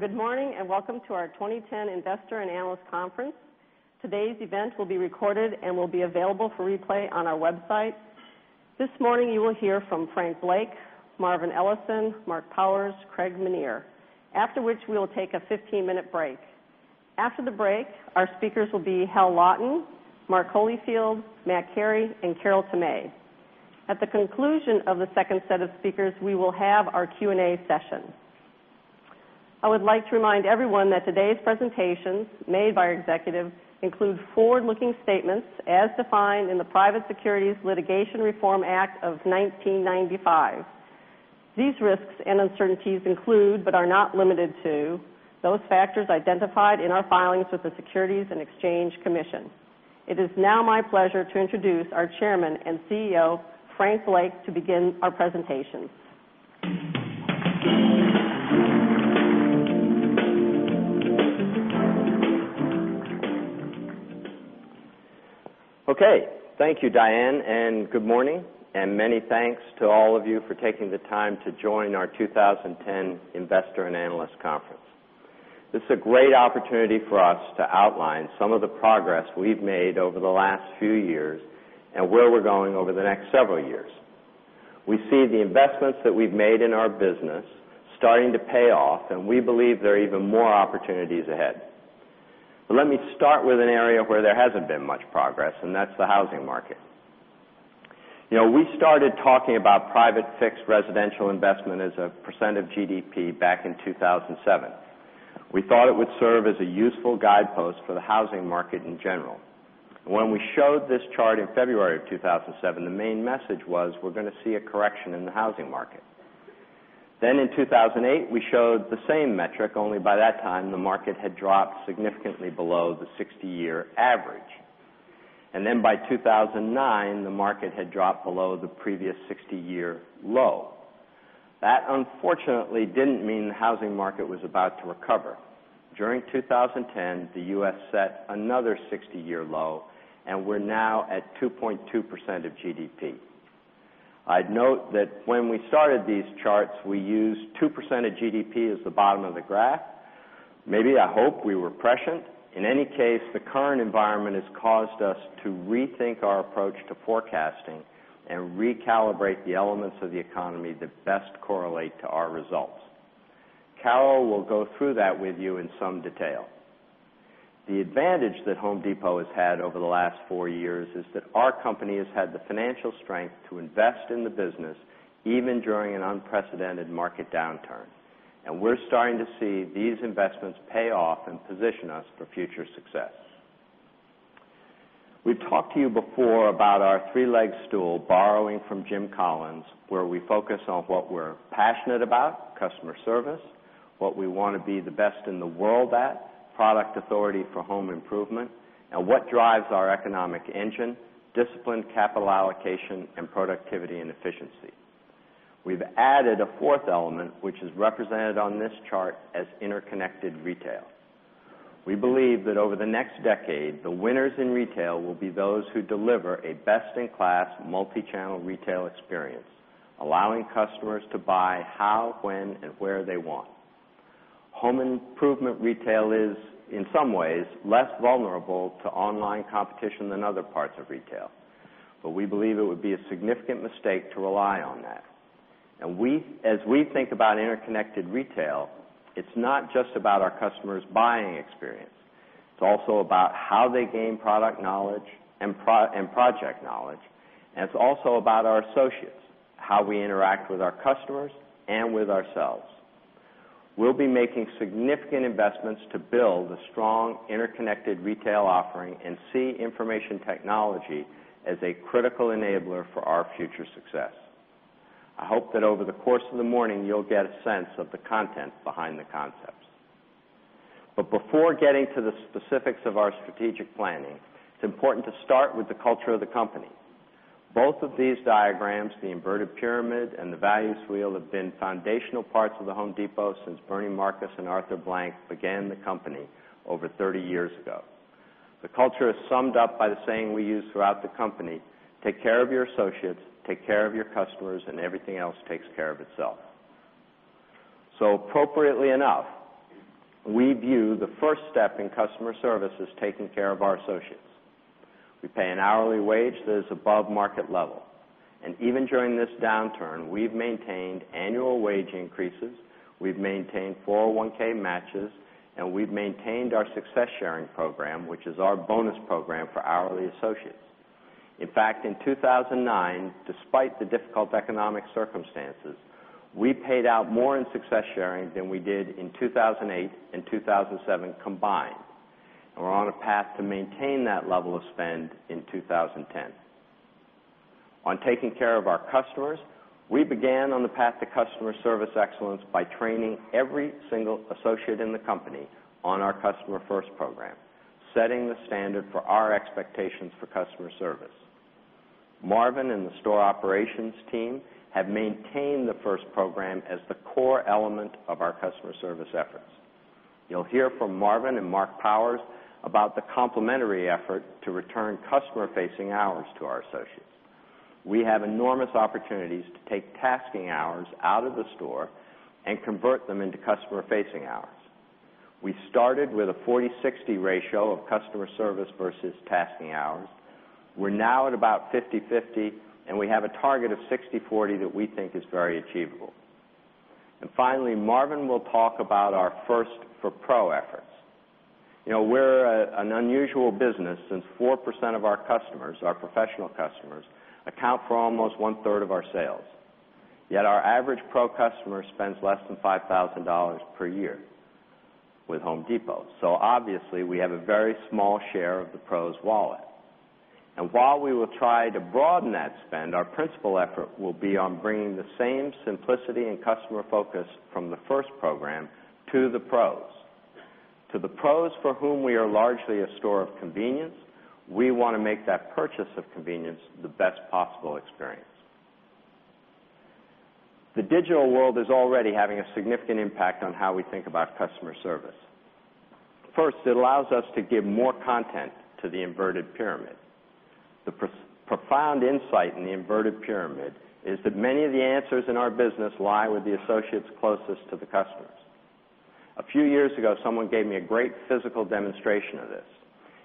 Good morning and welcome to our 2010 Investor and Analyst Conference. Today's event will be recorded and will be available for replay on our website. This morning, you will hear from Frank Blake, Marvin Ellison, Mark Powers, Craig Meneer, after which we will take a 15 minute break. After the break, our speakers will be Hal Lawton, Mark Holyfield, Matt Carey and Carol Tamay. At the conclusion of the 2nd set of speakers, we will have our Q and A session. I would like to remind everyone that today's presentation made by our executives include forward looking statements as defined in the Private Securities Litigation Reform Act of 1995. These risks and uncertainties include, but are not limited to, those factors identified in our filings with the Securities and Exchange Commission. It is now my pleasure to introduce our Chairman and CEO, Frank Blake to begin our presentation. Okay. Thank you, Diane, and good morning, and many thanks to all of you for taking the time to join our 2010 Investor and Analyst Conference. This is a great opportunity for us to outline some of the progress we've made over the last few years and where we're going over the next several years. We see the investments that we've made in our business starting to pay off and we believe there are even more opportunities ahead. Let me start with an area where there hasn't been much progress and that's the housing market. We started talking about private Fixed residential investment as a percent of GDP back in 2,007. We thought it would serve as a useful guidepost for the housing market in general. When we showed this chart in February of 2007, the main message was we're going to see a correction in the housing market. Then in 2,008, we showed the same metric, only by that time the market had dropped significantly below the 60 year average. And then by 2,009, the market had dropped below the previous 60 year low. That unfortunately didn't mean the housing market was about to recover. During 2010, the U. S. Set another 60 year low and we're now at 2.2% of GDP. I'd note that when we started these charts, we used 2% of GDP as the bottom of the graph. Maybe I hope we were prescient. In any case, the current environment has caused us to rethink our approach to forecasting and recalibrate the elements of the economy that best correlate to our results. Carol will go through that with you in some detail. The advantage that Home Depot has had over the last 4 years Our company has had the financial strength to invest in the business even during an unprecedented market downturn. And we're starting to see these investments pay off and position us for future success. We've talked to you before about our 3 leg stool borrowing from Jim Collins, where we focus on what we're passionate about, customer service, What we want to be the best in the world at, product authority for home improvement and what drives our economic engine, disciplined capital allocation and productivity and efficiency. We've added a 4th element, which is represented on this chart as interconnected retail. We believe that over the next decade, the winners in retail will be those who deliver a best in class multichannel retail experience, allowing customers to buy how, when and where they want. Home Improvement retail is, In some ways, less vulnerable to online competition than other parts of retail. But we believe it would be a significant mistake to rely on that. And we as we think about interconnected retail, it's not just about our customers' buying experience. It's also about how they gain product knowledge and project knowledge. And it's also about our associates, how we interact with our customers and with ourselves. We'll be making significant investments to build a strong interconnected retail offering and see information technology as a critical enabler for our future success. I hope that over the course of the morning, you'll get a sense of the content behind the concepts. But before getting to the specifics of our strategic planning, it's important to start with the culture of the company. Both of these diagrams, the inverted pyramid and the values wheel have been foundational parts of the Home Depot since Bernie Marcus and Arthur Blank began the company over 30 years ago. The culture is summed up by the saying we use throughout the company, take care of your associates, take care of your customers and everything else takes care of So appropriately enough, we view the first step in customer service as taking care of our associates. We pay an hourly wage that is above market level. And even during this downturn, we've maintained annual wage increases, We've maintained 401 matches and we've maintained our success sharing program, which is our bonus program for hourly associates. In fact, in 2009, despite the difficult economic circumstances, we paid out more in success sharing than we did in 2,008 in 2,007 combined. And we're on a path to maintain that level of spend in 2010. On taking care of our customers, we began on the path to customer service excellence by training every single associate in the company on our customer first program, Setting the standard for our expectations for customer service. Marvin and the store operations team have maintained the first program as the core element of our customer service efforts. You'll hear from Marvin and Mark Powers about the complementary effort to return customer facing hours to our associates. We have enormous opportunities to take tasking hours out of the store and convert them into customer facing hours. We started with a forty-sixty ratio of customer service versus tasking hours. We're now at about fifty-fifty and we have a target of sixty-forty that we think is very achievable. And finally, Marvin will talk about our 1st for pro efforts. We're an unusual business since 4% of our customers, our professional customers, account for almost 1 third of our sales. Yet our average pro customer spends less than $5,000 per year with Home Depot. So obviously, we have a very small share of the pro's wallet. And while we will try to broaden that spend, our principal effort will be on bringing the same simplicity and customer focus from the first program to the pros. To the pros for whom we are largely a store of convenience, We want to make that purchase of convenience the best possible experience. The digital world is already having a significant impact on how we think about customer service. First, it allows us to give more content to the inverted pyramid. The Profound insight in the inverted pyramid is that many of the answers in our business lie with the associates closest to the customers. A few years ago, someone gave me a great physical demonstration of this.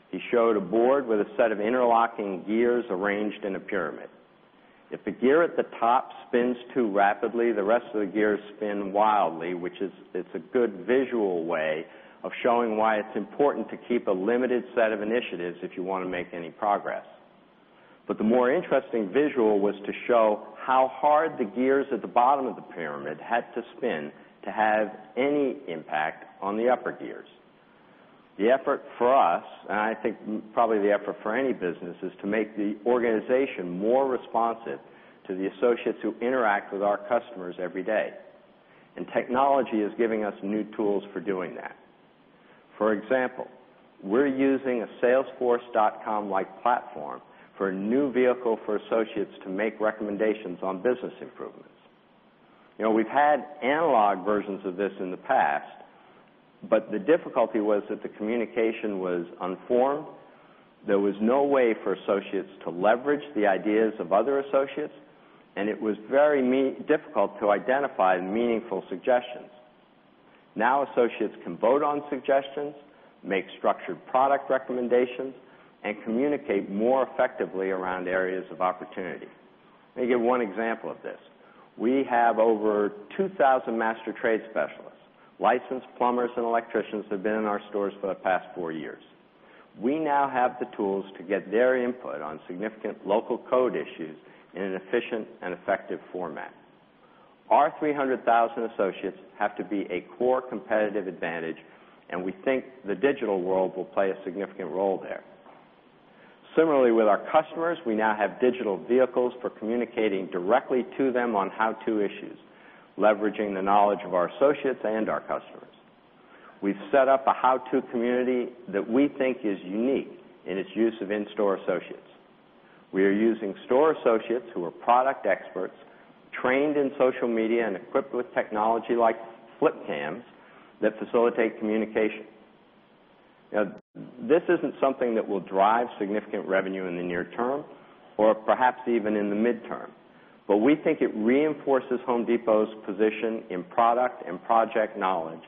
He showed a board with a set of interlocking gears arranged in a pyramid. If the gear at the top spins too rapidly, the rest of the gears spin wildly, which is it's a good visual way of showing why it's important to keep a limited set of initiatives if you want to make any progress. But the more interesting visual was to show How hard the gears at the bottom of the pyramid had to spin to have any impact on the upper gears. The effort for us, and I think probably the effort for any business, is to make the organization more responsive to the associates who interact with our customers every day. And technology is giving us new tools for doing that. For example, we're using a salesforce.com like platform for a new vehicle for associates to make recommendations on business improvements. We've had analog versions of this in the past, but the difficulty was that the communication was unformed. There was no way for associates to leverage the ideas of other associates and it was very difficult to identify meaningful suggestions. Now associates can vote on suggestions, make structured product recommendations and communicate more effectively around areas of opportunity. Let me give one example of this. We have over 2,000 master trade specialists, licensed plumbers and electricians have been in our stores for the past 4 years. We now have the tools to get their input on significant local code issues in an efficient and effective format. Our 300,000 associates have to be a core competitive advantage and we think the digital world will play a significant role there. Similarly with our customers, we now have digital vehicles for communicating directly to them on how to issues, Leveraging the knowledge of our associates and our customers. We've set up a how to community that we think is unique in its use of in store associates. We are using store associates who are product experts, trained in social media and equipped with technology like flip cams that facilitate communication. This isn't something that will drive significant revenue in the near term or perhaps even in the midterm, But we think it reinforces Home Depot's position in product and project knowledge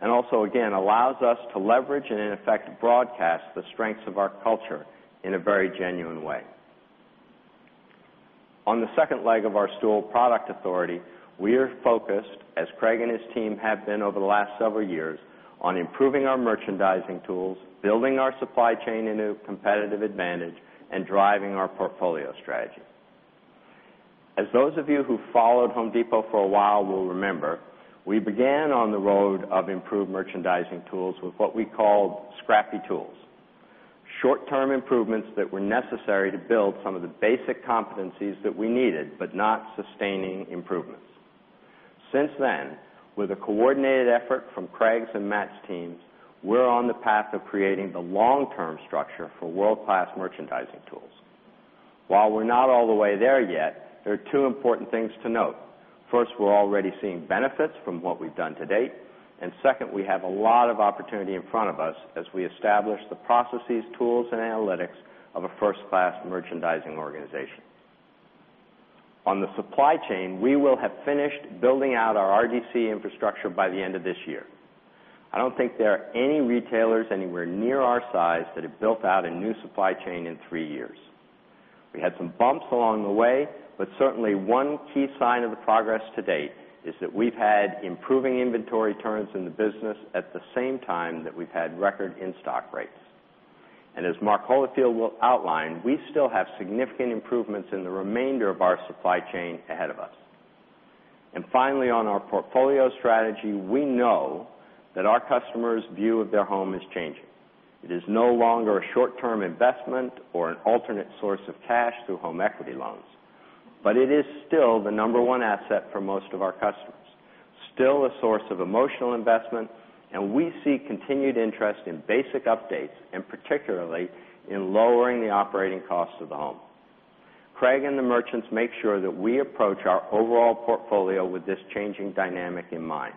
and also again allows us to leverage and in effect broadcast the strengths of our culture in a very genuine way. On the second leg of our stool product authority, We are focused, as Craig and his team have been over the last several years, on improving our merchandising tools, building our supply chain into competitive advantage and driving our portfolio strategy. As those of you who followed Home Depot for a while will remember, We began on the road of improved merchandising tools with what we called scrappy tools, short term improvements that were necessary to build some of the basic competencies that we needed, but not sustaining improvements. Since then, With a coordinated effort from Craig's and Matt's teams, we're on the path of creating the long term structure for world class merchandising tools. While we're not all the way there yet, there are 2 important things to note. First, we're already seeing benefits from what we've done to date. And second, we have a lot of opportunity in front of us as we establish the processes, tools and analytics of a first class merchandising organization. On the supply chain, we will have finished building out our RDC infrastructure by the end of this year. I don't think there are any retailers anywhere near our size that have built out a new supply chain in 3 years. We had some bumps along the way, But certainly one key sign of the progress to date is that we've had improving inventory turns in the business at the same time that we've had record in stock rates. And as Mark Holofield will outline, we still have significant improvements in the remainder of our supply chain ahead of us. And finally, on our portfolio strategy, we know that our customers' view of their home is changing. It is no longer a short term investment or an alternate source of cash through home equity loans. But it is still the number one asset for most of our customers, still a source of emotional investment And we see continued interest in basic updates and particularly in lowering the operating costs of the home. Craig and the merchants make sure that we approach our overall portfolio with this changing dynamic in mind.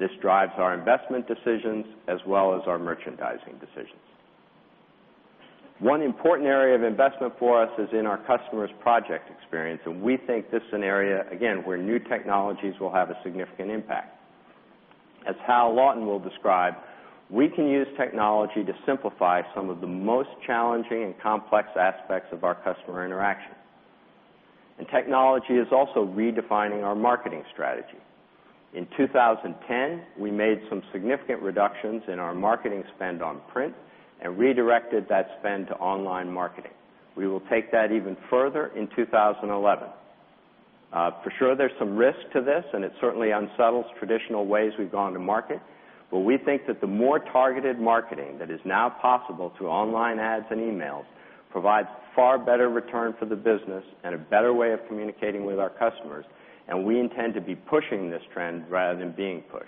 This drives our investment decisions as well as our merchandising decisions. One important area of investment for us is in our customers' project And we think this scenario, again, where new technologies will have a significant impact. As Hal Lawton will describe, We can use technology to simplify some of the most challenging and complex aspects of our customer interaction. And technology is also redefining our marketing strategy. In 2010, we made some significant reductions in our marketing spend on print and redirected that spend to online marketing. We will take that even further in 2011. For sure, there's some risk to this and it certainly unsettles traditional ways we've gone to market, but we think that the more targeted marketing that is now possible through online ads and emails provides far better return for the business and a better way of communicating with our customers and we intend to be pushing this trend rather than being pushed.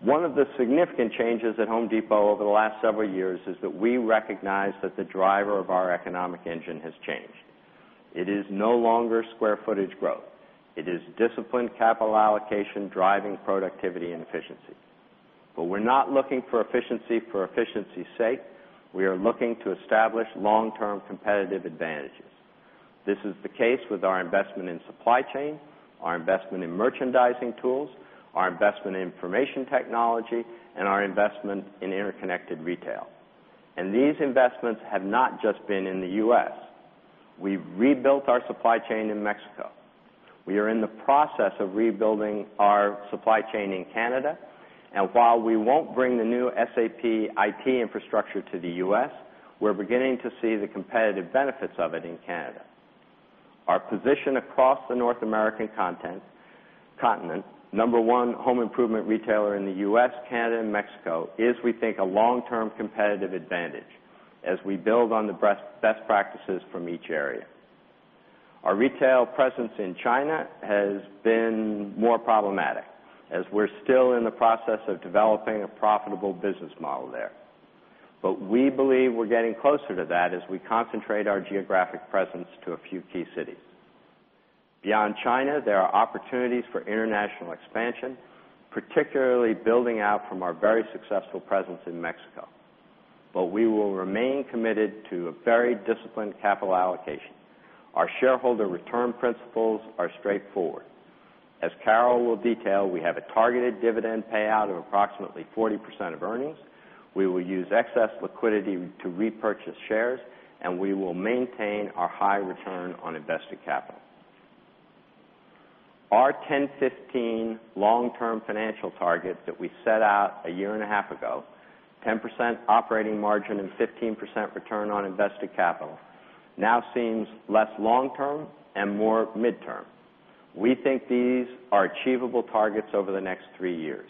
One of the significant changes at Home Depot over the last several years is that we recognize that the driver of our economic engine has changed. It is no longer square footage growth. It is disciplined capital allocation driving productivity and efficiency. But we're not looking for efficiency for efficiency's sake. We are looking to establish long term competitive advantages. This is the case with our investment in supply chain, our investment in merchandising tools, our investment in information technology and our investment interconnected retail. And these investments have not just been in the U. S. We've rebuilt our supply chain in Mexico. We are in the process of rebuilding our supply chain in Canada. And while we won't bring the new SAP IT infrastructure to the U. S, We're beginning to see the competitive benefits of it in Canada. Our position across the North American Continent, number one home improvement retailer in the U. S, Canada and Mexico is we think a long term competitive advantage as we build on the best practices from each area. Our retail presence in China has been more problematic as we're still in the process of developing a profitable business model there. But we believe we're getting closer to that as we concentrate our geographic presence to a to key cities. Beyond China, there are opportunities for international expansion, particularly building out from our very successful presence in Mexico. But we will remain committed to a very disciplined capital allocation. Our shareholder return principles are straightforward. As Carol will detail, we have a targeted dividend payout of approximately 40% of earnings. We will use excess liquidity to repurchase shares and we will maintain our high return on invested capital. Our 10 15 Long term financial targets that we set out a year and a half ago, 10% operating margin and 15% return on invested capital, Now seems less long term and more mid term. We think these are achievable targets over the next 3 years.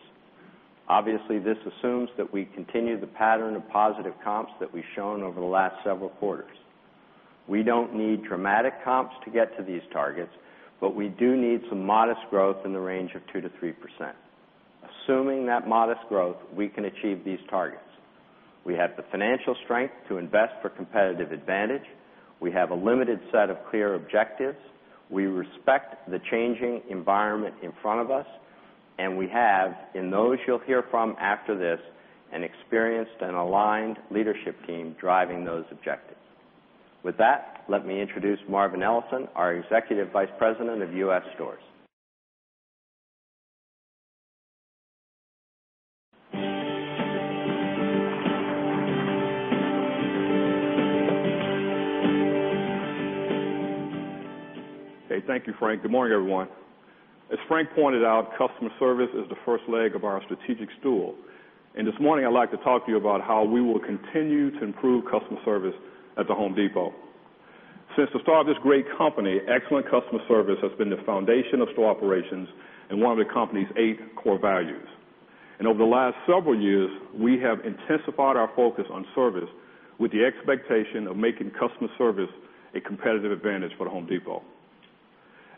Obviously, this assumes that we continue the pattern of positive comps that we've shown over the last several quarters. We don't need dramatic comps to get to these targets, but we do need some modest growth in the range of 2% to 3%. Assuming that modest growth, we can achieve these targets. We have the financial strength to invest for competitive advantage. We have a limited set of clear objectives. We respect the changing environment in front of us and we have, and those you'll hear from after this, And experienced and aligned leadership team driving those objectives. With that, let me introduce Marvin Ellison, our Executive Vice President of U. S. Stores. Thank you, Frank. Good morning, everyone. As Frank pointed out, customer service is first leg of our strategic stool. And this morning, I'd like to talk to you about how we will continue to improve customer service at The Home Depot. Since the start of this great company, excellent customer service has been the foundation of store operations and one of the company's 8 core values. And over the last several years, we have intensified our focus on service with the expectation of making customer service a competitive advantage for The Home Depot.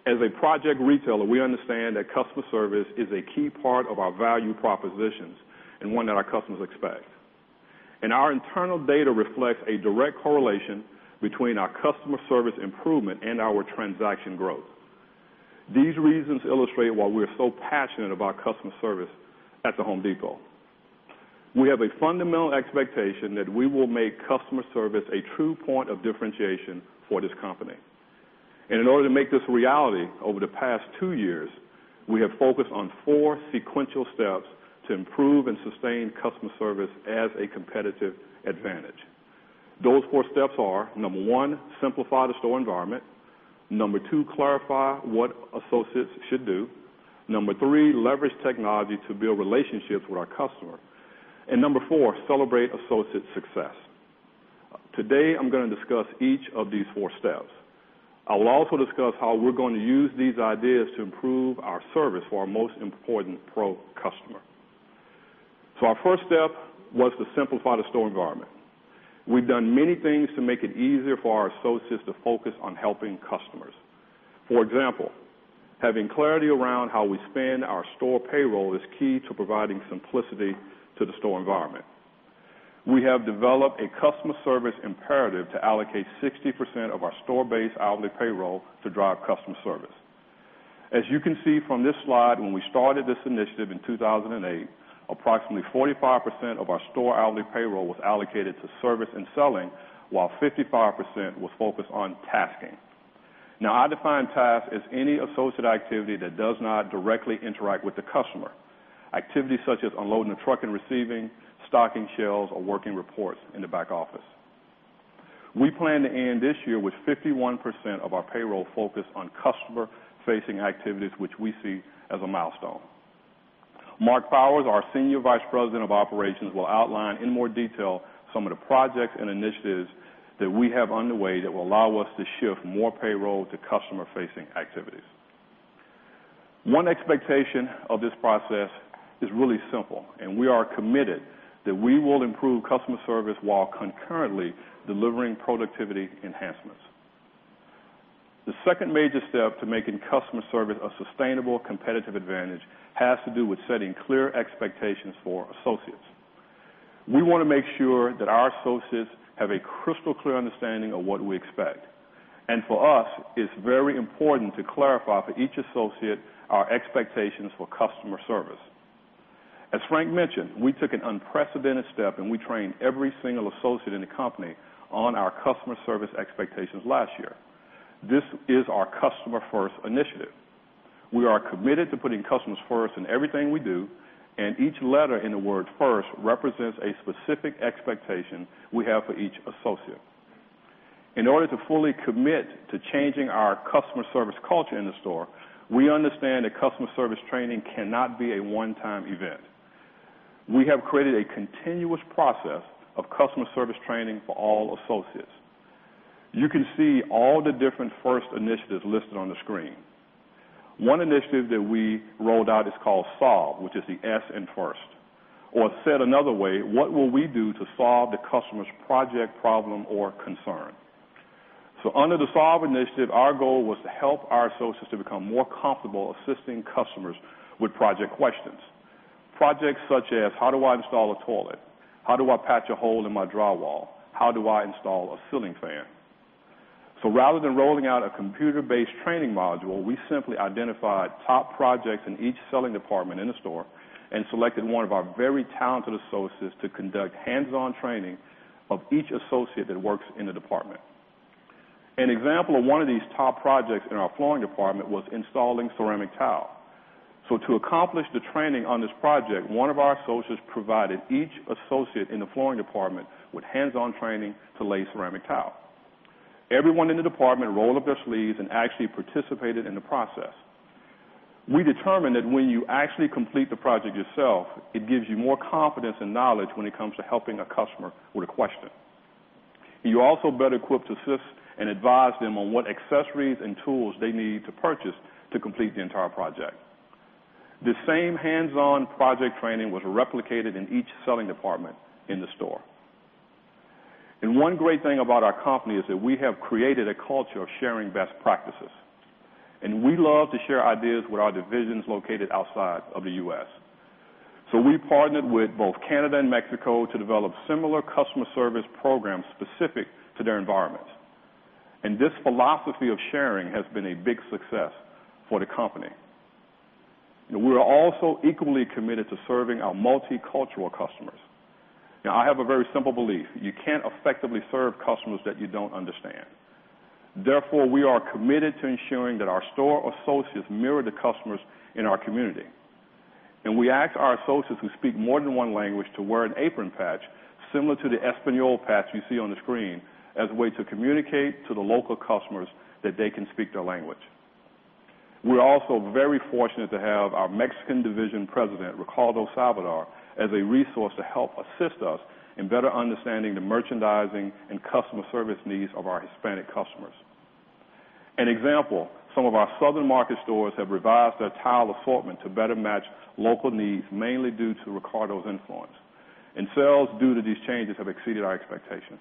As a project retailer, we understand that customer service is a key part of our value propositions and one that our customers expect. And our internal data reflects a direct correlation between our customer service improvement and our transaction growth. These reasons illustrate why we are so passionate about customer service at The Home Depot. We have a fundamental expectation that we will make Customer service a true point of differentiation for this company. And in order to make this a reality, over the past 2 years, We have focused on 4 sequential steps to improve and sustain customer service as a competitive advantage. Those four steps are number 1, simplify the store environment number 2, clarify what associates should do number 3, leverage technology to build relationships with our customer and number 4, celebrate associate success. Today, I'm going to discuss each of these four steps. I will also discuss how we're going to use these ideas to improve our service for our most important pro customer. So our first step was to simplify the store environment. We've done many things to make it easier for our associates to focus on helping customers. For example, having clarity around how we spend our store payroll is key to providing simplicity to the store environment. We have developed a customer service imperative to allocate 60% of our store based hourly payroll to drive customer service. As you can see from this slide, when we started this initiative in 2,008, approximately 45% of our store hourly payroll was allocated to service and selling, while 55% was focused on tasking. Now I define task as any associated activity that does not directly interact with the customer. Activities such as unloading the truck and receiving, stocking shelves or working reports in the back office. We plan to end this year with 51% of Payroll focus on customer facing activities, which we see as a milestone. Mark Powers, our Senior Vice President of Operations will outline in more detail Some of the projects and initiatives that we have underway that will allow us to shift more payroll to customer facing activities. One expectation of this process is really simple and we are committed that we will improve customer service while concurrently Delivering productivity enhancements. The 2nd major step to making customer service a sustainable competitive advantage has to do with setting clear expectations for associates. We want to make sure that our associates have a crystal clear understanding of what we expect. And for us, it's very important to clarify for each associate our expectations for customer service. As Frank mentioned, we took an unprecedented step and we trained every single associate in the company on our customer service expectations last year. This is our customer first initiative. We are committed to putting customers first in everything we do and each letter in presents a specific expectation we have for each associate. In order to fully commit to changing our customer service culture in the store, We understand that customer service training cannot be a one time event. We have created a continuous process of customer service training for all associates. You can see all the different first initiatives listed on the screen. One initiative that we rolled out is called Solve, which is the S in FIRST. Or said another way, what will we do to solve the customer's project problem or concern. So under the Solve initiative, our goal was to help our associates to become more comfortable assisting customers with project questions. Projects such as how do I install a toilet? How do I patch a hole in my drywall? How do I install a ceiling fan? So rather than rolling out a computer based training module, we simply identified top projects in each selling department in the store And selected one of our very talented associates to conduct hands on training of each associate that works in the department. An example of one of these top projects in our flooring department was installing ceramic tile. So to accomplish the training on this project, one of our associates Provided each associate in the flooring department with hands on training to lay ceramic tile. Everyone in the department rolled up their sleeves and actually participated in the process. We determined that when you actually complete the project yourself, it gives you more confidence and knowledge when it comes to helping a customer with a question. You're also better equipped to assist and advise them on what accessories and tools they need to purchase to complete the entire project. The same hands on project training was replicated in each selling department in the store. And one great thing about our company is that we have created a culture sharing best practices. And we love to share ideas with our divisions located outside of the U. S. So we partnered with both Canada and Mexico to develop similar customer service programs specific to their environment. And this philosophy of sharing has been a big success for the company. We are also equally committed to serving our multicultural customers. I have a very simple belief. You can't effectively serve customers that you don't understand. Therefore, we are committed to ensuring that our store associates mirror in our community. And we ask our associates who speak more than one language to wear an apron patch similar to the Espanol patch you see on the screen as a way to communicate to the local customers that they can speak their language. We're also very fortunate to have our Mexican division President, Ricardo Salvador, as a resource to help assist us in better understanding the merchandising and customer service needs of our Hispanic customers. An example, some of our southern market stores have revised their tile assortment to better match local needs mainly due to Ricardo's influence. And sales due to these changes have exceeded our expectations.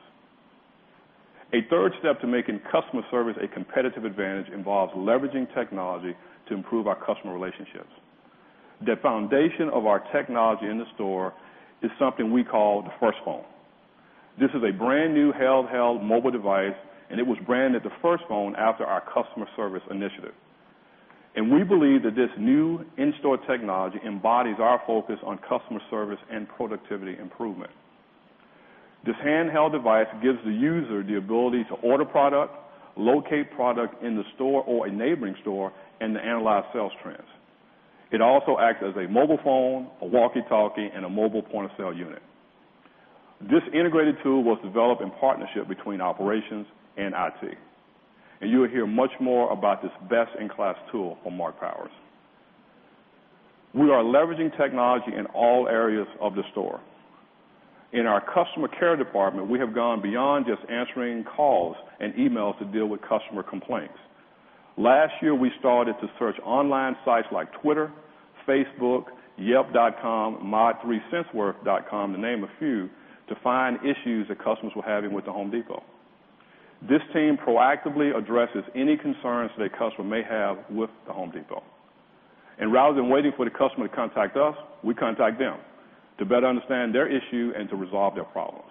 A third step to making customer service a competitive advantage involves leveraging technology to improve our customer relationships. The foundation of our technology in the store is something we call the first home. This is a brand new handheld mobile device and it was branded the first phone after our customer service initiative. And we believe that this new in store technology embodies our focus on customer service and productivity improvement. This handheld device gives the user the ability to order product, locate product in the store or a neighboring store and to analyze sales trends. It also acts as a mobile phone, a walkie talkie and a mobile point of sale unit. This integrated tool was developed in partnership between operations and IT. And you will hear much more about this best in class tool for Mark Powers. We are leveraging technology in all areas of the store. In our customer care department, we have gone beyond just answering calls and emails to deal with customer complaints. Last year, we started to search online sites like Twitter, Facebook, yep.com, mod3centsworth.com to name a few to find issues that customers were having with the Home Depot. This team proactively addresses any concerns that a customer may have with the Home Depot. And rather than waiting for the customer to contact us, we contact them to better understand their issue and to resolve their problems.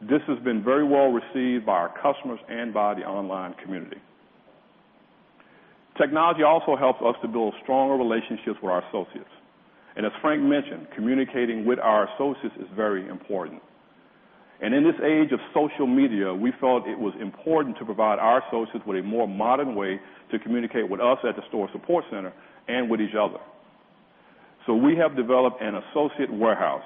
This has been very well received by our customers and by the online community. Technology also helps us to build stronger relationships with our associates. And as Frank mentioned, communicating with our associates is very important. And in this age of social media, we felt it was to provide our associates with a more modern way to communicate with us at the store support center and with each other. So we have developed an associate warehouse.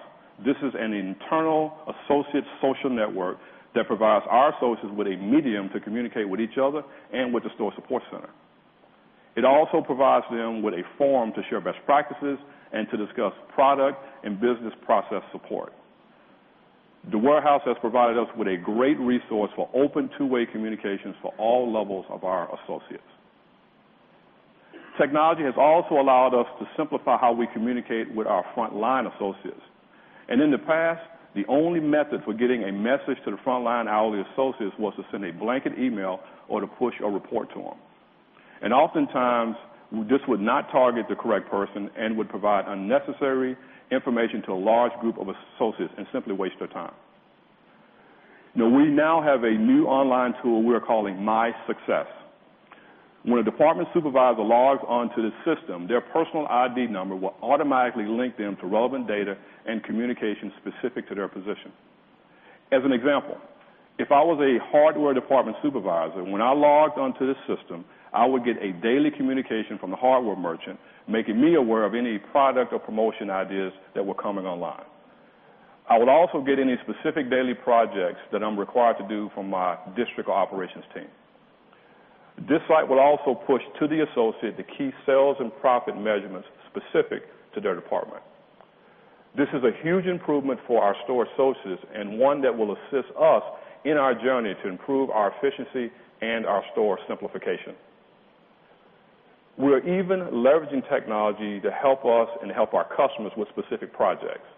This is an internal associate social network that provides our associates with a medium to communicate with each other and with the store support center. It also provides them with a forum to share best practices and to discuss product and business process support. The warehouse has provided us with a great resource for open two way communications for all levels of our associates. Technology has also allowed us to simplify how we communicate with our frontline associates. And in the past, The only method for getting a message to the frontline hourly associates was to send a blanket e mail or to push a report to them. And oftentimes, this would not target the correct person and would provide unnecessary information to a large group of associates and simply waste their time. Now we now have a new online tool we are calling MySuccess. When a department supervisor logs on to the system, their personal ID number will Automatically link them to relevant data and communication specific to their position. As an example, if I was a hardware department supervisor, When I logged on to the system, I would get a daily communication from the hardware merchant making me aware of any product or promotion ideas that were coming online. I would also get any specific daily projects that I'm required to do from my district operations team. This site will also push to the associate the key sales and profit measurements specific to their department. This is a huge improvement for our store associates and one that will assist us in our journey to improve our efficiency and our store simplification. We are even leveraging technology to help us and help our customers with specific projects.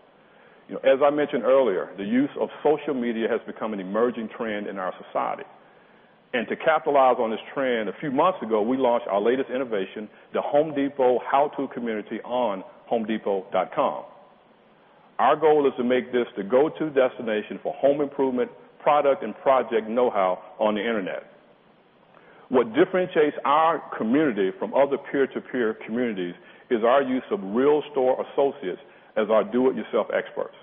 As I mentioned earlier, The use of social media has become an emerging trend in our society. And to capitalize on this trend, a few months ago, we launched our latest innovation, the Home Depot how to community on homedepot.com. Our goal is to make this the go to destination for home improvement product and project know how on the Internet. What differentiates our community from other peer to peer communities is our use of real store associates as our do it yourself experts.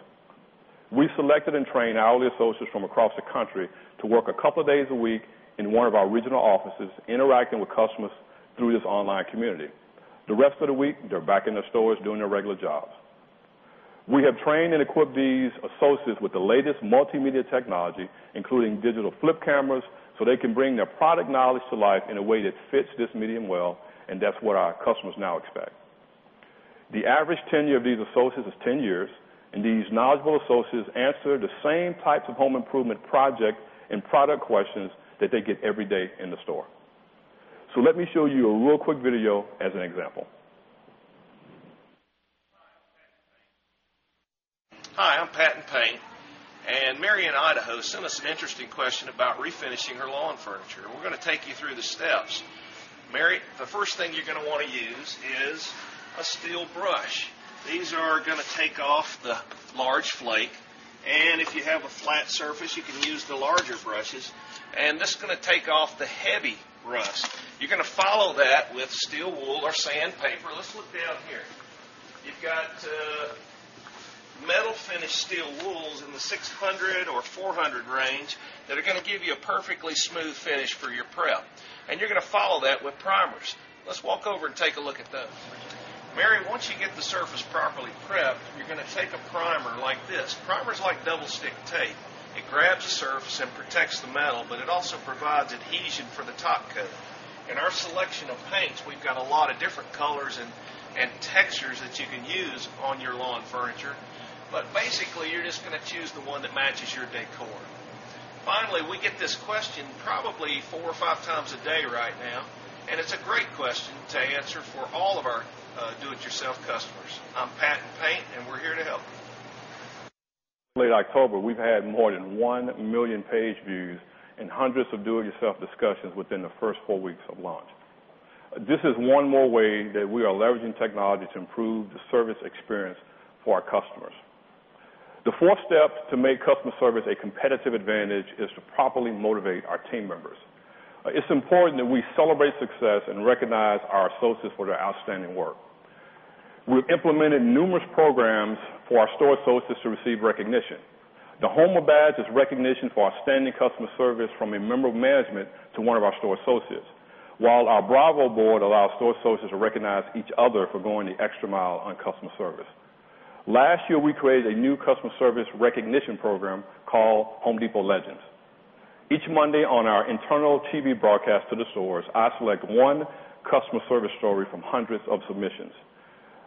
We selected and trained hourly associates from across the country to work a couple of days a week in one of our regional offices interacting with customers through this online community. The rest of the week, they're back in their stores doing their regular jobs. We have trained and equipped these associates with the latest multimedia technology, including digital flip cameras, so they can bring their product knowledge to life in a way that fits this medium well and that's what our customers now expect. The average tenure of these associates is 10 years And these knowledgeable associates answer the same types of home improvement project and product questions that they get every day in the store. So let me show you a real quick video as an example. Hi, I'm Patton Paine. And Mary in Idaho sent us an interesting question about refinishing her lawn furniture. We're going to take you through the steps. Mary, the first thing you're going to want to use is a steel brush. These are going to take off the Large flake and if you have a flat surface, you can use the larger brushes and this is going to take off the heavy Russ, you're going to follow that with steel wool or sandpaper. Let's look down here. You've got Metal finished steel wool is in the 600 or 400 range that are going to give you a perfectly smooth finish for your prep and you're going to follow that with primers. Let's walk over and take a look at those. Mary, once you get the surface properly prepped, you're going to take a primer like this. Primer is like double stick tape. It grabs the surface and protects the metal, but it also provides adhesion for the top coat. In our selection of paints, we've got a lot of different colors And textures that you can use on your lawn furniture. But basically, you're just going to choose the one that matches your decor. Finally, we get this question probably 4 or 5 times a day right now, and it's a great question to answer for all of our do it yourself customers. I'm Patton Pate, and we're here to help. Late October, we've had more than 1,000,000 page views And hundreds of do it yourself discussions within the 1st 4 weeks of launch. This is one more way that we are leveraging technology to improve the service experience for our customers. The 4th step to make customer service a competitive advantage is to properly motivate our team members. It's important that we celebrate success and recognize our associates for their outstanding work. We've implemented numerous programs for our store associates to receive recognition. The HOMA badge is recognition for outstanding customer service from a member of management to one of our store associates, While our Bravo Board allows store sources to recognize each other for going the extra mile on customer service. Last year, we created a new customer service recognition program called Home Depot Legends. Each Monday on our internal TV broadcast to the stores, I select 1 customer service story from hundreds of submissions.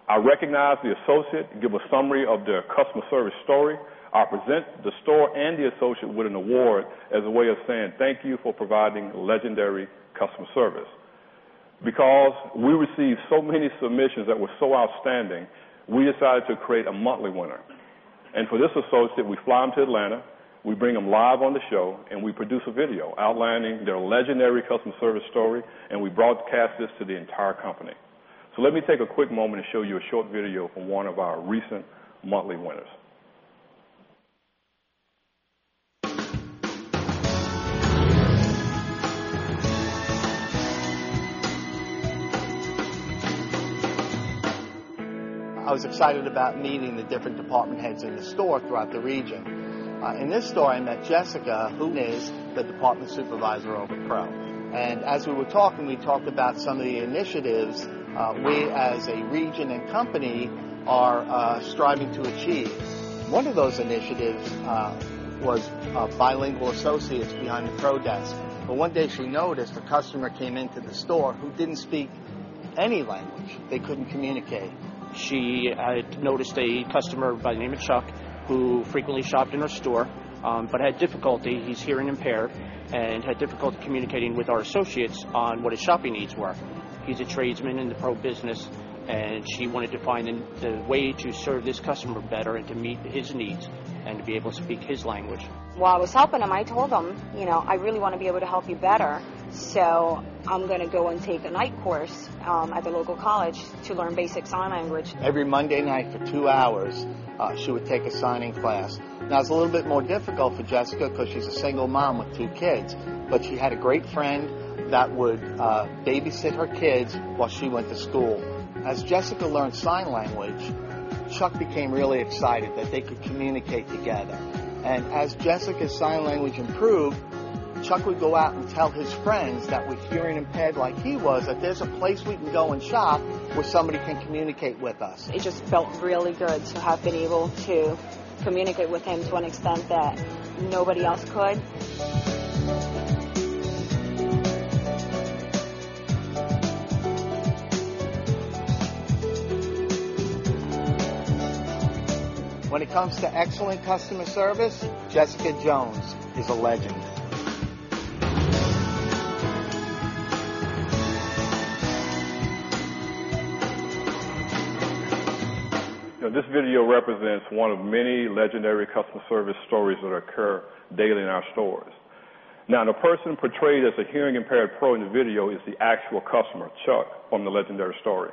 I recognize the associate to give a summary of their customer service story. I'll present the store and the associate with an award As a way of saying, thank you for providing legendary customer service. Because we received so many submissions that were so outstanding, We decided to create a monthly winner. And for this associate, we fly them to Atlanta, we bring them live on the show and we produce a video Outlining their legendary customer service story and we broadcast this to the entire company. So let me take a quick moment and show you a short video from one of our recent I was excited about meeting the different department heads in the store throughout the region. In this store, I Jessica, who is the department supervisor over Pro. And as we were talking, we talked about some of the initiatives. We as a region and company are striving to achieve. 1 of those initiatives was Bilingual associates behind the protest. But one day, she noticed a customer came into the store who didn't speak any language. They couldn't communicate. She had noticed a customer by the name of Chuck who frequently shopped in our store, but had difficulty. He's hearing impaired and had difficult Communicating with our associates on what his shopping needs were. He's a tradesman in the pro business and she wanted to find the way to serve this customer better and to meet his needs And to be able to speak his language. While I was helping him, I told him, you know, I really want to be able to help you better. So I'm going to go and take a night course At the local college to learn basic sign language. Every Monday night for 2 hours, she would take a signing class. Now it's a little bit more difficult Jessica because she's a single mom with 2 kids, but she had a great friend that would, babysit her kids while she went to school. As Jessica learned sign language, Chuck became really excited that they could communicate together. And as Jessica's sign language improved, Chuck would go out and tell his friends that with hearing impaired like he was, that there's a place we can go and shop where somebody can communicate with It just felt really good to have been able to communicate with him to an extent that nobody else could. This video represents one of many legendary customer service stories that occur daily in our stores. Now the person portrayed as a hearing impaired pro in the video is the actual customer, Chuck, from the legendary story.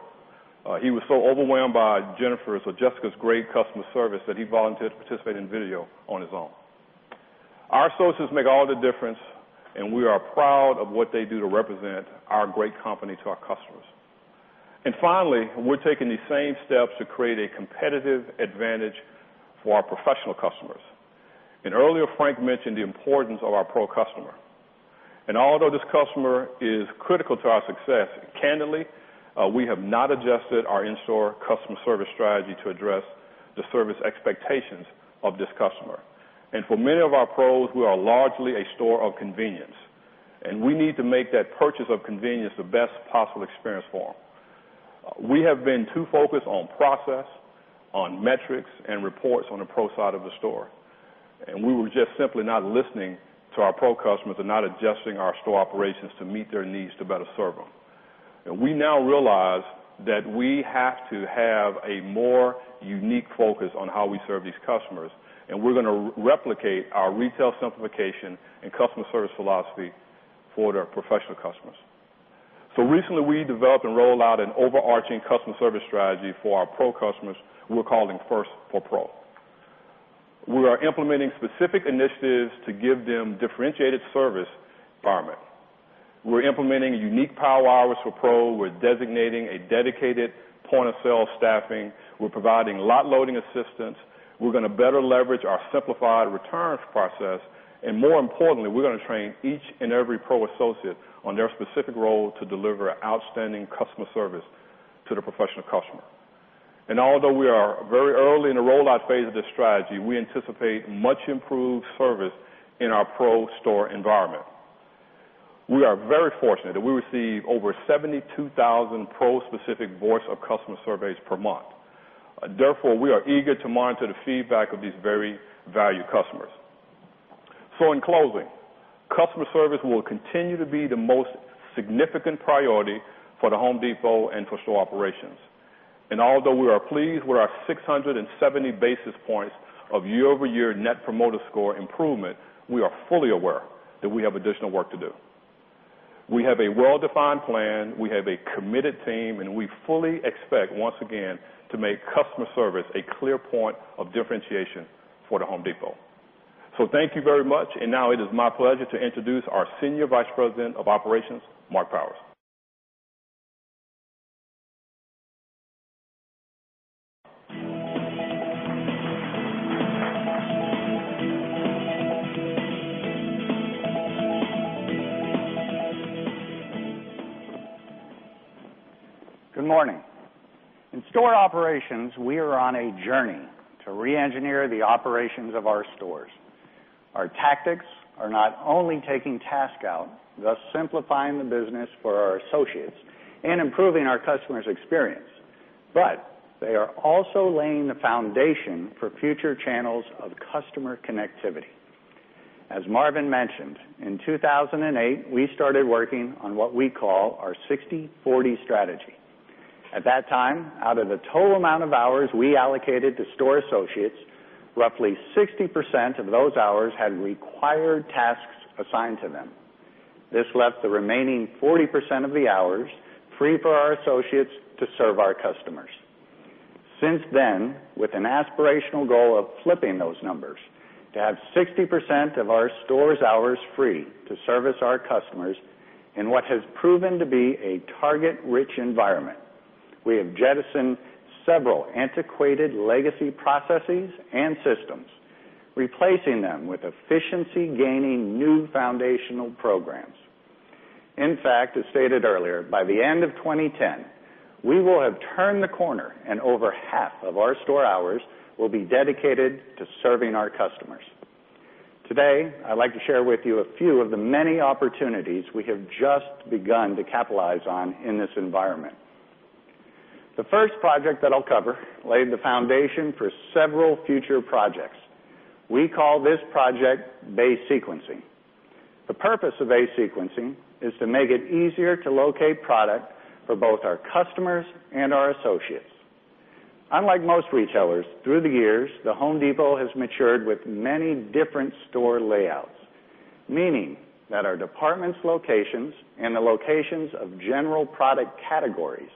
He was so overwhelmed by Jennifer's or Jessica's great customer service that he volunteered to participate in video on his own. Our sources make all the difference and we are proud of what they do to represent our great company to our customers. And finally, we're taking the same steps to create a competitive advantage for our professional customers. And earlier Frank mentioned the importance of our Pro customer. And although this customer is critical to our success, candidly, We have not adjusted our in store customer service strategy to address the service expectations of this customer. And for many of our pros, we are largely a store of convenience and we need to make that purchase of convenience the best possible experience for them. We have been too focused on process, on metrics and reports on the Pro side of the store. And we were just simply not listening So our Pro customers are not adjusting our store operations to meet their needs to better serve them. And we now realize that we have to have a more Unique focus on how we serve these customers and we're going to replicate our retail simplification and customer service philosophy for their professional customers. So recently, we developed and rolled out an overarching customer service strategy for our Pro customers we're calling 1st for Pro. We are implementing specific initiatives to give them differentiated service department. We're implementing unique power hours for Pro. We're designating A dedicated point of sale staffing. We're providing lot loading assistance. We're going to better leverage our simplified returns process. And more importantly, we're going to train each and every PRO associate on their specific role to deliver outstanding customer service to the professional customer. And although we are very early in the rollout phase of this strategy, we anticipate much improved service in our Pro store environment. We are very fortunate that we receive over 72,000 Pro specific voice of customer surveys per month. Therefore, we are eager to monitor the feedback of these very Value customers. So in closing, customer service will continue to be the most significant priority for the Home Depot and for store operations. And although we are pleased with our 670 basis points of year over year net promoter score improvement, We are fully aware that we have additional work to do. We have a well defined plan. We have a committed team and we fully expect once again to make customer service a clear point of differentiation for The Home Depot. So thank you very much. And now it is my pleasure to introduce our Senior Vice President of Operations, Mark Powers. Good morning. In store operations, we are on a journey to reengineer the operations of our stores. Our tactics Are not only taking task out, thus simplifying the business for our associates and improving our customers' experience, But they are also laying the foundation for future channels of customer connectivity. As Marvin mentioned, in 2,008, we started working on what we call our sixty-forty strategy. At that time, out of the total amount of hours we allocated to store associates, roughly 60% of those hours had required tasks assigned to them. This left the remaining 40% of the hours free for our associates to serve our customers. Since then, with an aspirational goal of flipping those numbers to have 60% of our stores' hours free to service our customers In what has proven to be a target rich environment, we have jettisoned several antiquated legacy processes and systems, Replacing them with efficiency gaining new foundational programs. In fact, as stated earlier, by the end of 2010, We will have turned the corner and over half of our store hours will be dedicated to serving our customers. Today, I'd like to share with you a few of the many opportunities we have just begun to capitalize on in this environment. The first project that I'll cover laid the foundation for several future projects. We call this project base sequencing. The purpose of A sequencing is to make it easier to locate product for both our customers and our associates. Unlike most retailers, through the years, The Home Depot has matured with many different store layouts, meaning that our department's locations and the locations of general product categories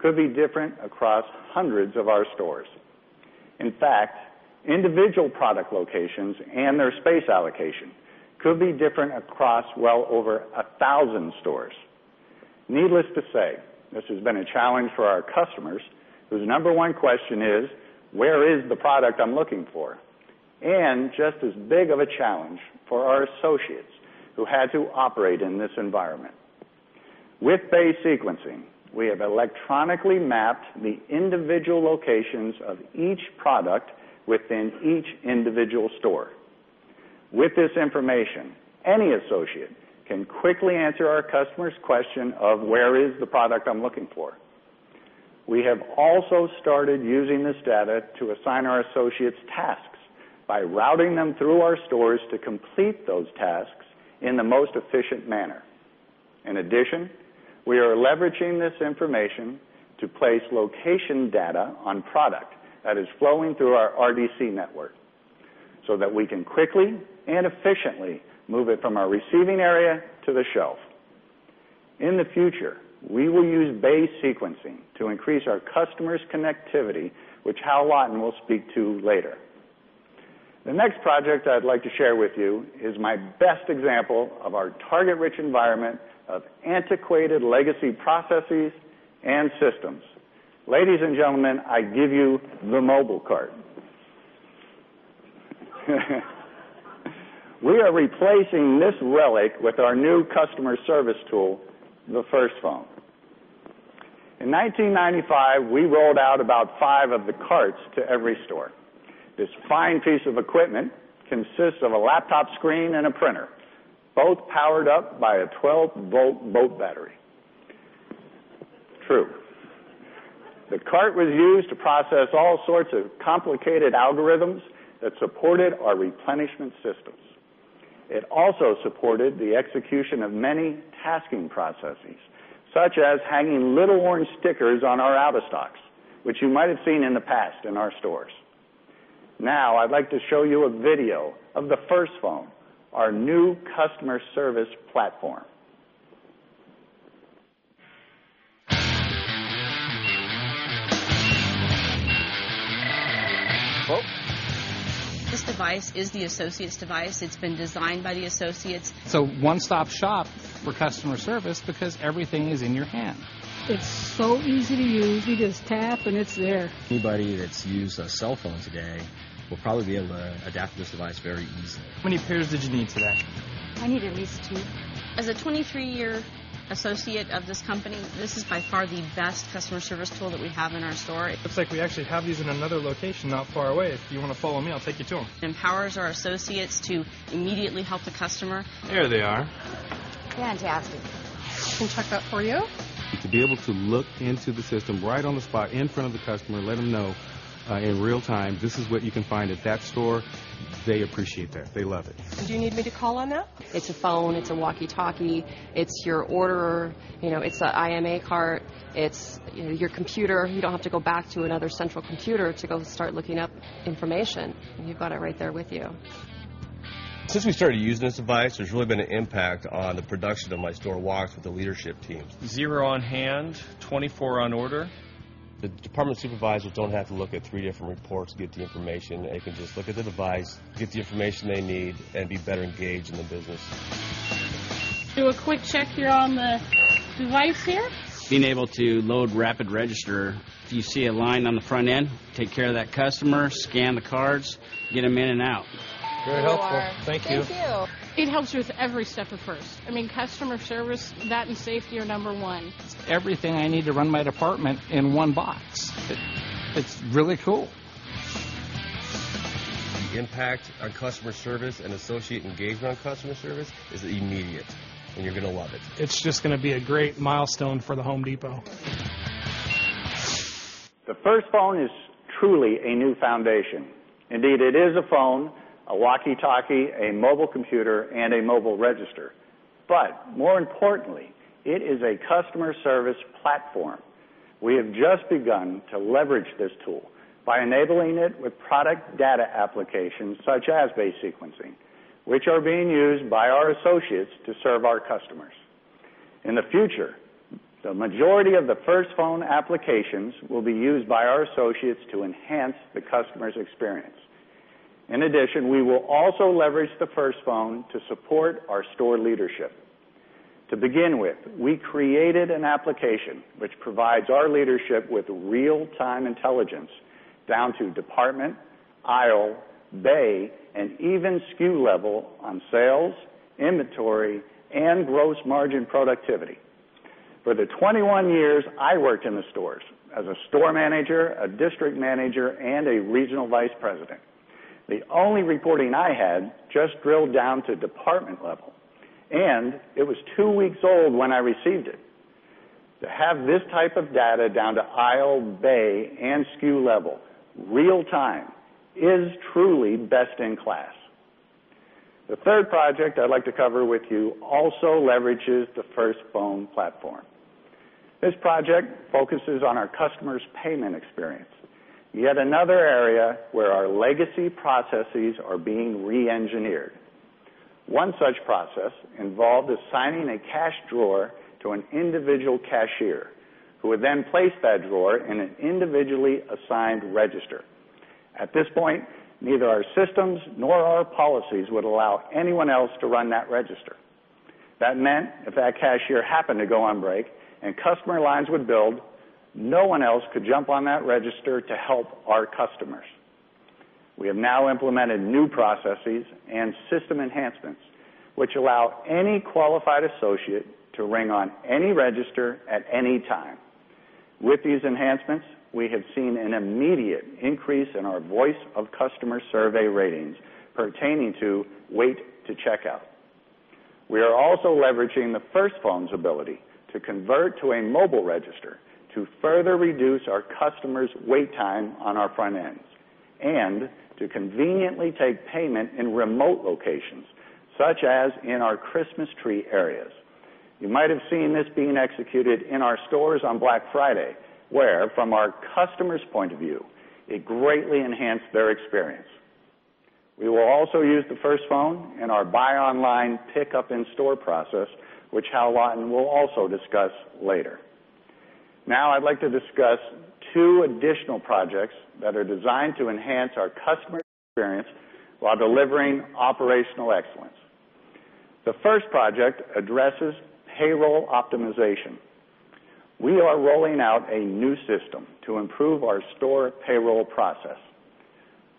could be different across hundreds of our stores. In fact, individual product locations and their space allocation could be different across well over 1,000 stores. Needless to say, this has been a challenge for our customers whose number one question is, where is the product I'm looking for? And just as big of a challenge for our associates who had to operate in this environment. With base sequencing, We have electronically mapped the individual locations of each product within each individual store. With this information, any associate can quickly answer our customers' question of where is the product I'm looking for. We have also started using this data to assign our associates tasks by routing them through our stores to complete those tasks in the most efficient manner. In addition, we are leveraging this information to place location data on product that is flowing through our RDC network, so that we can quickly and efficiently move it from our receiving area to the shelf. In the future, we will use base sequencing to increase our customers' connectivity, which Hal Lawton will speak to later. The next project I'd like to share with you is my best example of our target rich environment of antiquated legacy processes and systems. Ladies and gentlemen, I give you the mobile cart. We are replacing this relic with our new customer service tool, the first phone. In 1995, we rolled out about 5 of the Carts to every store. This fine piece of equipment consists of a laptop screen and a printer, both powered up by a 12 volt volt battery. True. The cart was used to process all sorts of complicated algorithms that supported our replenishment systems. It also supported the execution of many tasking processes such as hanging little worn stickers on our out of stocks, Which you might have seen in the past in our stores. Now I'd like to show you a video of the first phone, our new customer service platform. This device is the associates device. It's been designed by the associates. So one stop shop for customer service because everything is in your hand. It's so easy to use. You just tap and it's there. Anybody that's used a cell phone today will probably be able to adapt this How many pairs did you need today? I need at least 2. As a 23 year associate of this company, this is by It empowers our To be able to look into the system Right on the spot in front of the customer, let them know, in real time, this is what you can find at that store. They appreciate that. They love it. Do you need me to call on that? It's a phone. It's a walkie talkie. It's your order. It's an IMA cart. It's your computer. You don't have to go back to another central computer to go The my store walks with the leadership team. 0 on hand, 24 on order. The department supervisors don't have to look at 3 different reports to get the information. They can just Do a quick check here on the device here. Being able to load rapid register, if you see a line on the front end, take care of that customer, scan the cards, get them in and out. Very helpful. Thank you. Thank you. It helps you with every step of 1st. I mean customer service, that and safety are number 1. Everything I need to run my department in one box. It's really cool. The impact our customer service and associate engagement on customer service is immediate, and You're going to love it. It's just going to be a great milestone for the Home Depot. The first phone is Truly a new foundation. Indeed, it is a phone, a walkie talkie, a mobile computer and a mobile register. But more importantly, It is a customer service platform. We have just begun to leverage this tool by enabling it with product locations such as base sequencing, which are being used by our associates to serve our customers. In the future, The majority of the first phone applications will be used by our associates to enhance the customer's experience. In addition, we will also leverage the 1st phone to support our store leadership. To begin with, we created an application which provides our leadership with real time intelligence down to department, aisle, bay and even SKU level on sales, Inventory and gross margin productivity. For the 21 years, I worked in the stores as a Store manager, a district manager and a regional vice president. The only reporting I had just drilled down to department level And it was 2 weeks old when I received it. To have this type of data down to aisle, bay and SKU level, Real time is truly best in class. The 3rd project I'd like to cover with you also leverages the First Bone platform. This project focuses on our customers' payment experience, yet another area where our legacy processes are being reengineered. One such process involved assigning a cash drawer to an individual cashier, who would then place that drawer in an individually Signed register. At this point, neither our systems nor our policies would allow anyone else to run that register. That meant if that cashier happened to go on break and customer lines would build, no one else could jump on that register to help our customers. We have now implemented new processes and system enhancements, which allow any qualified associate to ring on any register at any time. With these enhancements, we have seen an immediate increase in our voice of customer survey ratings pertaining to wait to checkout. We are also leveraging the First Phone's ability to convert to a mobile register to further reduce our customers' wait time on our front ends And to conveniently take payment in remote locations, such as in our Christmas tree areas. You might have seen this being executed in our stores on Black Friday, where from our customers' point of view, it greatly enhanced their experience. We will also use the first phone in our buy online pickup in store process, which Hal Lawton will also discuss later. Now, I'd like to discuss 2 additional projects that are designed to enhance our customer experience while delivering operational excellence. The first project addresses payroll optimization. We are rolling out a new system to improve our Store payroll process.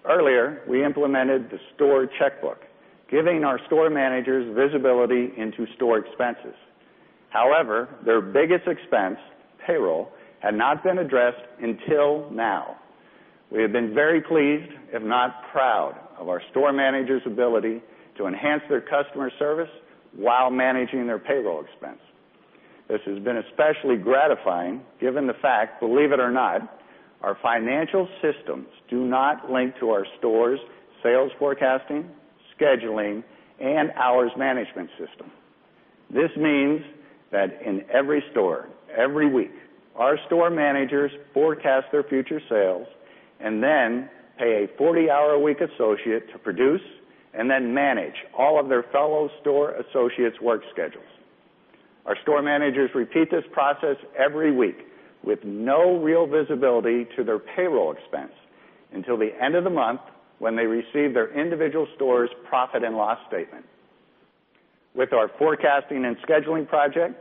Earlier, we implemented the store checkbook, giving our store managers visibility into store expenses. However, their biggest expense, payroll, had not been addressed until now. We have been very pleased, if not proud, of our store managers' ability to enhance their customer service while managing their payroll expense. This has been especially gratifying Given the fact, believe it or not, our financial systems do not link to our stores, sales forecasting, scheduling and hours management system. This means that in every store, every week, Our store managers forecast their future sales and then pay a 40 hour a week associate to produce And then manage all of their fellow store associates' work schedules. Our store managers repeat this process every week with no real visibility to their payroll expense until the end of the month when they receive their individual stores profit and loss statement. With our forecasting and scheduling project,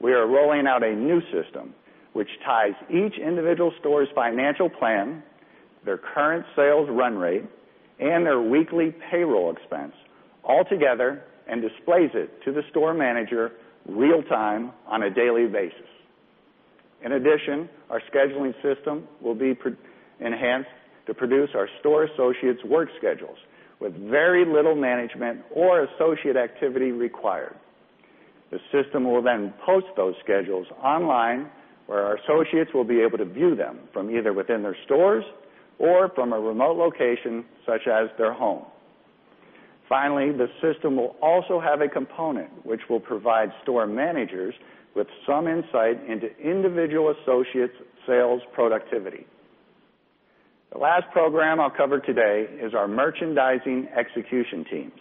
we are rolling out a new system, which ties each individual store's financial plan, their current sales run rate and their weekly payroll expense all together and displays it to the store manager real time on a daily basis. In addition, our scheduling system will be enhanced to produce our store associates' work schedules with very little management or associate activity required. The system will then post those schedules online where our associates will be able to view them from either within their stores or from a remote location such as their home. Finally, the system will also have a component which will provide store managers with some insight into individual associates' sales productivity. The last program I'll cover today is our merchandising execution teams.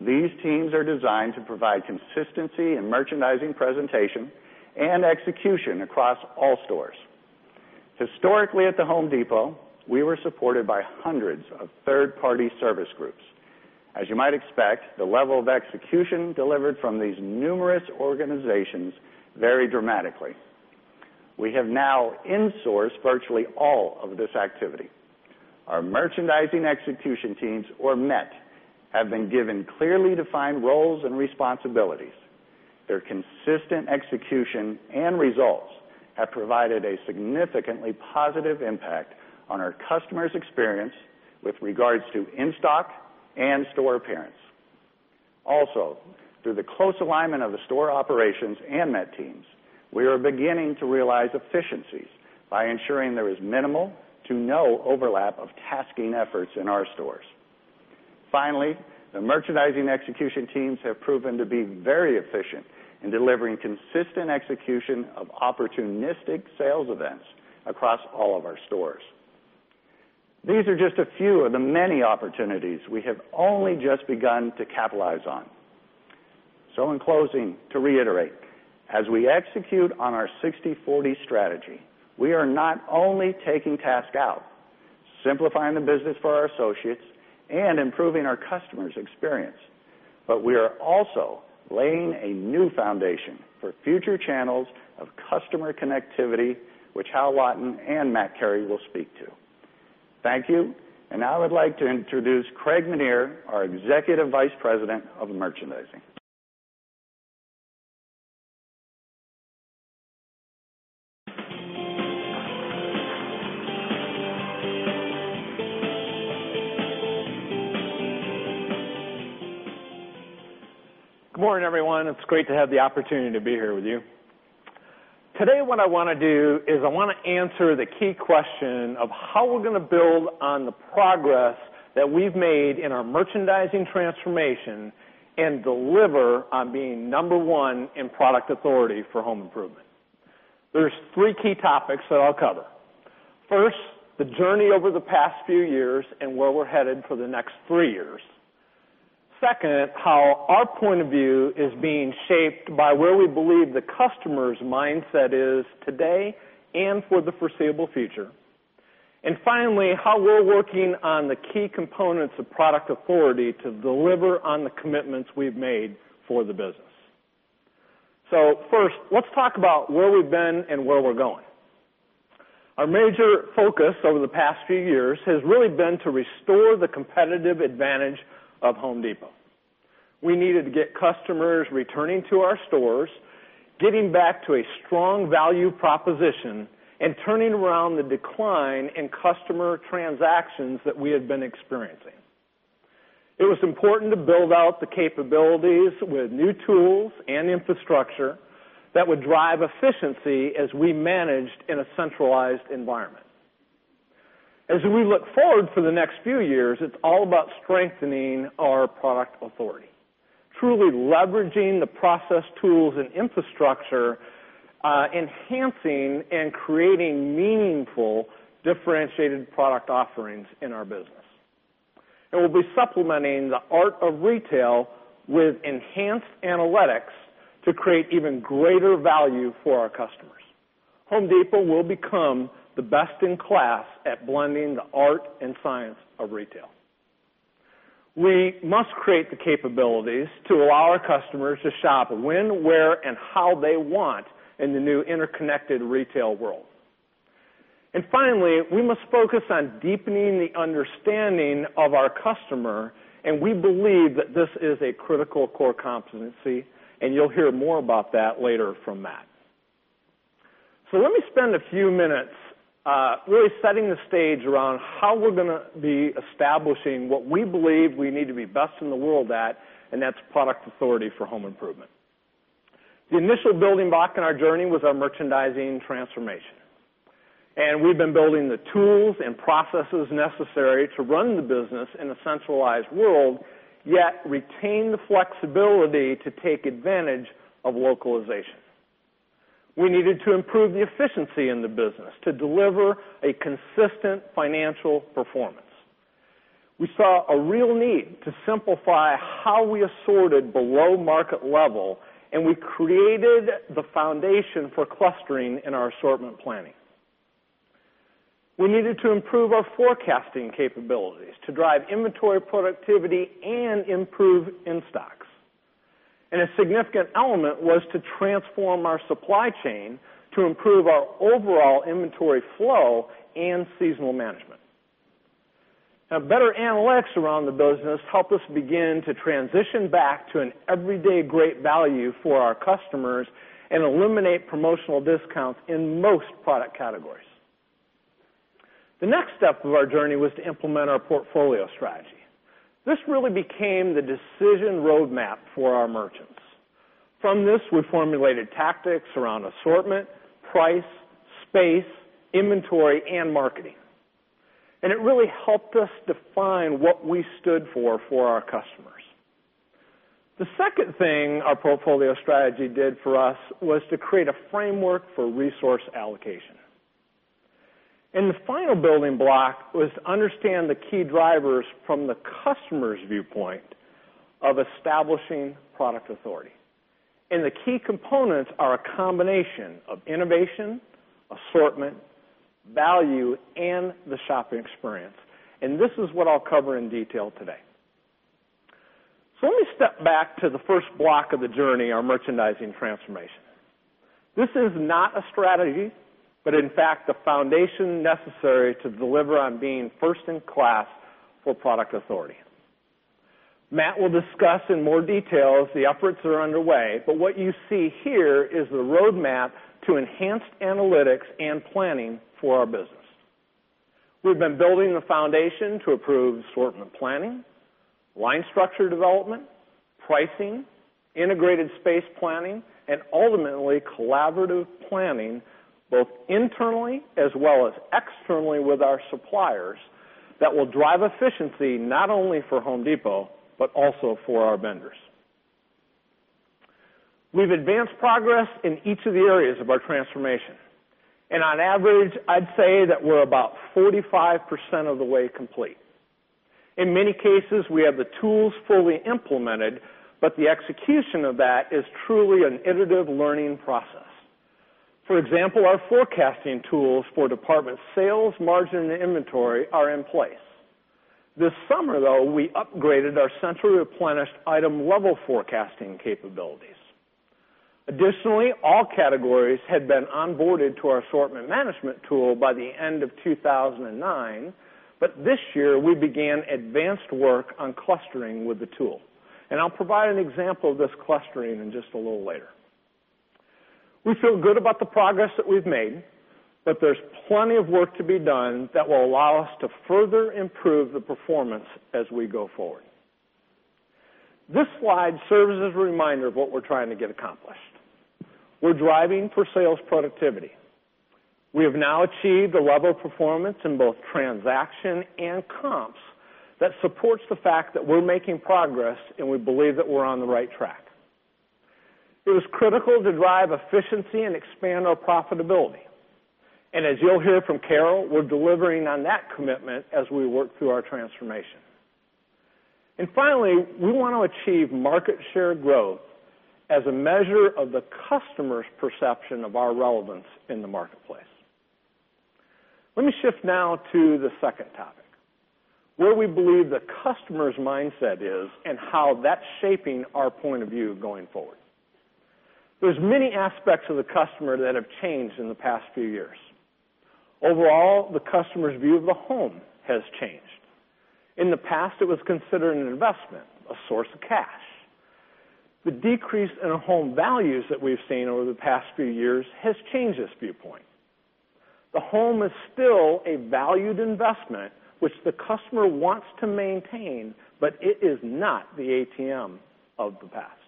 These teams are designed to provide consistency and merchandising presentation and execution across all stores. Historically at The Home Depot, we were supported by hundreds of third party service groups. As you might expect, the level delivered from these numerous organizations very dramatically. We have now in sourced virtually all of this activity. Our merchandising execution teams or MET have been given clearly defined roles and responsibilities. Their consistent execution and results have provided a significantly positive impact on our customers' experience with regards to in stock and store appearance. Also, through the close alignment of the store operations and met teams, We are beginning to realize efficiencies by ensuring there is minimal to no overlap of tasking efforts in our stores. Finally, the merchandising execution teams have proven to be very efficient in delivering consistent execution of opportunistic sales events across all of our stores. These are just a few of the many opportunities we have only just begun to capitalize on. So in closing, to reiterate, as we execute on our sixty-forty strategy, we are not only taking task out, Simplifying the business for our associates and improving our customers' experience, but we are also laying a new foundation for future channels of customer connectivity, which Hal Lawton and Matt Carey will speak to. Thank you. And I would like to introduce Craig Meniere, our Executive Vice President of Merchandising. Good morning, everyone. It's great to have the opportunity to be here with you. Today, what I want to do is I want to answer the key question of how we're going to build on the progress that we've made in our merchandising transformation and deliver on being number 1 in product authority for home improvement. There's 3 key topics that I'll cover. 1st, the journey over the past few years and where we're headed for the next 3 years. 2nd, how our point of view is being shaped by where we believe the customers' mindset is today and for the foreseeable future. And finally, how we're working on the key components of product authority to deliver on the commitments we've made for the business. So first, let's talk about where we've been and where we're going. Our major focus over the past few years has really been to restore the Competitive advantage of Home Depot. We needed to get customers returning to our stores, getting back to a strong value proposition And turning around the decline in customer transactions that we had been experiencing. It was important to build out The capabilities with new tools and infrastructure that would drive efficiency as we managed in a centralized environment. As we look forward for the next few years, it's all about strengthening our product authority, Truly leveraging the process tools and infrastructure, enhancing and creating meaningful Differentiated product offerings in our business. And we'll be supplementing the art of retail with enhanced analytics to create even greater value for our customers. Home Depot will become the best in class at blending the art and science of retail. We must create the capabilities to allow our customers to shop when, where and how they want in the new interconnected retail world. And finally, we must focus on deepening the understanding of our customer And we believe that this is a critical core competency and you'll hear more about that later from Matt. So let me spend a few minutes, really setting the stage around how we're going to be establishing what we believe we need to be best in the world at And that's product authority for home improvement. The initial building block in our journey was our merchandising transformation. And we've been building the tools and processes necessary to run the business in a centralized world, yet retain the flexibility to take advantage of localization. We needed to improve the efficiency in the business to deliver a consistent financial performance. We saw a real need to simplify how we assorted below market level and we created The foundation for clustering in our assortment planning. We needed to improve our forecasting capabilities to drive inventory productivity and improve in stocks. And a significant element was to transform our supply chain to improve our overall inventory flow and seasonal management. Now better analytics around the business help us begin to transition back to an everyday great value for our customers and eliminate promotional discounts in most product categories. The next step of our journey was to implement our portfolio strategy. This really became the decision roadmap for our merchants. From this, we formulated tactics around assortment, price, space, inventory and marketing. And it really helped us define what we stood for, for our customers. The second thing our portfolio strategy did for us was to Create a framework for resource allocation. And the final building block was to understand the key drivers from the customer's viewpoint of establishing product authority. And the key components are a combination of innovation, assortment, Value and the shopping experience. And this is what I'll cover in detail today. So let me step back to the first block of the journey our merchandising transformation. This is not a strategy, but in fact the foundation Tails, the efforts are underway, but what you see here is the roadmap to enhanced analytics and planning for our business. We've been building the foundation to approve assortment planning, line structure development, pricing, Integrated space planning and ultimately collaborative planning both internally as well as externally with our suppliers that will drive efficiency not only for Home Depot, but also for our vendors. We've advanced progress in each of the areas of our transformation. And on average, I'd say that we're about 45% of the way complete. In many cases, we have the tools fully implemented, but the execution of that is truly an iterative learning process. For example, our forecasting tools for department sales, margin and inventory are in place. This Summer though, we upgraded our centrally replenished item level forecasting capabilities. Additionally, all categories Ted been onboarded to our assortment management tool by the end of 2,009, but this year we began advanced work on clustering with the tool. And I'll provide an example of this clustering in just a little later. We feel good about the progress that we've made, but there's plenty of work to be done that will allow us to further improve the performance as we go forward. This slide serves as a reminder of what we're trying to get accomplished. We're driving for sales productivity. We have now achieved a level of performance in both transaction and comps that supports the fact that we're making progress and we believe that we're on the right track. It is critical to drive efficiency and expand our profitability. And as you'll hear from Carol, we're delivering on that commitment as we work through information. And finally, we want to achieve market share growth as a measure of the customer's perception of our relevance in the market Let me shift now to the second topic, where we believe the customer's mindset is and how that's shaping our point of view going forward. There's many aspects of the customer that have changed in the past few years. Overall, the customers view of the home has changed. In the past, it was considered an investment, a source of cash. The decrease in our home values that we've seen over the past few years has changed this viewpoint. The home is still a valued investment, which the customer wants to maintain, but it is not the ATM of the past.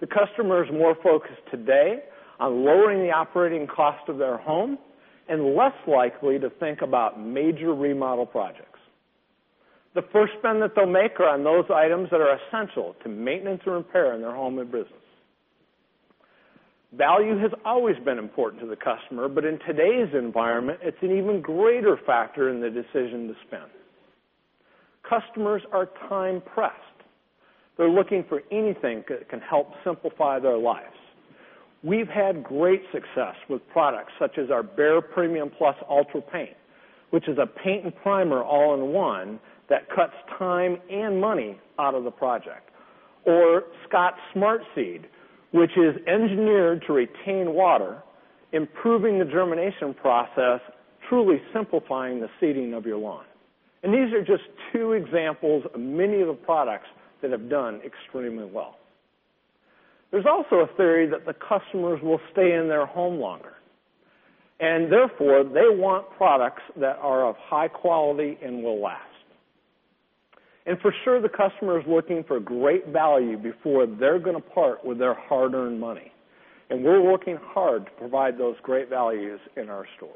The customer is more focused today on lowering the operating cost of their home and less likely to think about major remodel projects. The first spend that they'll make are on those items that are essential to maintenance or impair in their home and business. Value has always been important to the customer, but in today's environment, it's an even greater factor in the decision to spend. Customers are time pressed. They're looking for anything that can help simplify their lives. We've had great success with products such as our Behr Premium Plus Ultra Paint, which is a paint and primer all in one that cuts time and money out of the project Or Scott's Smart Seed, which is engineered to retain water, improving the germination process, Truly simplifying the seeding of your lawn. And these are just two examples of many of the products that have done extremely well. There's also a theory that the customers will stay in their home longer. And therefore, they want products that are of high quality and will last. And for sure, the customer is looking for great value before they're going to part with their hard earned money. And we're working hard to provide those great values in our stores.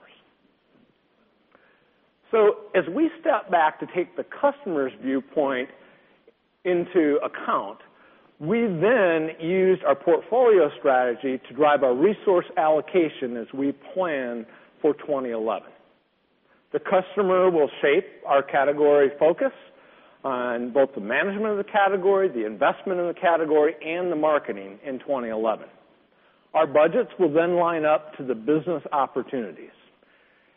So as we step back to take the customer's viewpoint into account. We then used our portfolio strategy to drive our resource allocation as we plan for 2011. The customer will shape our category focus on both the management of the category, the investment in the category and the marketing in 2011. Our budgets will then line up to the business opportunities.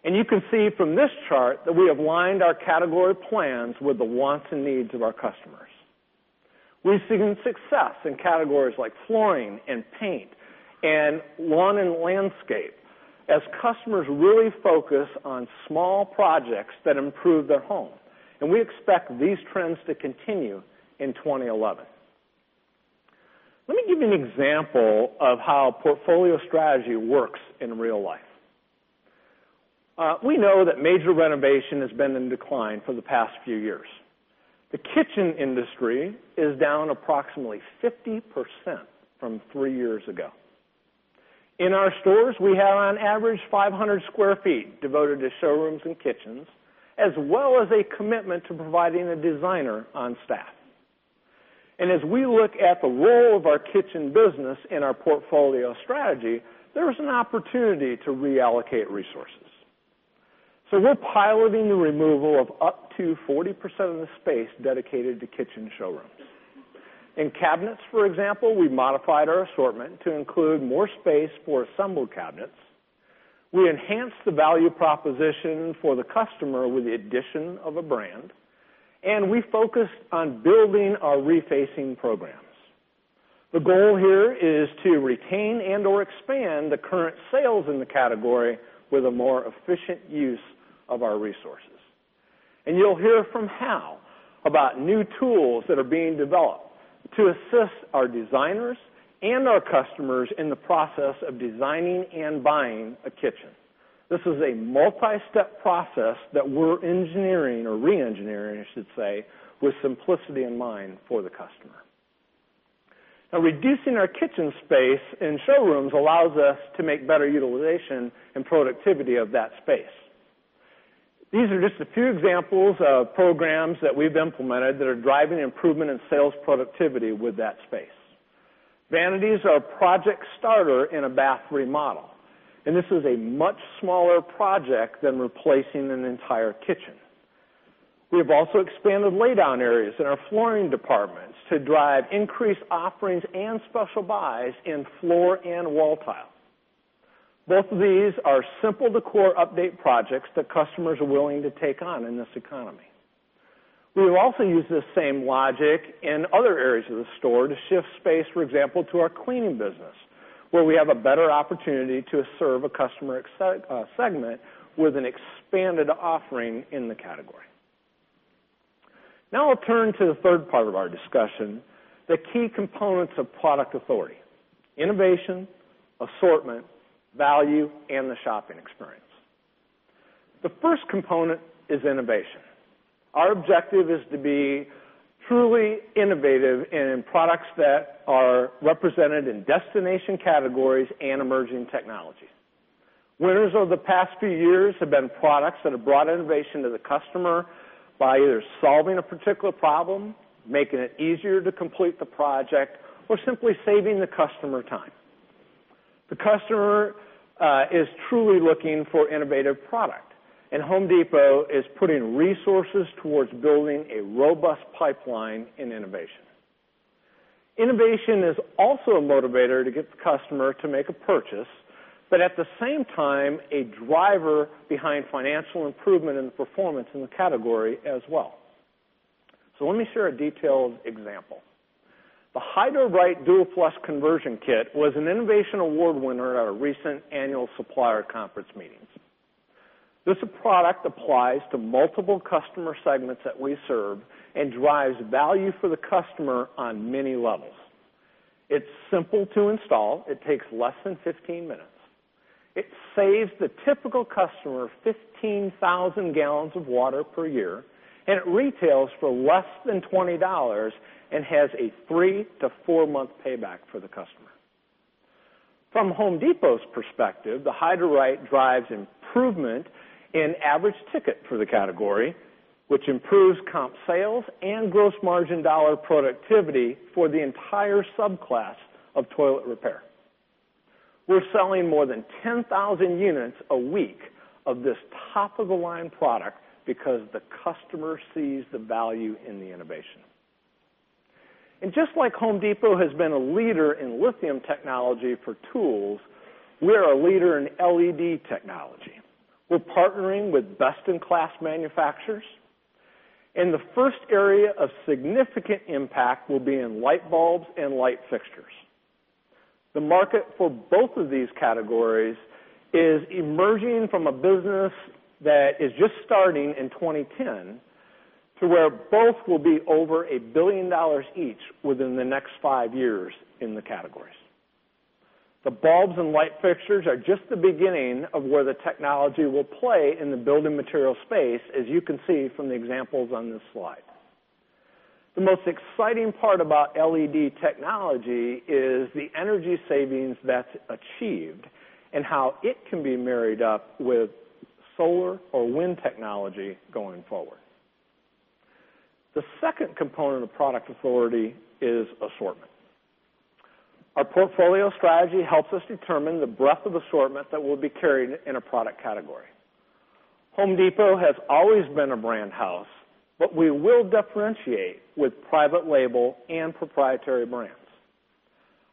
And you can see from this chart that we have lined our category plans with the wants and needs of our Customers. We've seen success in categories like flooring and paint and lawn and landscape as customers really focus on small projects that improve their home and we expect these trends to continue in 2011. Let me give you an example of how portfolio strategy works in real life. We know that major renovation has been in decline for the past few years. The kitchen industry is down approximately 50% from 3 years ago. In our stores, we have on average 500 square feet devoted to showrooms and kitchens, as well as a commitment to providing a designer on staff. And as we look at the role of our kitchen business in our portfolio strategy, There is an opportunity to reallocate resources. So we're piloting the removal of up to 40% of the space dedicated to kitchen showrooms. In cabinets, for example, we modified our assortment to include more space for assembled cabinets. We enhanced The value proposition for the customer with the addition of a brand and we focus on building our refacing programs. The goal here is to retain and or expand the current sales in the category with a more efficient use of our resources. And you'll hear from Hal about new tools that are being developed to assist our designers and our customers in the process of designing And buying a kitchen. This is a multi step process that we're engineering or reengineering, I should say, with simplicity in mind for the customer. Now reducing our kitchen space in showrooms allows us to make better utilization and productivity of that space. These are just a few examples of programs that we've implemented that are driving improvement in sales productivity with that space. Vanities are a project starter in a bath remodel, and this is a much smaller project than replacing an entire kitchen. We have also expanded lay down areas in our flooring departments to drive increased offerings and special buys in floor and wall tile. Both of these are simple to core update projects that customers are willing to take on in this economy. We will also use the same logic in other areas of the store to shift space, for example, to our cleaning business, where we have a better opportunity to serve a customer segment with an expanded offering in the category. Now I'll turn to the 3rd part of our discussion, The key components of product authority, innovation, assortment, value and the shopping experience. The first component is innovation. Our objective is to be truly innovative and in products that are represented in destination categories and emerging technologies. Winners over the past few years have been products that have brought innovation to the customer by either solving a particular problem, making it easier to complete the project or simply saving the customer time. The customer is truly looking for innovative product and Home Depot is putting resources towards building a robust pipeline and innovation. Innovation is also a motivator to get the customer to make a purchase, but at the same time a driver behind financial improvement and performance in the category as well. So let me share a detailed example. The HydroRite Dual Plus conversion kit was an innovation award winner at our recent annual supplier conference meetings. This product applies to multiple customer segments that we serve and drives value for the customer on many levels. It's simple to install. It takes less than 15 minutes. It saves the typical customer 15,000 gallons of water per year And it retails for less than $20 and has a 3 to 4 month payback for the customer. From Home Depot's perspective, the HydroRite drives improvement in average ticket for the category, which improves comp sales and gross margin dollar productivity for the entire subclass of toilet repair. We're selling more than 10,000 units a week of this top of the line product because the customer sees the value in the innovation. And just like Home Depot has been a leader in lithium technology for tools, we are a leader in LED technology. We're partnering with best in class manufacturers. And the first area of significant impact will be in light bulbs and light fixtures. The market for both of these categories is emerging from a business that is just starting in 2010 to where both will be over $1,000,000,000 each within the next 5 years in the categories. The bulbs and light fixtures are just the beginning of where the technology will play in the building material space as you can see from the examples on this slide. The most exciting part about LED technology is the energy savings that's achieved and how it can be married up with solar or wind technology going forward. The second component of product authority is assortment. Our portfolio strategy helps us determine the breadth of assortment that will be carried in a product category. Home Depot has always been a brand house, but we will differentiate with private label and proprietary brands.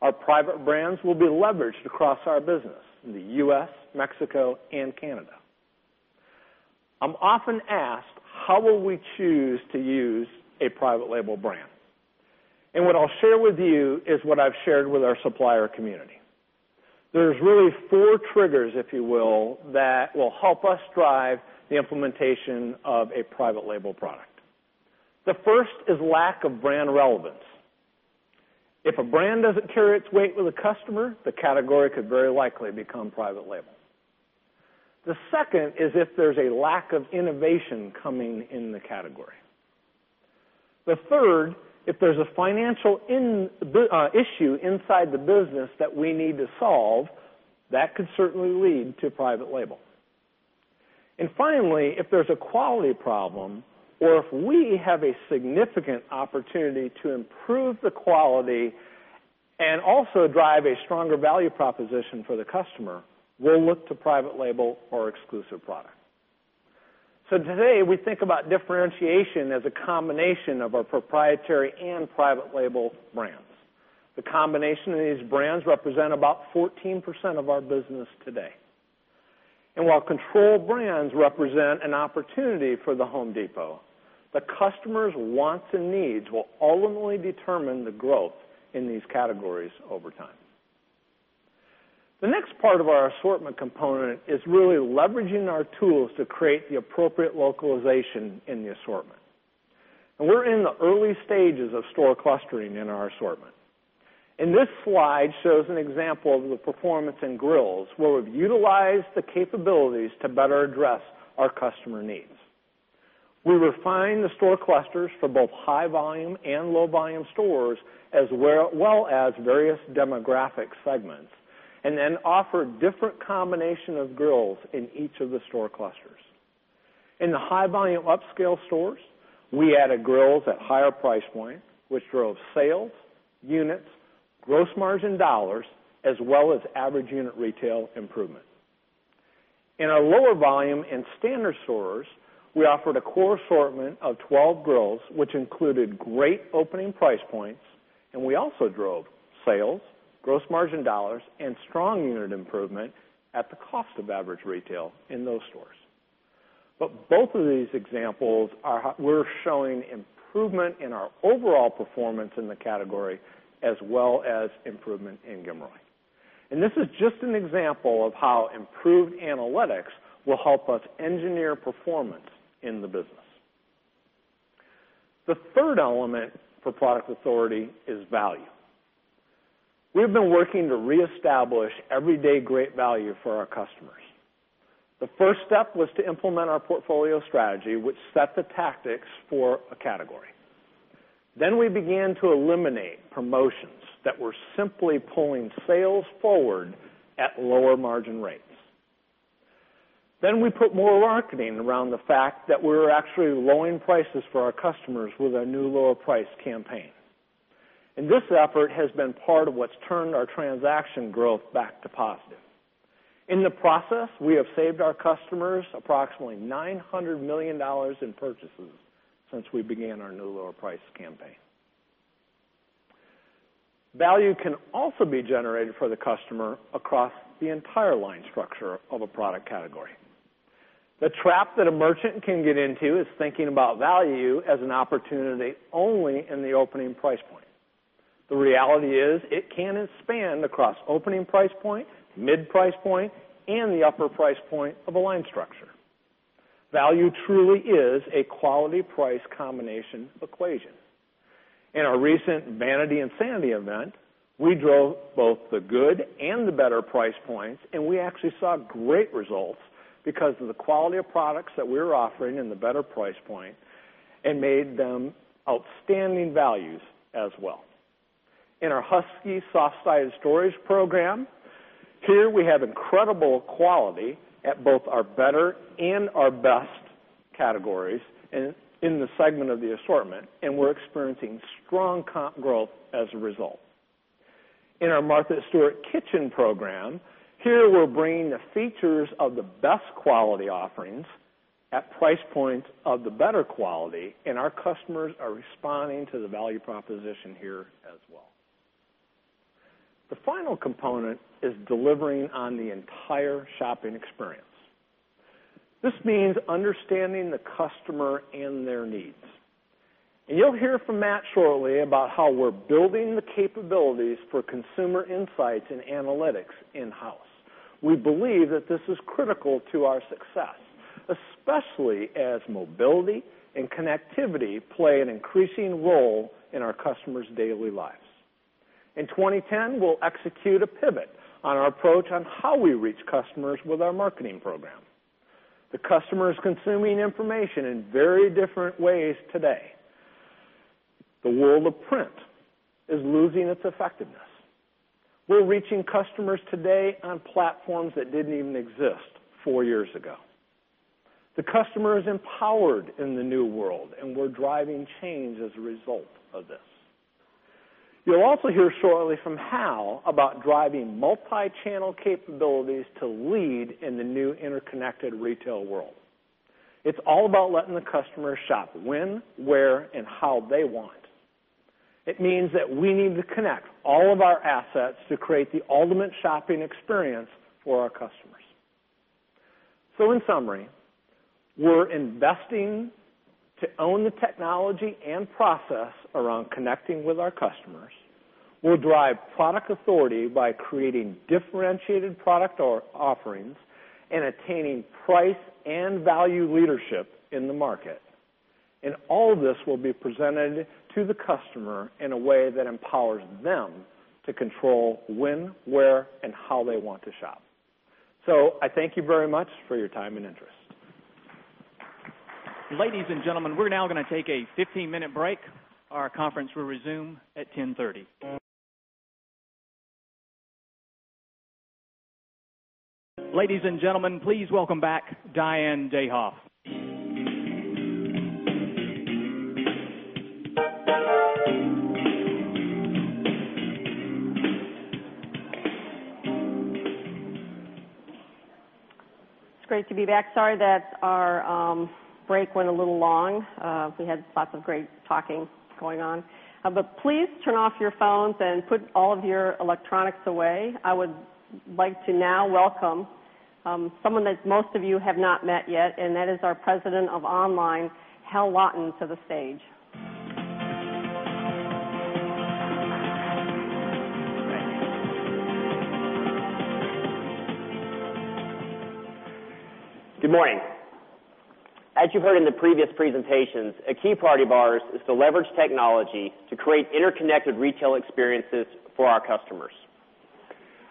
Our private brands will be leveraged across our business in the U. S, Mexico and Canada. I'm often asked how will we choose to use a private label brand. And what I'll share with you is what I've shared with our supplier community. There's really 4 triggers, if you will, that will help us drive the implementation of a private label product. The first is lack of brand relevance. If a brand doesn't carry its weight with a customer, the category could very likely become private label. The second is if there's a lack of innovation coming in the category. The third, If there's a financial issue inside the business that we need to solve, that could certainly lead to private label. And finally, if there's a quality problem or if we have a significant opportunity to improve the quality and also drive a stronger value proposition for the customer, we'll look to private label or exclusive product. So today, we think about differentiation as a combination of our proprietary and private label brands. The combination of these brands represent about 14% of our business today. And while control brands represent an opportunity for The Home Depot, The customers' wants and needs will ultimately determine the growth in these categories over time. The next part of our assortment component is really leveraging our tools to create the appropriate localization in the assortment. And we're in the early stages of store clustering in our assortment. And this slide shows an example of the performance in grills where we've utilized capabilities to better address our customer needs. We refined the store clusters for both high volume and low volume stores as well as various demographic segments and then offer different combination of grills in each of the store clusters. In the high volume upscale stores, we added grills at higher price points, which drove sales, units, Gross margin dollars as well as average unit retail improvement. In our lower volume and standard stores, We offered a core assortment of 12 grills, which included great opening price points and we also drove sales, Gross margin dollars and strong unit improvement at the cost of average retail in those stores. But both of these examples are we're showing Improvement in our overall performance in the category as well as improvement in GIMRI. And this is just an example of how improved analytics will help us engineer performance in the business. The 3rd element for product authority is value. We have been working to reestablish everyday great value for our customers. The first step was to implement our portfolio strategy, which set the tactics for a category. Then we began to eliminate promotions that were simply pulling sales forward at lower margin rates. Then we put more marketing around the fact that we're actually lowering prices for our customers with our new lower price campaign. And this effort has been part of what's turned our transaction growth back to positive. In the process, we have saved our customers $900,000,000 in purchases since we began our new lower price campaign. Value can also be generated for the customer across the entire line structure of a product category. The trap that a merchant can get into is thinking about value as an opportunity only in the opening price point. The reality is it can span across opening price point, mid price point and the upper price point of a line structure. Value truly is a quality price combination equation. In our recent Vanity and Sandy event, We drove both the good and the better price points and we actually saw great results because of the quality of products that we're offering and the better price point and made them outstanding values as well. In our Husky soft sized storage program, Here, we have incredible quality at both our better and our best categories in the segment of the assortment and we're experiencing strong comp growth as a result. In our Martha Stewart Kitchen program, here we're bringing the features of the best Quality offerings at price points of the better quality and our customers are responding to the value proposition here as well. The final component is delivering on the entire shopping experience. This means understanding and their needs. And you'll hear from Matt shortly about how we're building the capabilities for consumer insights and analytics in house. We believe that this is critical to our success, especially as mobility and connectivity play an increasing role in our customers' daily lives. In 2010, we'll execute a pivot on our approach on how we reach customers with our marketing program. The customer is consuming information in very different ways today. The world of print is losing its effectiveness. We're reaching customers today on platforms that didn't even exist 4 years ago. The customer is empowered in the new world and We're driving change as a result of this. You'll also hear shortly from Hal about driving multi channel capabilities to lead in the new interconnected retail world. It's all about letting the customer shop when, where and how they want. It means that we need to connect all of our assets to create the ultimate shopping experience for our customers. So in summary, we're investing to own the technology and process around connecting with our customers. We'll drive product authority by creating differentiated product offerings and attaining price and value leadership in the market. And all of this will be presented to the customer in a way that empowers them to control when, where and how they want to shop. So I thank you very much for your time and interest. Ladies and gentlemen, we're now going to take a 15 minute break. Our conference will resume at 10:30. Ladies and gentlemen, please welcome back Diane Dayhoff. It's great to be back. Sorry that our, break went a little long. We had lots of great talking Going on. But please turn off your phones and put all of your electronics away. I would like to now welcome Someone that most of you have not met yet and that is our President of Online, Hal Lawton, to the stage. Good morning. As you heard in the previous presentations, a key priority of ours is to leverage technology to create interconnected retail experiences for our customers.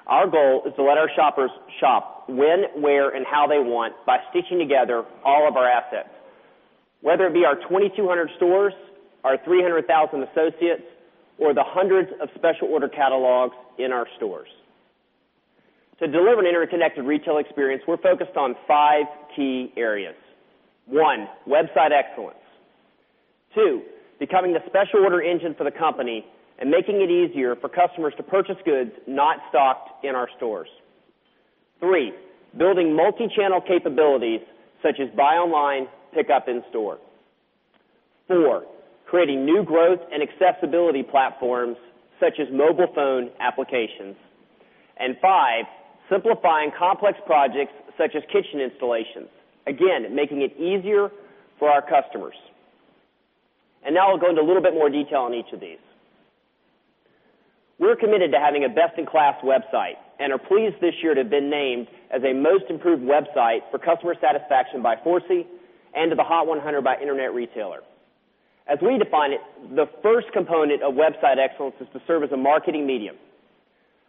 Our goal is to let our shoppers shop when, where and how they want by stitching together all of our assets, whether it be our 2,200 stores, our 300,000 associates or the hundreds of special order catalogs in our stores. To deliver an interconnected retail experience, we're focused on 5 key areas. 1, website excellence 2, becoming the special order engine for the company and making it easier for customers to purchase goods not stocked in our stores. 3, building multi channel capabilities such as buy online, pick up in store. 4, Creating new growth and accessibility platforms such as mobile phone applications. And 5, Simplifying complex projects such as kitchen installations, again making it easier for our customers. And now I'll go into a little bit more detail on each of these. We're committed to having a best in class website and are pleased this year to have been named as a most improved website for customer satisfaction by ForeSee and to the Hot 100 by Internet retailer. As we define it, The first component of website excellence is to serve as a marketing medium.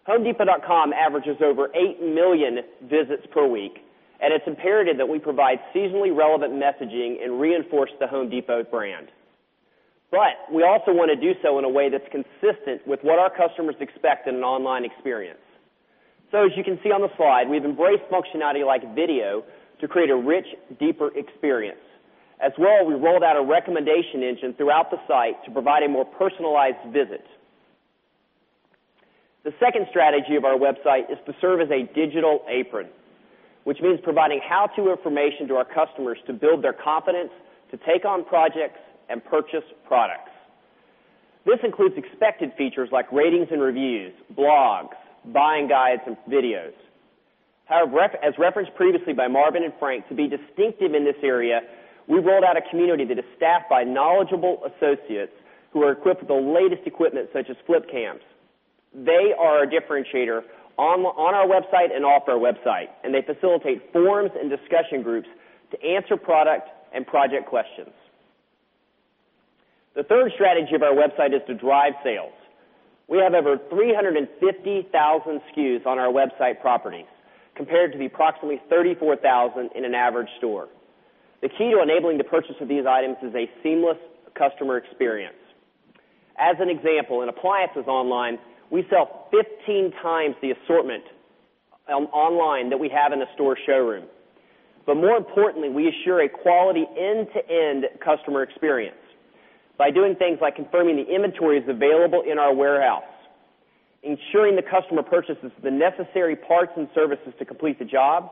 Homedepa.com averages over 8,000,000 visits per week And it's imperative that we provide seasonally relevant messaging and reinforce the Home Depot brand. But we also want to do so in a way that's consistent with what our customers an online experience. So as you can see on the slide, we've embraced functionality like video to create a rich, deeper experience. As well, we rolled out a recommendation engine throughout the site to provide a more personalized visit. The second strategy of our website is to serve as a digital apron, which means providing how to information to our customers to build their confidence to take on projects and purchase products. This includes expected features like ratings and reviews, blogs, buying guides and videos. As referenced previously by Marvin and Frank, to be distinctive in this area, we rolled out a community that is staffed by knowledgeable associates Who are equipped with the latest equipment such as flip cams. They are a differentiator on our website and off our website and they facilitate forums and discussion groups to answer product and project questions. The third strategy of our website is to drive sales. We have over 350,000 SKUs on our website property compared to the approximately 34,000 in an average store. The key to enabling the purchase of these items is a seamless customer experience. As an example, in appliances online, We sell 15 times the assortment online that we have in a store showroom. But more importantly, we assure a Quality end to end customer experience by doing things by confirming the inventories available in our warehouse, Ensuring the customer purchases the necessary parts and services to complete the job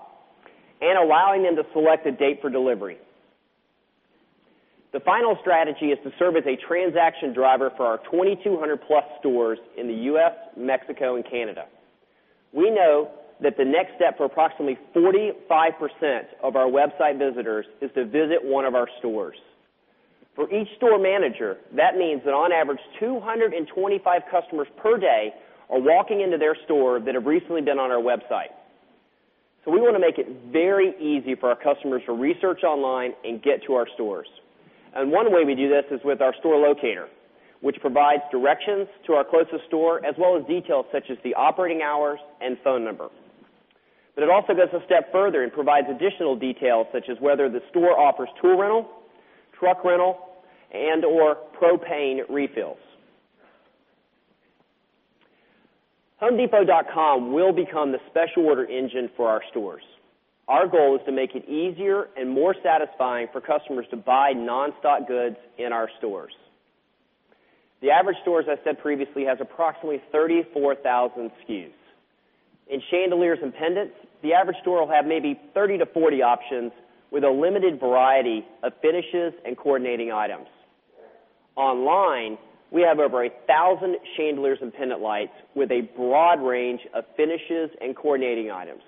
and allowing them to select a date for delivery. The final strategy is to serve as a transaction driver for our 2,200 plus stores in the U. S, Mexico and Canada. We know that the next step for approximately 45% of our website visitors is to visit 1 of our stores. For each store manager, that means that on average, 2 25 customers per day are walking into their store that have recently been on our website. So we want to make it very easy for our customers to research online and get to our stores. And one way we do this is with our store locator, which provides directions to our closest store as well as details such as the operating hours and phone number. But it also goes a step further and provides additional details such as whether the store offers tool rental, truck rental and or propane refills. Easier and more satisfying for customers to buy non stock goods in our stores. The average store, as I said previously, has Approximately 34,000 SKUs. In chandeliers and pendants, the average store will have maybe 30 to 40 options with a limited variety of finishes and coordinating items. Online, we have over 1,000 chandlers and pendant lights with a broad range of finishes and coordinating items.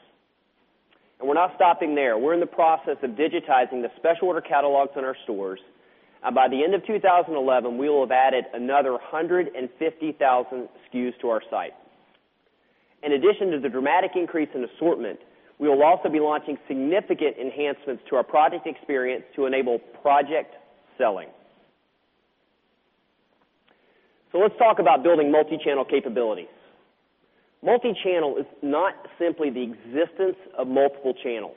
And we're not stopping there. We're in the process of digitizing the special order catalogs in our stores. By the end of 2011, we will have added another 150,000 SKUs to our site. In addition to the dramatic increase in assortment, we will also be launching significant enhancements to our project experience to enable project selling. So let's talk about building multichannel capabilities. Multichannel is not simply the existence of multiple channels.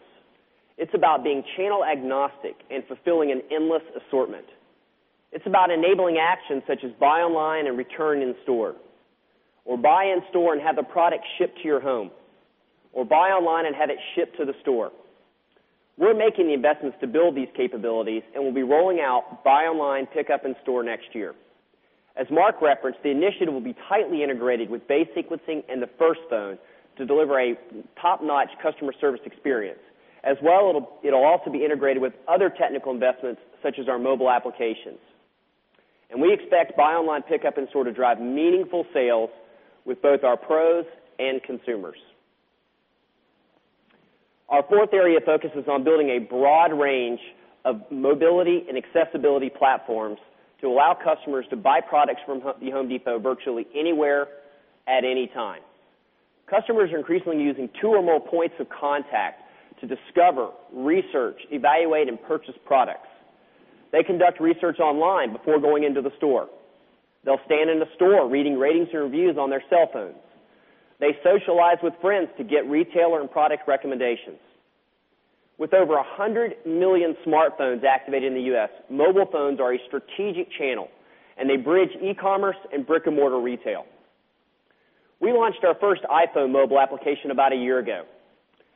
It's about being channel agnostic and fulfilling an endless assortment. It's about enabling actions such as buy online and return in store or buy in store and have the product shipped to your home or buy online and have it shipped to the store. We're making the investments to build these capabilities we'll be rolling out buy online, pick up in store next year. As Mark referenced, the initiative will be tightly integrated with base sequencing and the first phone to deliver a top notch customer service experience. As well, it will also be integrated with other technical investments such as our mobile applications. And we expect buy online pickup in store to drive meaningful sales with both our pros and consumers. Our 4th area focuses on building a broad range of mobility and accessibility platforms to allow customers to buy products from The Home Depot virtually anywhere at any time. Customers are increasingly using 2 or more points of contact To discover, research, evaluate and purchase products. They conduct research online before going into the store. They'll stand in the store reading ratings and reviews on their cell phones. They socialize with friends to get retailer and product recommendations. With over 100,000,000 smartphones activated in the U. S, mobile phones are a strategic channel and they bridge e commerce and brick and mortar retail. We launched our first iPhone mobile application about a year ago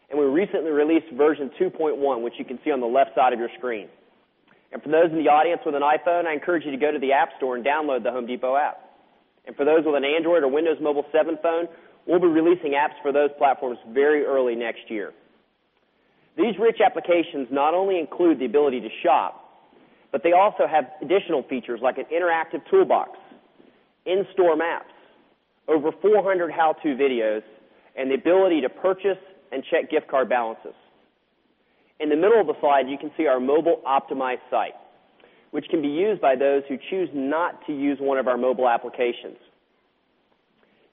and we recently released version 2.1, which you can see on the left side of your screen. And for those in the audience with an iPhone, I encourage you to go to the App Store and download the Home Depot app. And for those with an Android or Windows Mobile 7 phone, We'll be releasing apps for those platforms very early next year. These rich applications not only include the ability to shop, but they also have additional features like an interactive toolbox, in store maps, over 400 how to videos and the ability to purchase and check gift card balances. In the middle of the slide, you can see our mobile optimized site, which can be used by those who choose not to use one of our mobile applications.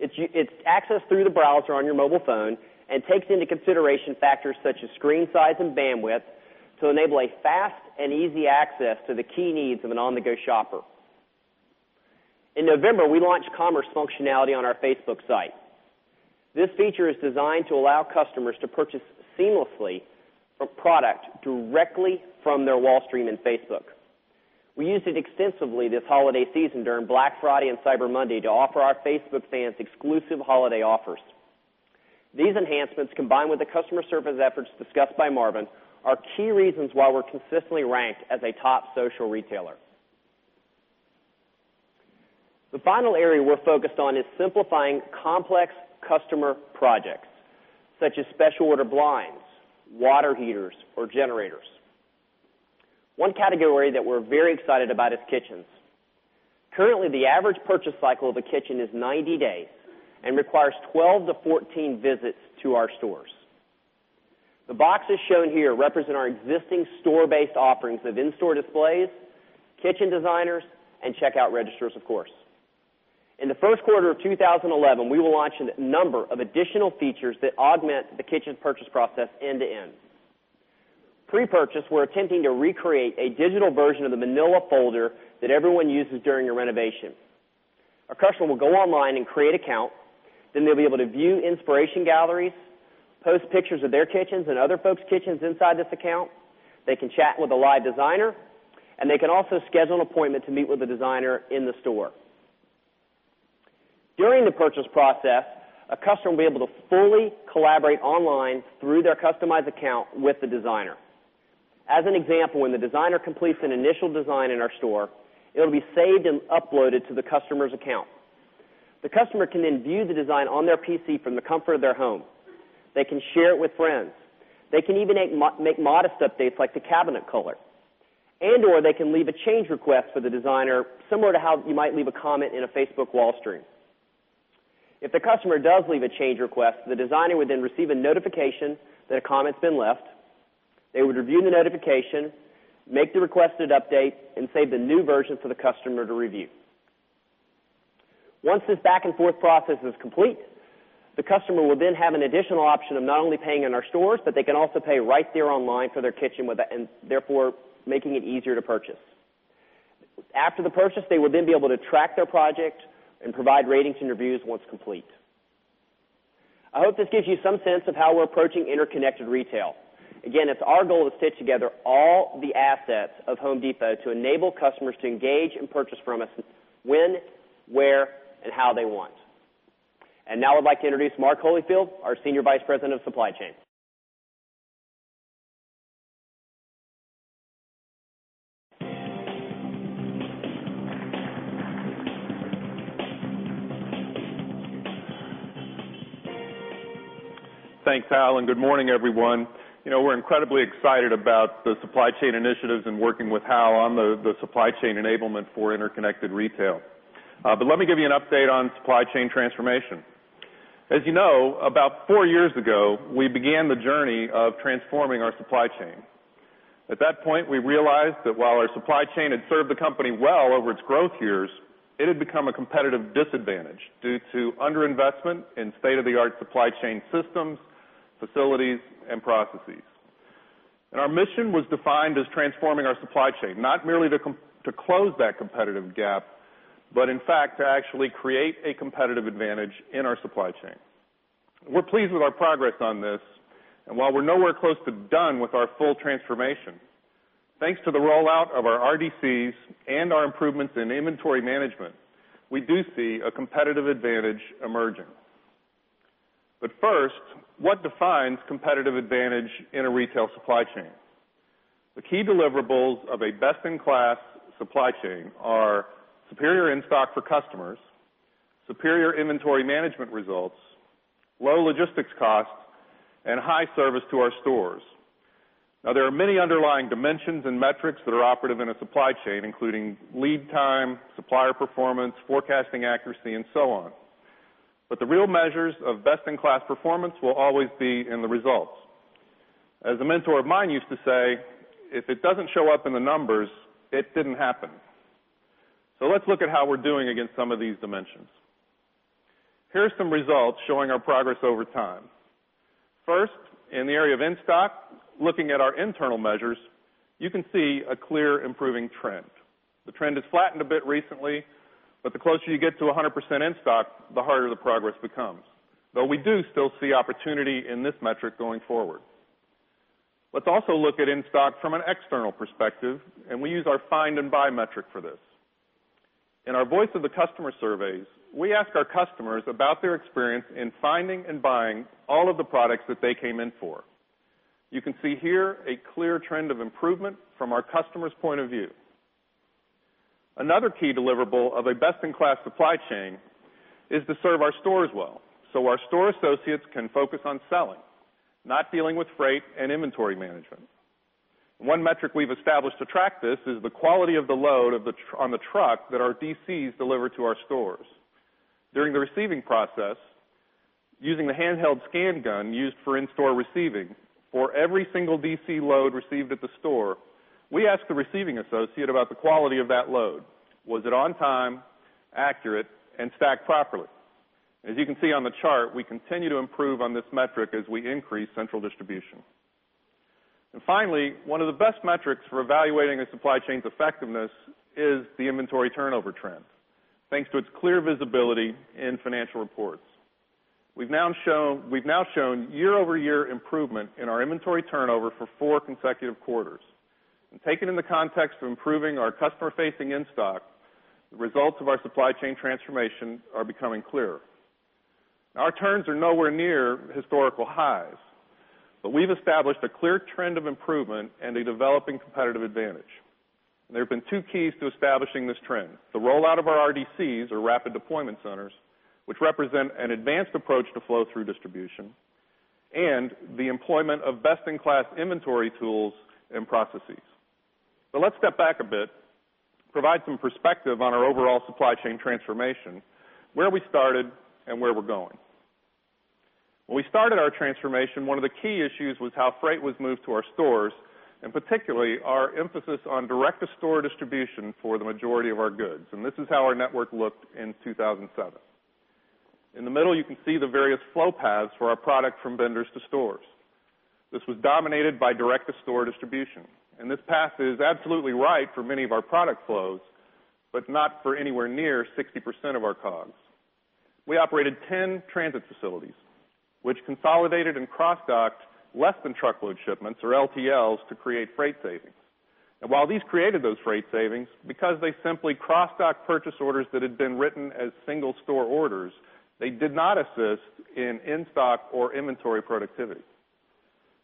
It's accessed through the browser on your mobile phone and takes into consideration factors such as screen size and bandwidth to enable a fast and easy access to the key needs of an On the Go shopper. In November, we launched commerce functionality on our Facebook site. This feature is designed to allow customers to purchase seamlessly for product directly from their Wallstream and Facebook. We used it extensively this holiday season during Black Friday and Cyber Monday to offer our Facebook fans exclusive holiday offers. These enhancements combined with the customer service efforts discussed by Marvin are key reasons why we're consistently ranked as a top social retailer. The final area we're focused on is simplifying complex Customer projects such as special order blinds, water heaters or generators. One category that we're very excited about is kitchens. Currently, the average purchase cycle of a kitchen is 90 days and requires 12 to 14 visits to our stores. The boxes shown here represent our existing store based offerings of in store displays, Kitchen designers and checkout registers of course. In the Q1 of 2011, we will launch a number of additional features that augment kitchen purchase process end to end. Pre purchase, we're attempting to recreate a digital version of the Manila folder that everyone uses during a renovation. Our customer will go online and create account, then they'll be able to view inspiration galleries, post pictures of their kitchens and other folks' kitchens inside this account. They can chat with a live designer and they can also schedule an appointment to meet with a designer in the store. During the purchase process, a customer will be able to fully collaborate online through their customized account with the designer. As an example, when the designer completes an initial design in our store, it will be saved and uploaded to the customer's account. The customer can then view the design on their PC from the comfort of their home. They can share it with friends. They can even make modest updates like the cabinet color And or they can leave a change request for the designer similar to how you might leave a comment in a Facebook Wall Street. If a customer does leave a change request, the designer would then receive a notification that a comment has been left. They would review the notification, make the requested update and save the new version for the customer to review. Once this back and forth process is complete, The customer will then have an additional option of not only paying in our stores, but they can also pay right there online for their kitchen and therefore making it easier to purchase. After the purchase, they will then be able to track their project and provide ratings and reviews once complete. I hope this gives you some sense of how we're approaching interconnected retail. Again, it's our goal to fit together all the assets of Home Depot to enable customers to engage and purchase from us when, where and how they want. And now I'd like to introduce Mark Holyfield, our Senior Vice President of Supply Chain. Thanks, Hal, and good morning, everyone. We're incredibly excited about The supply chain initiatives and working with Hal on the supply chain enablement for interconnected retail. But let me give you an update on supply chain transformation. As you know, about 4 years ago, we began the journey of transforming our supply chain. At that point, we realized that while our supply chain had served the well over its growth years, it had become a competitive disadvantage due to underinvestment in state of the art supply chain systems, facilities and processes. And our mission was defined as transforming our supply chain, not merely to close that competitive gap, but in fact to actually create a competitive advantage in our supply chain. We're pleased with our progress on this. And while we're nowhere close to done with our full transformation, Thanks to the rollout of our RDCs and our improvements in inventory management, we do see a competitive advantage emerging. But first, what defines competitive advantage in a retail supply chain? The key deliverables of a best in class Supply chain are superior in stock for customers, superior inventory management results, low logistics costs and high service to our stores. Now there are many underlying dimensions and metrics that are operative in a supply chain, including lead time, Supplier performance, forecasting accuracy and so on. But the real measures of best in class performance will always be in the results. As a mentor of mine used to say, if it doesn't show up in the numbers, it didn't happen. So let's look at how we're doing against some of these dimensions. Here are some results showing our progress over time. 1st, in the area of in stock, looking at our internal measures, You can see a clear improving trend. The trend has flattened a bit recently, but the closer you get to 100% in stock, the harder the progress becomes. But we do still see opportunity in this metric going forward. Let's also look at in stock from an external perspective and we use our find and buy metric for this. In our Voice of the Customer surveys, we ask our customers about their experience in finding and buying all of the products that they came in for. You can see here a clear trend of improvement from our customers' point of view. Another key deliverable of a best in class supply chain is to serve our stores well, so our store associates can focus on selling, not dealing with freight and inventory management. One metric we've established to track this is the quality of the load on the truck that our DCs deliver to our stores. During the receiving process, using the handheld scan gun used for in store receiving or every single DC load received at the store, We asked the receiving associate about the quality of that load. Was it on time, accurate and stacked properly? As you can see on the chart, we continue to improve on this metric as we increase central distribution. And finally, one of the best metrics Evaluating the supply chain's effectiveness is the inventory turnover trend, thanks to its clear visibility in financial reports. We've now shown year over year improvement in our inventory turnover for 4 consecutive quarters. And taken in the context of improving our customer facing in stock, The results of our supply chain transformation are becoming clearer. Our turns are nowhere near historical highs, But we've established a clear trend of improvement and a developing competitive advantage. There have been 2 keys to establishing this trend. The rollout of our RDCs or rapid deployment centers, which represent an advanced approach to flow through distribution and the employment of best in class inventory tools and processes. So let's step back a bit, provide some perspective on our overall supply chain transformation, where we started and where we're going. When we started our transformation, one of the key issues was how freight was moved to our stores And particularly, our emphasis on direct to store distribution for the majority of our goods. And this is how our network looked in 2,007. In the middle, you can see the various flow paths for our product from vendors to stores. This was dominated by direct to store distribution. And this pass is absolutely right for many of our product flows, but not for anywhere near 60% of our COGS. We operated 10 transit facilities, which consolidated and cross docked less than truckload shipments or LTLs to create freight savings. And while these created those freight savings, Because they simply cross stock purchase orders that had been written as single store orders, they did not assist in in stock or inventory productivity.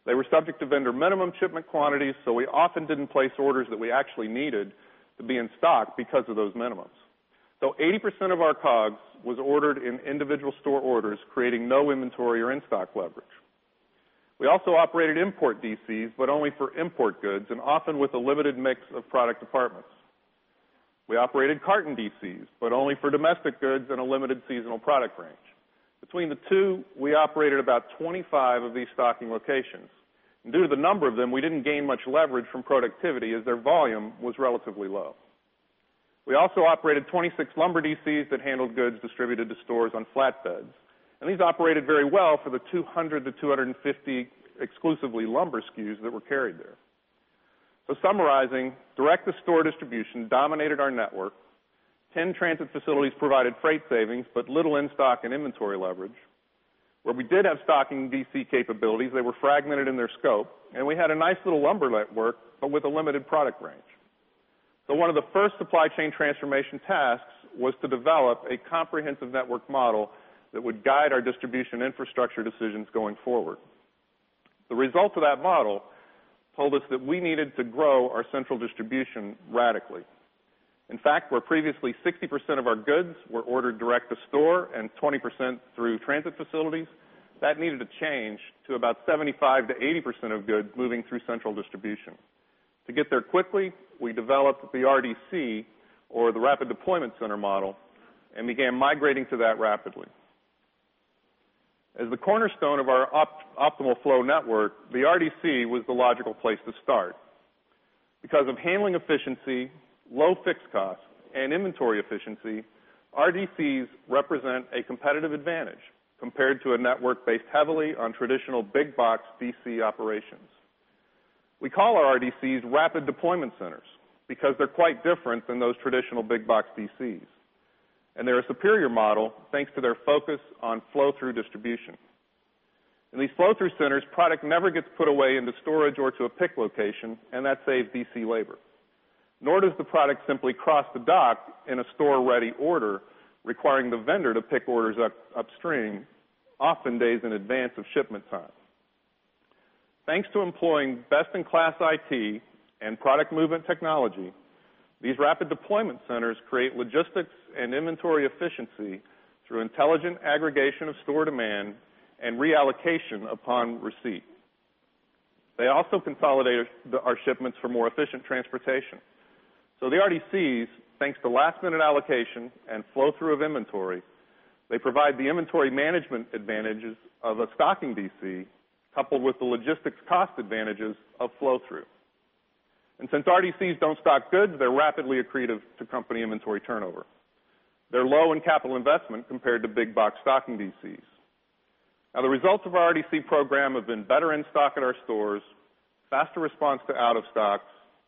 They were subject to vendor minimum shipment quantities, so we often didn't place orders that we actually needed to be in stock because of those minimums. So 80% of our COGS was ordered in individual store orders creating no inventory or in stock leverage. We also operated import DCs, but only for import goods and often with a limited mix of product departments. We operated carton DCs, but only for domestic goods and a limited seasonal product range. Between the two, we operated about 25 of these stocking locations. Due to the number of them, we didn't gain much leverage from productivity as their volume was relatively low. We also operated 26 lumber DCs that handled goods distributed to stores on flatbeds. And these operated very well for the 200 to 250 Exclusively lumber SKUs that were carried there. So summarizing, direct to store distribution dominated our network, Ten transit facilities provided freight savings, but little in stock and inventory leverage. Where we did have stocking DC capabilities, they were fragmented in their scope And we had a nice little lumber at work, but with a limited product range. So one of the first supply chain transformation tasks was to develop a comprehensive network model that would guide our distribution infrastructure decisions going forward. The result of that model told us that we needed to grow our central distribution radically. In fact, where previously 60% of our goods were ordered direct to store and 20% through transit facilities, that needed to change to about 75% to 80% of goods moving through central distribution. To get there quickly, we developed the RDC or the Rapid Deployment Center model and began migrating to that rapidly. As the cornerstone of our optimal flow network, the RDC was the logical place to start. Because of handling efficiency, low fixed costs and inventory efficiency, RDCs represent a competitive advantage compared to a network based heavily on traditional big box DC operations. We call our RDCs rapid deployment centers because they're quite different than those traditional big box DCs. And they're a superior model, thanks to their focus on flow through distribution. In these flow through centers, product never gets put away into storage or to a pick location and that saves DC labor, nor does the product simply cross the dock in a store ready order requiring the vendor to pick orders upstream often days in advance of shipment time. Thanks to employing best in class IT and product movement technology, these rapid deployment centers create logistics And inventory efficiency through intelligent aggregation of store demand and reallocation upon receipt. They also consolidate our shipments for more efficient transportation. So the RDCs, thanks to last minute allocation and flow through of inventory, They provide the inventory management advantages of a stocking DC coupled with the logistics cost advantages of flow through. And since RDCs don't stock goods, they're rapidly accretive to company inventory turnover. They're low in capital investment compared to big box stocking DCs. Now the results of our RDC program have been better in stock at our stores, faster response to out of stocks,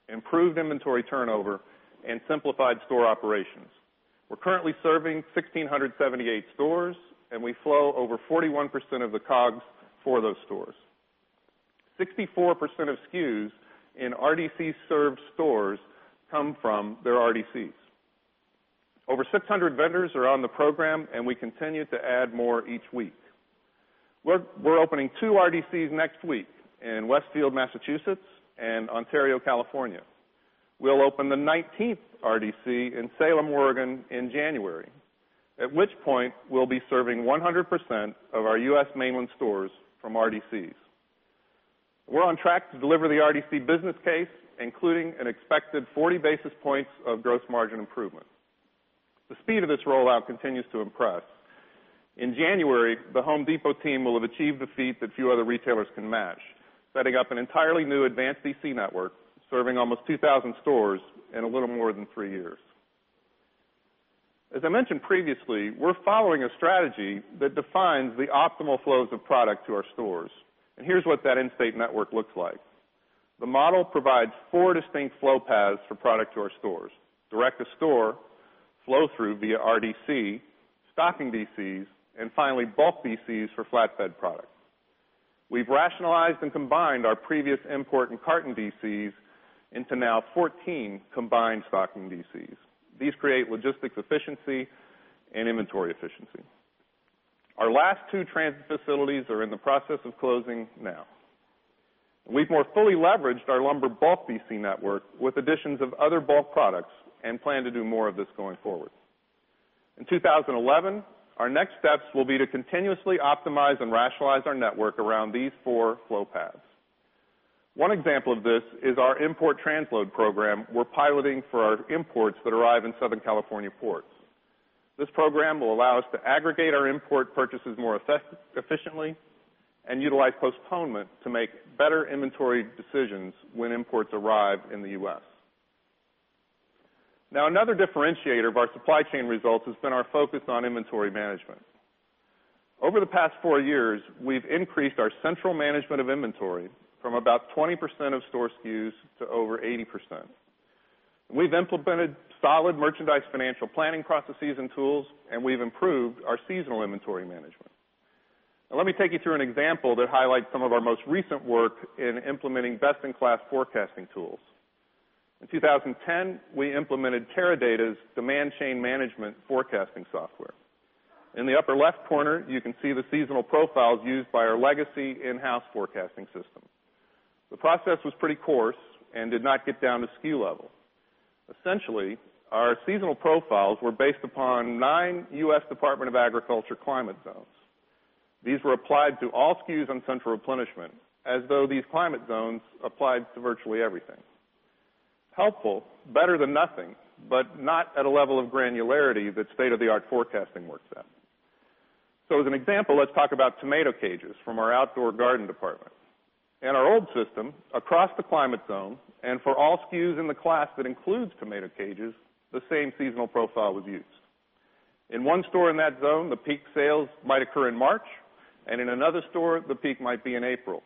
improved inventory turnover and simplified store operations. We're currently serving 1678 stores and we flow over 41% of the COGS for those stores. 64% of SKUs in RDC served stores come from their RDCs. Over 600 vendors are on the program and we continue to add more each week. We're opening 2 RDCs next week in Westfield, Massachusetts and Ontario, California. We'll open the 19th RDC in Salem, Oregon in January, at which point we'll be serving 100 percent of our U. S. Mainland stores from RDCs. We're on track to deliver the RDC business case, including an expected 40 basis points of gross margin improvement. The speed of this rollout continues to impress. In January, the Home Depot team will have achieved the feat that few other retailers can match, setting up an entirely new advanced DC network, serving almost 2,000 stores in a little more than 3 years. As I mentioned previously, we're following a strategy that defines the optimal flows of product to our stores. And here's what that in state network looks like. The model provides 4 distinct flow paths for product to our stores: direct to store, flow through via RDC, stocking DCs and finally bulk DCs for flatbed product. We've rationalized and combined our previous import and carton DCs into now 14 combined stocking DCs. These create logistics efficiency and inventory efficiency. Our last two transit facilities are in the process of closing now. We've more fully leveraged our lumber bulk DC network with additions of other bulk products and plan to do more of this going forward. In 2011, our next steps will be to continuously optimize and rationalize our network around these 4 flow paths. One example of this is our import transload program we're piloting for our imports that arrive in Southern California ports. This program will allow us to aggregate our import purchases more efficiently and utilize postponement to make better inventory decisions when imports arrive in the U. S. Now another differentiator of our supply chain results has been our focus on inventory management. Over the past 4 years, we've increased our central management of inventory from about 20% of store SKUs to over 80%. We've implemented solid merchandise financial planning processes and tools and we've improved our seasonal inventory management. And let me take you through an example that highlights some of our most recent work in implementing best in class forecasting tools. In 2010, we implemented Teradata's demand chain management forecasting software. In the upper left corner, you can see the seasonal profiles used by our legacy house forecasting system. The process was pretty course and did not get down to SKU level. Essentially, Our seasonal profiles were based upon 9 U. S. Department of Agriculture climate zones. These were applied to all SKUs on central replenishment as though these climate zones applied to virtually everything. Helpful, better than nothing, but not at a level of granularity that state of the art forecasting works So as an example, let's talk about tomato cages from our outdoor garden department. In our old system across the climate zone And for all SKUs in the class that includes tomato cages, the same seasonal profile was used. In one store in that zone, the peak sales might occur in March And in another store, the peak might be in April.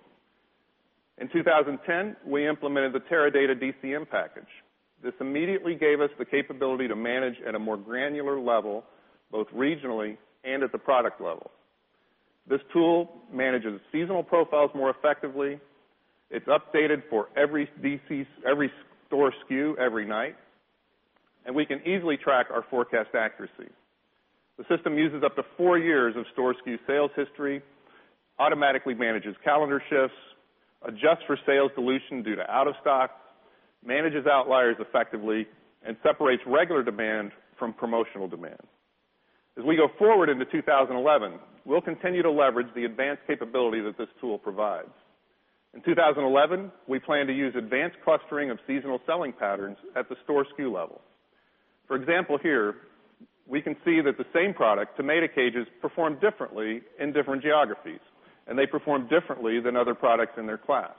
In 2010, we implemented the Teradata DCM package. This immediately gave us the capability to manage at a more granular level, both regionally and at the product level. This tool manages seasonal profiles more effectively. It's updated for every store SKU every night and we can easily track our forecast accuracy. The system uses up to 4 years of store SKU sales history, automatically manages calendar shifts, adjust for sales dilution due to out of stock, manages outliers effectively and separates regular demand from promotional demand. As we go forward into 2011, we'll continue to leverage the advanced capability that this tool provides. In 2011, we plan to use advanced clustering of seasonal selling patterns at the store SKU level. For example, here, We can see that the same product, tomato cages, performed differently in different geographies, and they performed differently than other products in their class.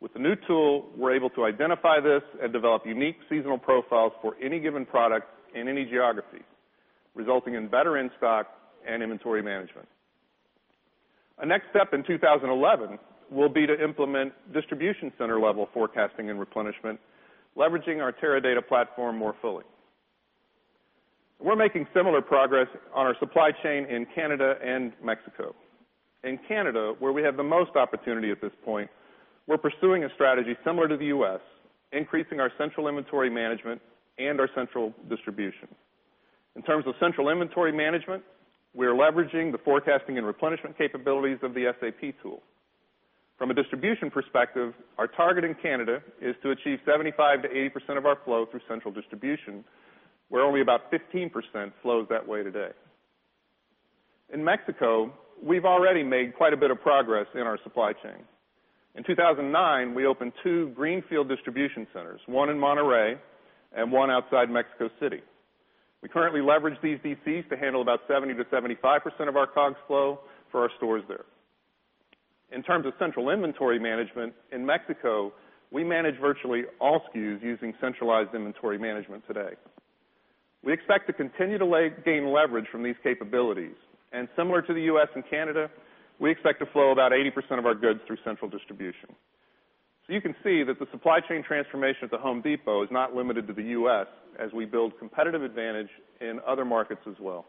With the new tool, we're able to identify this and develop unique seasonal profiles for any given product in any geography, resulting in better in stock and inventory management. Our next step in 2011 will be to implement Distribution center level forecasting and replenishment, leveraging our Teradata platform more fully. We're making similar progress on our supply chain in Canada and Mexico. In Canada, where we have the most opportunity at this point, we're pursuing a strategy similar to the U. S, Increasing our central inventory management and our central distribution. In terms of central inventory management, we are leveraging the forecasting and replenishment capabilities of the SAP tool. From a distribution perspective, our target in Canada is to achieve 75% to 80% of our flow through central distribution, where only about 15% flows that way today. In Mexico, we've already made quite a bit of progress in our supply chain. In 2,009, we opened 2 greenfield distribution centers, 1 in Monterrey and 1 outside Mexico City. We currently leverage these DCs to handle about 70% to 75% of our COGS flow for our stores there. In terms of central inventory management, in Mexico, We manage virtually all SKUs using centralized inventory management today. We expect to continue to gain leverage from these capabilities. And similar to the U. S. And Canada, we expect to flow about 80% of our goods through central distribution. So you can see that the supply chain at the Home Depot is not limited to the U. S. As we build competitive advantage in other markets as well.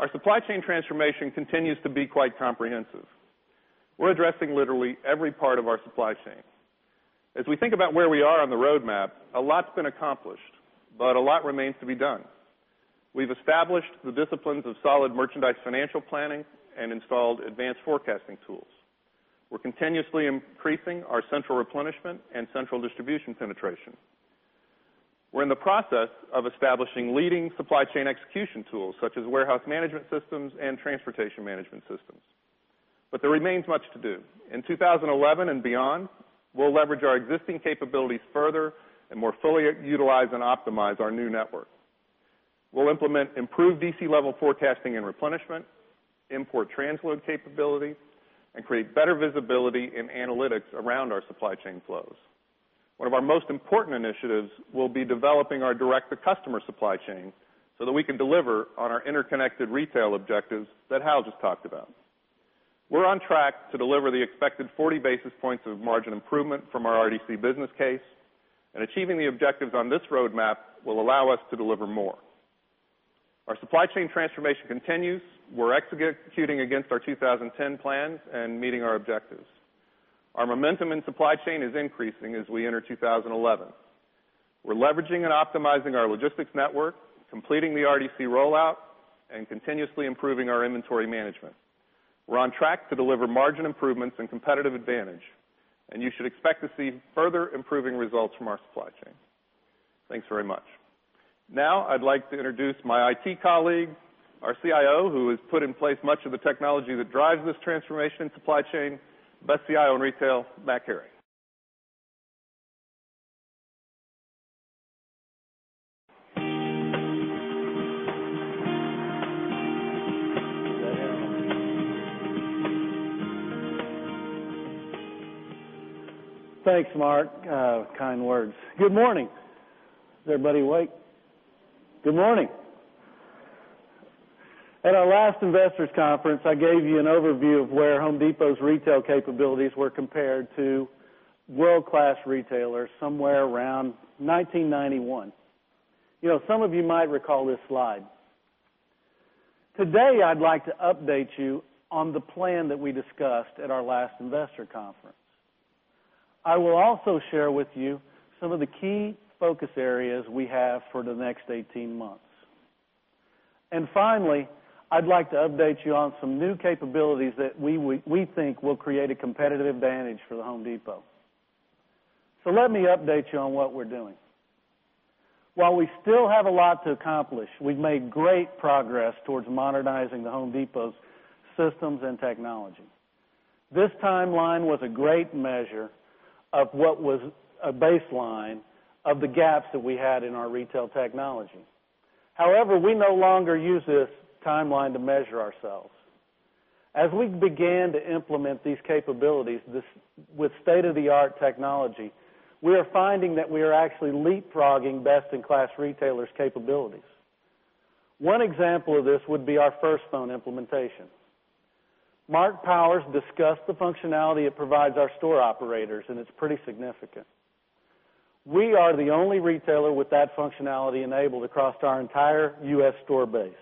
Our supply chain transformation continues to be quite comprehensive. We're addressing literally every part of our supply chain. As we think about where we are on the roadmap, a lot's been accomplished, but a lot remains to be done. We've established the disciplines of solid merchandise financial planning and installed advanced forecasting tools. We're continuously increasing our central replenishment and central distribution penetration. We're in the process of establishing leading supply chain execution tools such as warehouse management systems and transportation management systems. But there remains much to do. In 2011 beyond, we'll leverage our existing capabilities further and more fully utilize and optimize our new network. We'll implement improved DC level forecasting and replenishment, import transload capability and create better visibility and analytics around our supply chain flows. One of our most important initiatives will be developing our direct to customer supply chain so that we can deliver on our interconnected retail objectives that Hal just talked about. We're on track to deliver the expected 40 basis points of margin improvement from our RDC business case and achieving the objectives on this roadmap will allow us to deliver more. Our supply chain transformation continues. We're executing against our 2010 plans and meeting our objectives. Our momentum in supply chain is increasing as we enter 2011. We're leveraging and optimizing our logistics network, completing the RDC rollout and continuously improving our inventory management. We're on track to deliver margin improvements and competitive advantage, and you should expect to see further improving results from our supply Thanks very much. Now I'd like to introduce my IT colleague, our CIO, who has put in place much of the technology that drives this transformation in supply chain, Best CIO in Retail, Matt Carey. Thanks, Mark. Kind words. Good morning. Is everybody awake? Good morning. At our last investors conference, I gave you an overview of where Home Depot's retail capabilities were compared to World class retailers somewhere around 1991. Some of you might recall this slide. Today, I'd like to update you on the plan that we discussed at our last investor conference. I will also share with you some of the key focus areas we have for the next 18 months. And finally, I'd like to update you on Some new capabilities that we think will create a competitive advantage for The Home Depot. So let me update you on what we're doing. While we still have a lot to accomplish, we've made great progress towards modernizing The Home Depot's systems and technology. This timeline was a great measure of what was a baseline of the gaps that we had in our retail technology. However, we no longer use this timeline to measure ourselves. As we began to implement these capabilities With state of the art technology, we are finding that we are actually leapfrogging best in class retailers' capabilities. One example of this would be our First Phone implementation. Mark Powers discussed the functionality it provides our store operators and it's pretty significant. We are the only retailer with that functionality enabled across our entire U. S. Store base.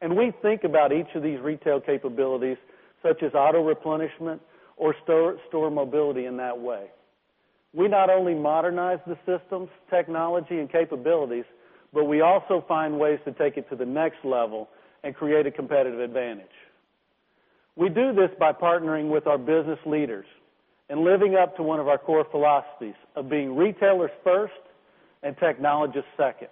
And we think about each of these retail capabilities, such as auto replenishment or store mobility in that way. We not only modernize the systems, technology and capabilities, but we also find ways to take it to the next level and create a competitive advantage. We do this by partnering with our business leaders and living up to one of our core philosophies of being retailers first and technologists second.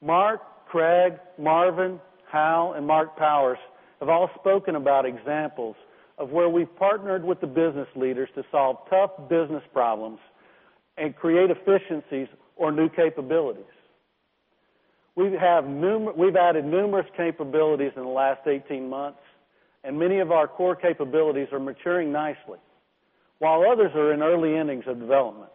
Mark, Craig, Marvin, Hal and Mark Powers have all spoken about examples of where we partnered with the business leaders to solve tough business problems and create efficiencies or new capabilities. We've added numerous capabilities in the last 18 months and many of our core capabilities are maturing nicely, while others are in early innings of development.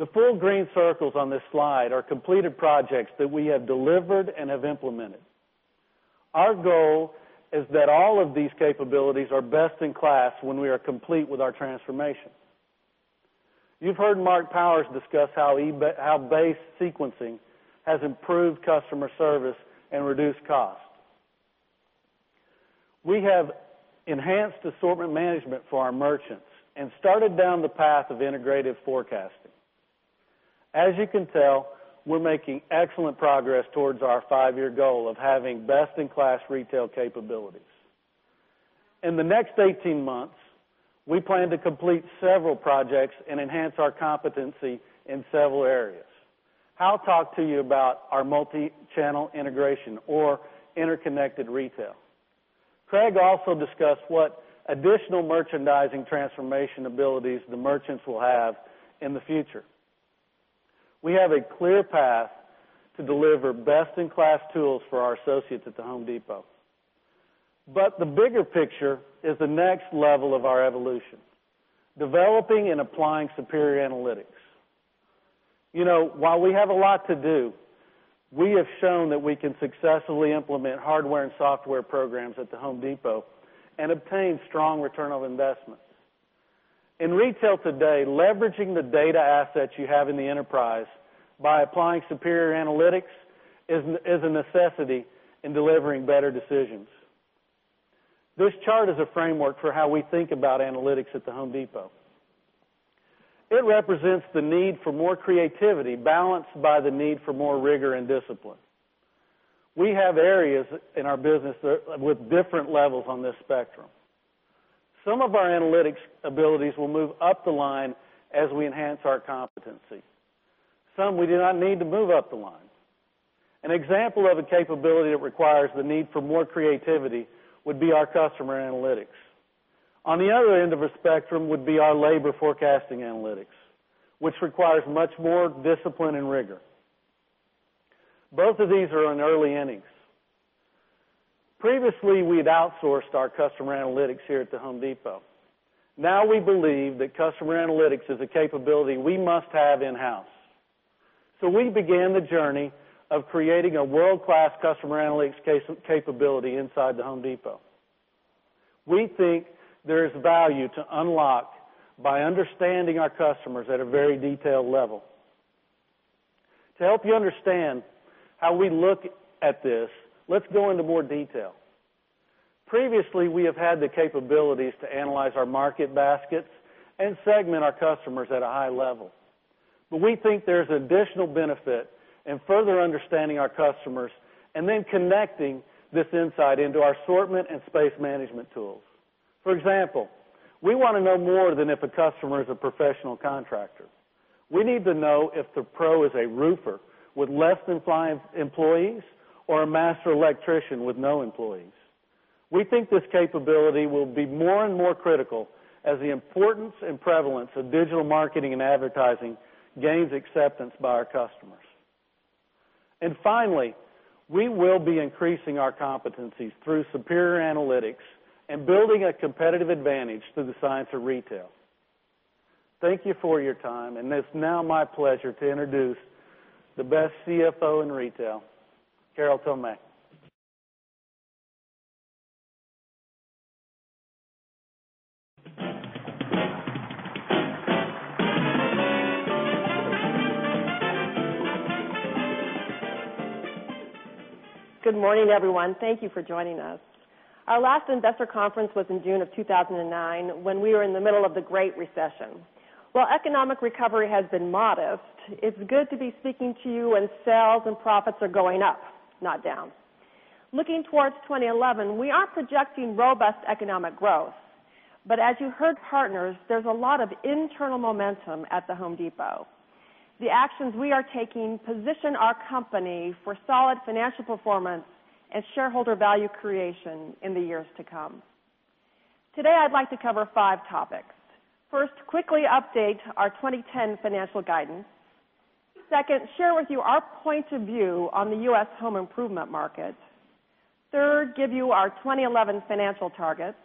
The full green circles on this slide are completed projects that we have delivered and have implemented. Our goal is that all of these capabilities are best in class when we are complete with our transformation. You've heard Mark Powers discuss how base sequencing has improved customer service and reduced cost. We have enhanced assortment management for our merchants and started down the path of integrative forecasting. As you can tell, we're making excellent progress towards our 5 year goal of having best in class retail capabilities. In the next 18 months, we plan to complete several projects and enhance our competency in several areas. I'll talk to you about our multi channel integration or interconnected retail. Craig also discussed what Additional merchandising transformation abilities the merchants will have in the future. We have a clear path to deliver best in class tools for our associates at The Home Depot. But the bigger picture is the next level of our evolution, Developing and applying superior analytics. While we have a lot to do, we have shown that we can successfully implement hardware and software programs at the Home Depot and obtain strong return on investment. In retail today, leveraging the data assets In the enterprise, by applying superior analytics is a necessity in delivering better decisions. This chart is a framework for how we think about analytics at The Home Depot. It represents the need for more creativity balanced by the need for more rigor and discipline. We have areas in our business with different levels on this spectrum. Some of our analytics abilities will move up the line as we enhance our competency. Some, we do not need to move up the line. An example of a capability that requires the need for more creativity would be our customer analytics. On the other end of the spectrum would be our labor forecasting analytics, which requires much more discipline and rigor. Both of these are in early innings. Previously, we had outsourced our customer analytics here at The Home Depot. Now we believe that customer analytics is a capability we must have in house. So we began the journey of creating a world class customer analytics capability inside The Home Depot. We think there is value to unlock by understanding our customers at a very detailed level. To help you understand how we look at this, let's go into more detail. Previously, we have had the capabilities to analyze our market baskets and segment our customers at a high level. But we think there's additional benefit in further understanding our customers And then connecting this insight into our assortment and space management tools. For example, we want to know more than if a customer is a professional contractor. We need to know if the Pro is a roofer with less than 5 employees or a master electrician with no employees. We think this capability will be more and more critical as the importance and prevalence of digital marketing and advertising Gain's acceptance by our customers. And finally, we will be increasing our competencies through superior analytics And building a competitive advantage through the science of retail. Thank you for your time, and it's now my pleasure to introduce The best CFO in retail, Carole Tomac. Good morning, everyone. Thank you for joining us. Our last investor conference was in June of 2009 when we were in the middle of the Great Recession. While economic recovery has been modest, it's good to be speaking to you when sales and profits are going up, not down. Looking towards 2011, we aren't projecting robust economic growth. But as you heard partners, there's a lot of internal momentum at The Home Depot. The actions we are taking position our company for solid financial performance and shareholder value creation in the years to come. Today, I'd like to cover 5 topics. 1st, quickly update our 2010 financial guidance 2nd, share with you our point of view on the U. S. Home improvement market 3rd, give you our 2011 financial targets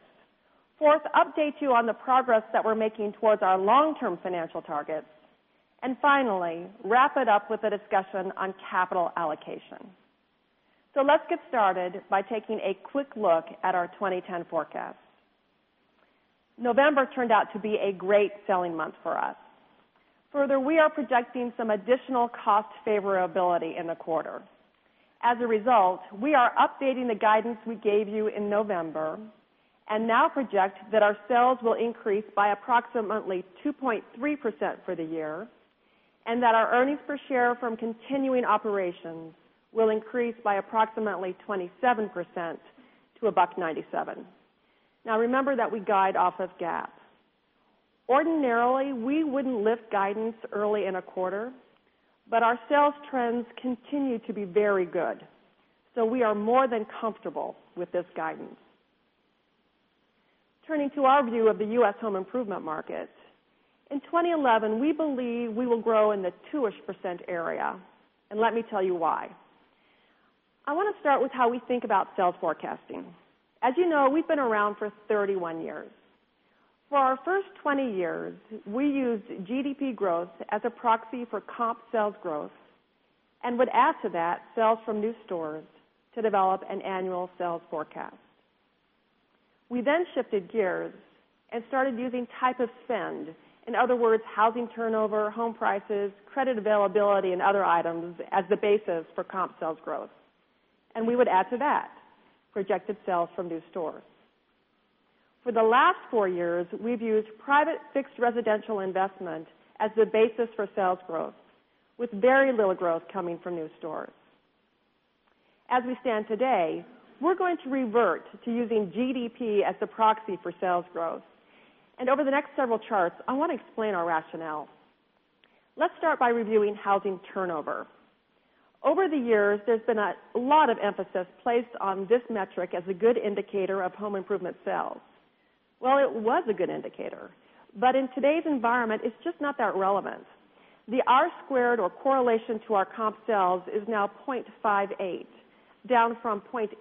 4th, update you on the progress that we're making towards our long term financial targets and finally, wrap it up with a discussion on capital allocation. So let's get started by taking a quick look at our 2010 forecast. November turned out to be a great selling month for us. Further, we are projecting some additional cost favorability in the quarter. As a result, we are updating the guidance we gave you in November and now project that our sales will increase by approximately 2.3% for the year and that our earnings per share from continuing operations will increase by approximately 27% to $1.97 Now remember that we guide off of GAAP. Ordinarily, we wouldn't lift guidance early in a quarter, but our sales trends continue to be very good. So we are more than comfortable with this guidance. Turning to our view of the U. S. Home improvement market. In 2011, we believe we will grow in the 2 ish percent area, and let me tell you why. I want to start with how we think about sales forecasting. As you know, we've been around for 31 years. For our 1st 20 years, we used GDP growth as a proxy for comp sales growth and would add to that sales from new stores to develop an annual sales forecast. We then shifted gears and started using type of spend. In other words, housing turnover, home prices, credit availability and other items as the basis for comp sales growth. And we would add to that projected sales from new stores. For the last 4 years, we've used private fixed residential investment as the basis for sales growth with very little growth coming from new stores. As we stand today, We're going to revert to using GDP as a proxy for sales growth. And over the next several charts, I want to explain our rationale. Let's start by reviewing housing turnover. Over the years, there's been a lot of emphasis placed on this metric as a good indicator of home improvement sales. Well, it was a good indicator. But in today's environment, it's just not that relevant. The R squared or correlation to our comp sales is now 0.58, down from 0.86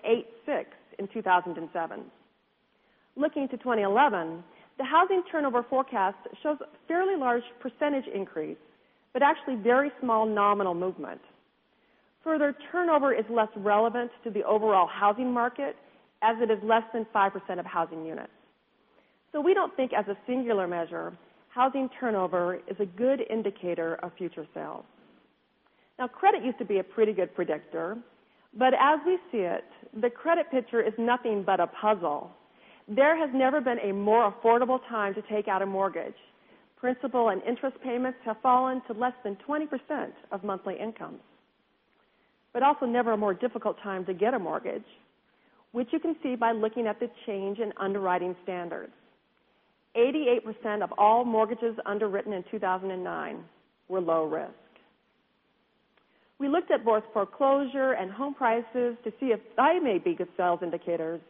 in 2,007. Looking to 2011, The housing turnover forecast shows fairly large percentage increase, but actually very small nominal movement. Further, turnover is less relevant to the overall housing market as it is less than 5% of housing units. So we don't think as a singular measure, housing turnover is a good indicator of future sales. Now credit used to be a pretty good predictor. But as we see it, the credit picture is nothing but a puzzle. There has never been a more affordable time to take out a mortgage. Principal and interest payments have fallen to less than 20% of monthly income, but also never a more difficult time to get a mortgage, which you can see by looking at the change in underwriting standards. 88% of all mortgages underwritten in 2,009 were low risk. We looked at both foreclosure and home prices to see if they may be good sales indicators.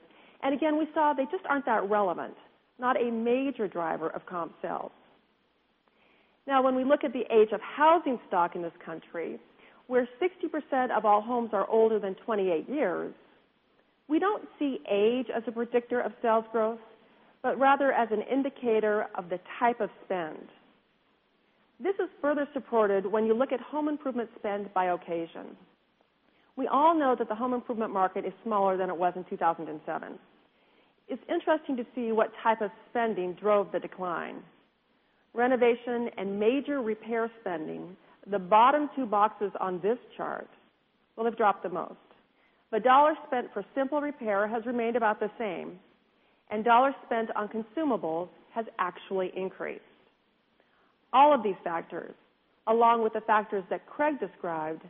And again, we saw they just aren't that relevant, not a major driver of comp sales. Now when we look at the age of housing stock in this country, where 60% of all homes are older than 28 years. We don't see age as a predictor of sales growth, but rather as an indicator of the type of spend. This is further supported when you look at home improvement spend by occasion. We all know that the home improvement market is smaller than it was in 2,007. It's interesting to see what type of spending drove the decline. Renovation and major repair spending, the bottom two boxes on this chart will have dropped the most. The dollar spent for simple repair has remained about the same and dollar spent on consumables has actually increased. All of these factors, along with the factors that Craig described,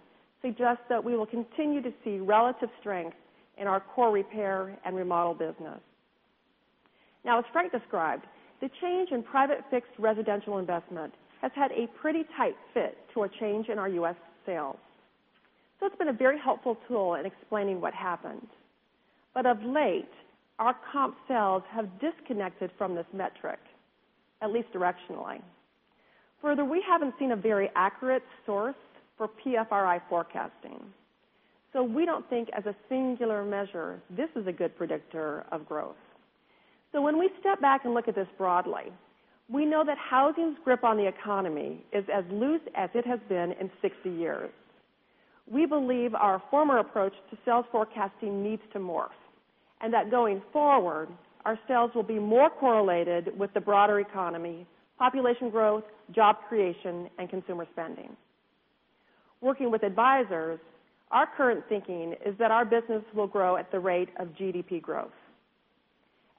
suggest that we will continue to see relative strength in our core repair and remodel business. Now as Frank described, the change in private fixed residential investment has had a pretty tight fit to a change in our U. S. Sales. So it's been a very helpful tool in explaining what happened. But of late, our comp sales have disconnected from this metric, at least directionally. Further, we haven't seen a very accurate source for PFRI forecasting. So we don't think, as a singular measure, this is a good predictor of growth. So when we step back and look at this broadly, we know that housing's grip on the economy is as loose as it has been in 60 years. We believe our former approach to sales forecasting needs to morph and that going forward, our sales will be more correlated with the broader economy, population growth, job creation and consumer spending. Working with advisors, our current thinking is that our business will grow at the rate of GDP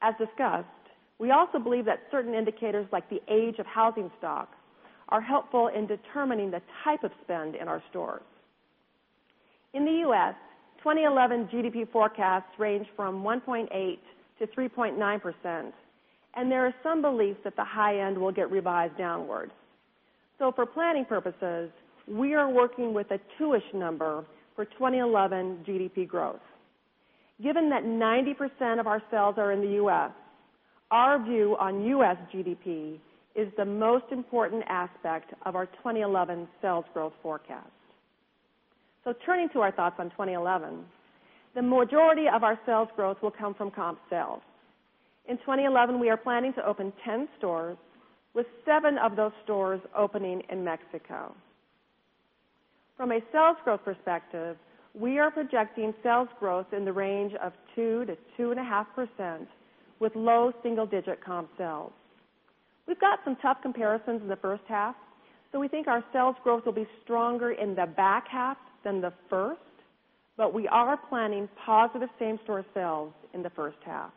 As discussed, we also believe that certain indicators like the age of housing stock are helpful in determining the type of spend in our stores. In the U. S, 2011 GDP forecasts range from 1.8% to 3.9% and there are some beliefs that the high end will get revised downwards. So for planning purposes, we are working with a 2 ish number for 2011 GDP growth. Given that 90% of our sales are in the U. S, our view on U. S. GDP is the most important aspect of our 2011 sales growth forecast. So turning to our thoughts on 2011. The majority of our sales growth will come from comp sales. In 2011, we are planning to open 10 stores with 7 of those stores opening in Mexico. From a sales growth perspective, we are projecting sales growth in the range of 2% to 2.5% with low single digit comp sales. We've got some tough comparisons in the first half, So we think our sales growth will be stronger in the back half than the first, but we are planning positive same store sales in the first half.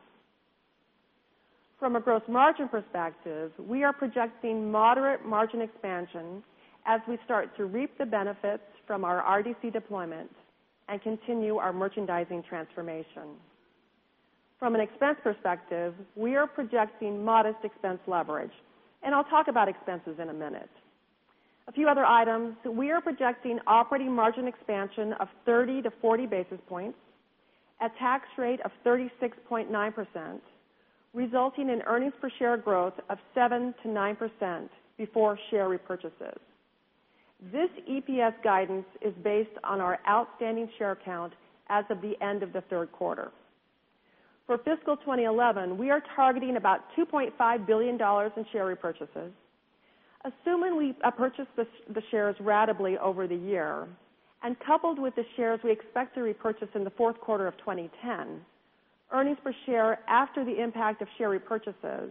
From a gross margin perspective, we are projecting moderate margin expansion as we start to reap the benefits from our RDC deployment and continue our merchandising transformation. From an expense perspective, we are projecting modest expense leverage and I'll talk about expenses in a minute. A few other items, we are projecting operating margin expansion of 30 basis points to 40 basis points, at tax rate of 36.9 percent, resulting in earnings per share growth of 7% to 9% before share repurchases. This EPS guidance is based on our outstanding share count as of the end of Q3. For fiscal 2011, we are targeting about $2,500,000,000 in share repurchases. Assuming we purchase the shares ratably over the year And coupled with the shares we expect to repurchase in the Q4 of 2010, earnings per share after the impact of share repurchases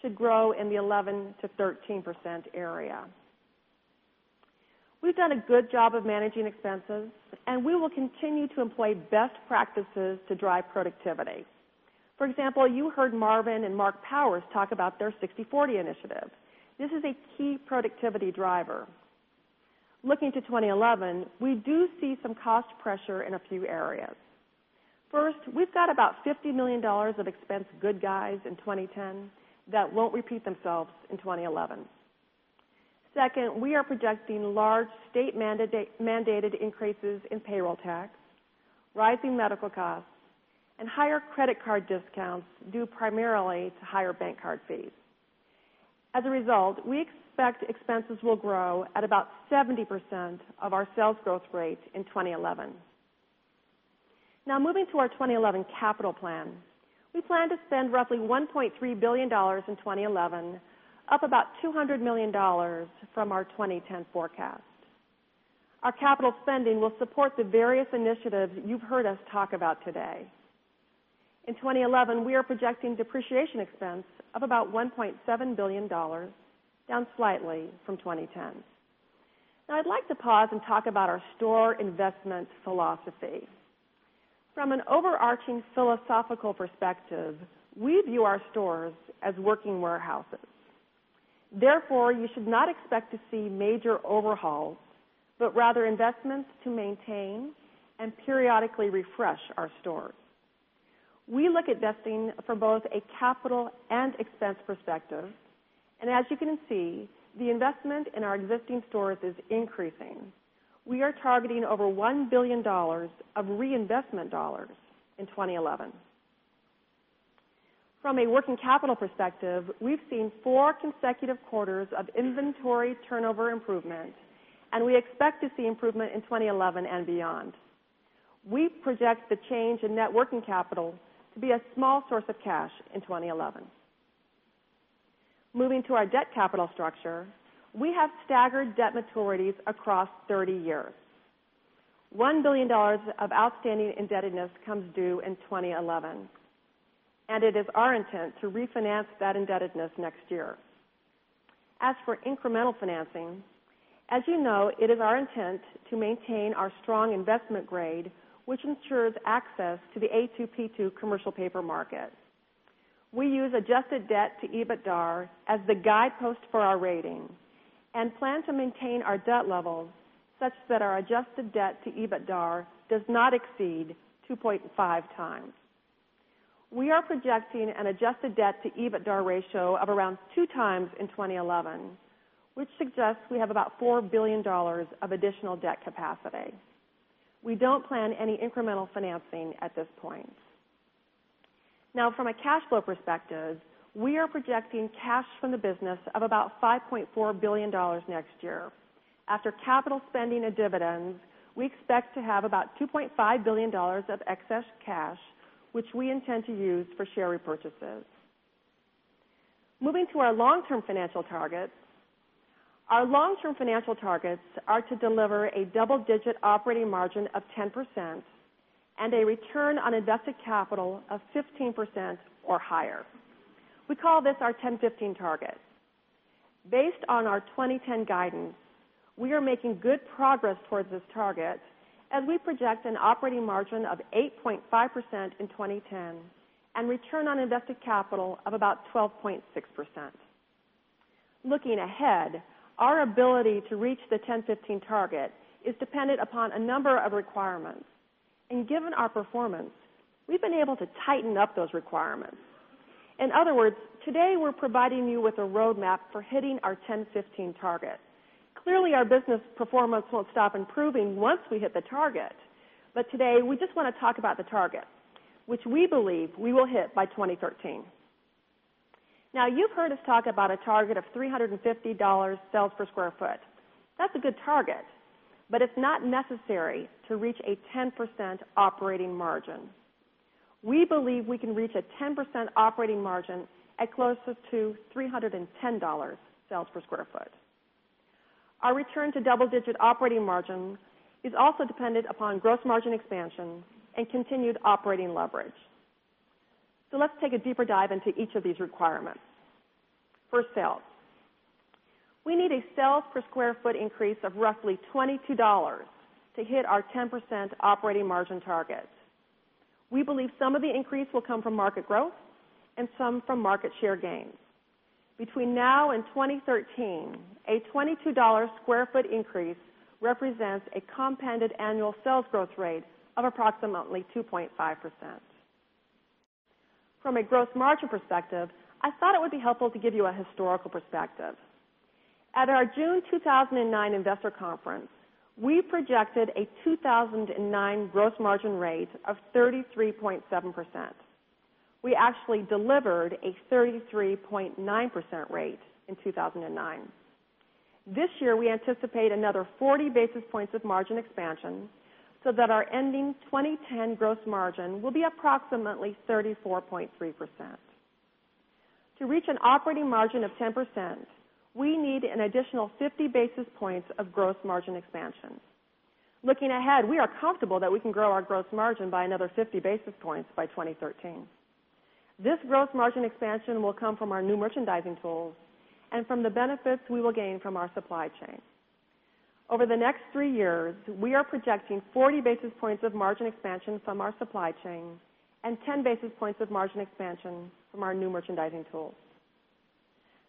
should grow in the 11% to 13% area. We've done a good job of managing expenses, And we will continue to employ best practices to drive productivity. For example, you heard Marvin and Mark Powers talk about their sixty-forty initiative. This is a key productivity driver. Looking to 2011, we do see some cost pressure in a few areas. First, we've got about $50,000,000 of expense good guys in 2010 that won't repeat themselves in 2011. 2nd, we are projecting large state mandated increases in payroll tax, rising medical costs and higher credit card discounts due primarily to higher bank card fees. As a result, we expect Expenses will grow at about 70% of our sales growth rate in 2011. Now moving to our 2011 capital plan. We plan to spend roughly $1,300,000,000 in 20.11, up about $200,000,000 from our 2010 forecast. Our capital spending will support the various initiatives you've heard us talk about today. In 2011, we are projecting depreciation expense of about $1,700,000,000 down slightly from 2010. Now I'd like to pause and talk about our store investment philosophy. From an overarching philosophical perspective, we view our stores as working warehouses. Therefore, you should not expect to see major overhauls, but rather investments to maintain and periodically refresh our stores. We look at vesting for both a capital and expense perspective. And as you can see, the investment in our existing stores is increasing. We are targeting over $1,000,000,000 of reinvestment dollars in 2011. From a working capital perspective, we've seen 4 consecutive quarters of inventory turnover improvement, and we expect to see improvement in 2011 and beyond. We project the change in net working capital to be a small source of cash in 2011. Moving to our debt capital structure, we have staggered debt maturities across 30 years. $1,000,000,000 of outstanding indebtedness comes due in 2011 and it is our intent to refinance that indebtedness next year. As for incremental financing, as you know, it is our intent to maintain our strong investment grade, which ensures access to the A2P2 commercial paper market. We use adjusted debt to EBITDAR as the guidepost for our rating and plan to maintain our debt levels such that our adjusted debt to EBITDAR does not exceed 2.5 times. We are projecting an adjusted debt to EBITDA ratio of around 2x in 2011, which suggests we have about $4,000,000,000 of additional debt capacity. Today. We don't plan any incremental financing at this point. Now from a cash flow perspective, We are projecting cash from the business of about $5,400,000,000 next year. After capital spending and dividends, We expect to have about $2,500,000,000 of excess cash, which we intend to use for share repurchases. Moving to our long term financial targets. Our long term financial targets are to deliver a double digit operating margin of 10% and a return on invested capital of 15% or higher. We call this our 10, 15 target. Based on our 2010 guidance, we are making good progress towards this target as we project an operating margin of 8.5% in 20 10% and return on invested capital of about 12.6%. Looking ahead, our ability to reach the 10% -fifteen target is dependent upon a number of requirements. And given our performance, we've been able to tighten up those requirements. In other words, today we're providing you with a road map for hitting our 10, 15 target. Clearly, our business performance won't stop improving once we hit the target. But today, we just want to talk about the target, which we believe we will hit by 2013. Now you've heard us talk about a target of $3.50 sales per square foot. That's a good target, but it's not necessary to reach a 10% operating margin. We believe we can reach a 10% operating margin at closest to $3.10 sales per square foot. Our return to double digit operating margin is also dependent upon gross margin expansion and continued operating leverage. So let's take a deeper dive into each of these requirements. 1st sales, we need a sales per square foot increase of roughly $22 to hit our 10% operating margin target. We believe some of the increase will come from market growth and some from market share gains. Between now and 2013, a $22 square foot increase represents a compounded annual sales growth rate of approximately 2.5%. From a gross margin perspective, I thought it would be helpful to give you a historical perspective. At our June 2009 investor conference, we projected a 2,009 gross margin rate of 33.7%. We actually delivered a 33.9% rate in 2,009. This year, we anticipate another 40 basis points of margin expansion, so that our ending 2010 gross margin will be approximately 34.3%. To reach an operating margin of 10%, we need an additional 50 basis points of gross margin expansion. Looking ahead, we are comfortable that we can grow our gross margin by another 50 basis points by 2013. This gross margin expansion will come from our new merchandising tools from the benefits we will gain from our supply chain. Over the next 3 years, we are projecting 40 basis points of margin expansion from our supply chain and 10 basis points of margin expansion from our new merchandising tools.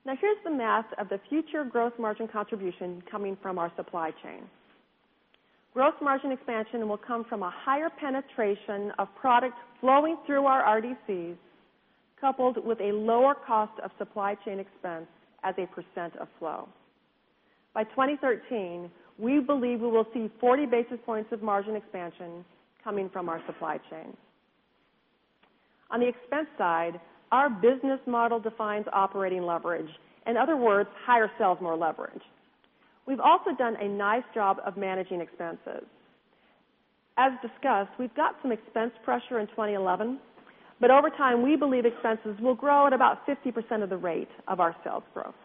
Now here's the math of the future gross margin contribution coming from our supply chain. Gross margin expansion will come from a higher penetration of product flowing through our RDCs, coupled with a lower cost of supply chain expense as a percent of flow. By 2013, we believe we will see 40 basis points of margin expansion coming from our supply chain. On the expense side, Our business model defines operating leverage. In other words, higher sales more leverage. We've also done a nice job of managing expenses. As discussed, we've got some expense pressure in 2011, but over time, we believe expenses will grow at about 50% of the rate of our sales growth.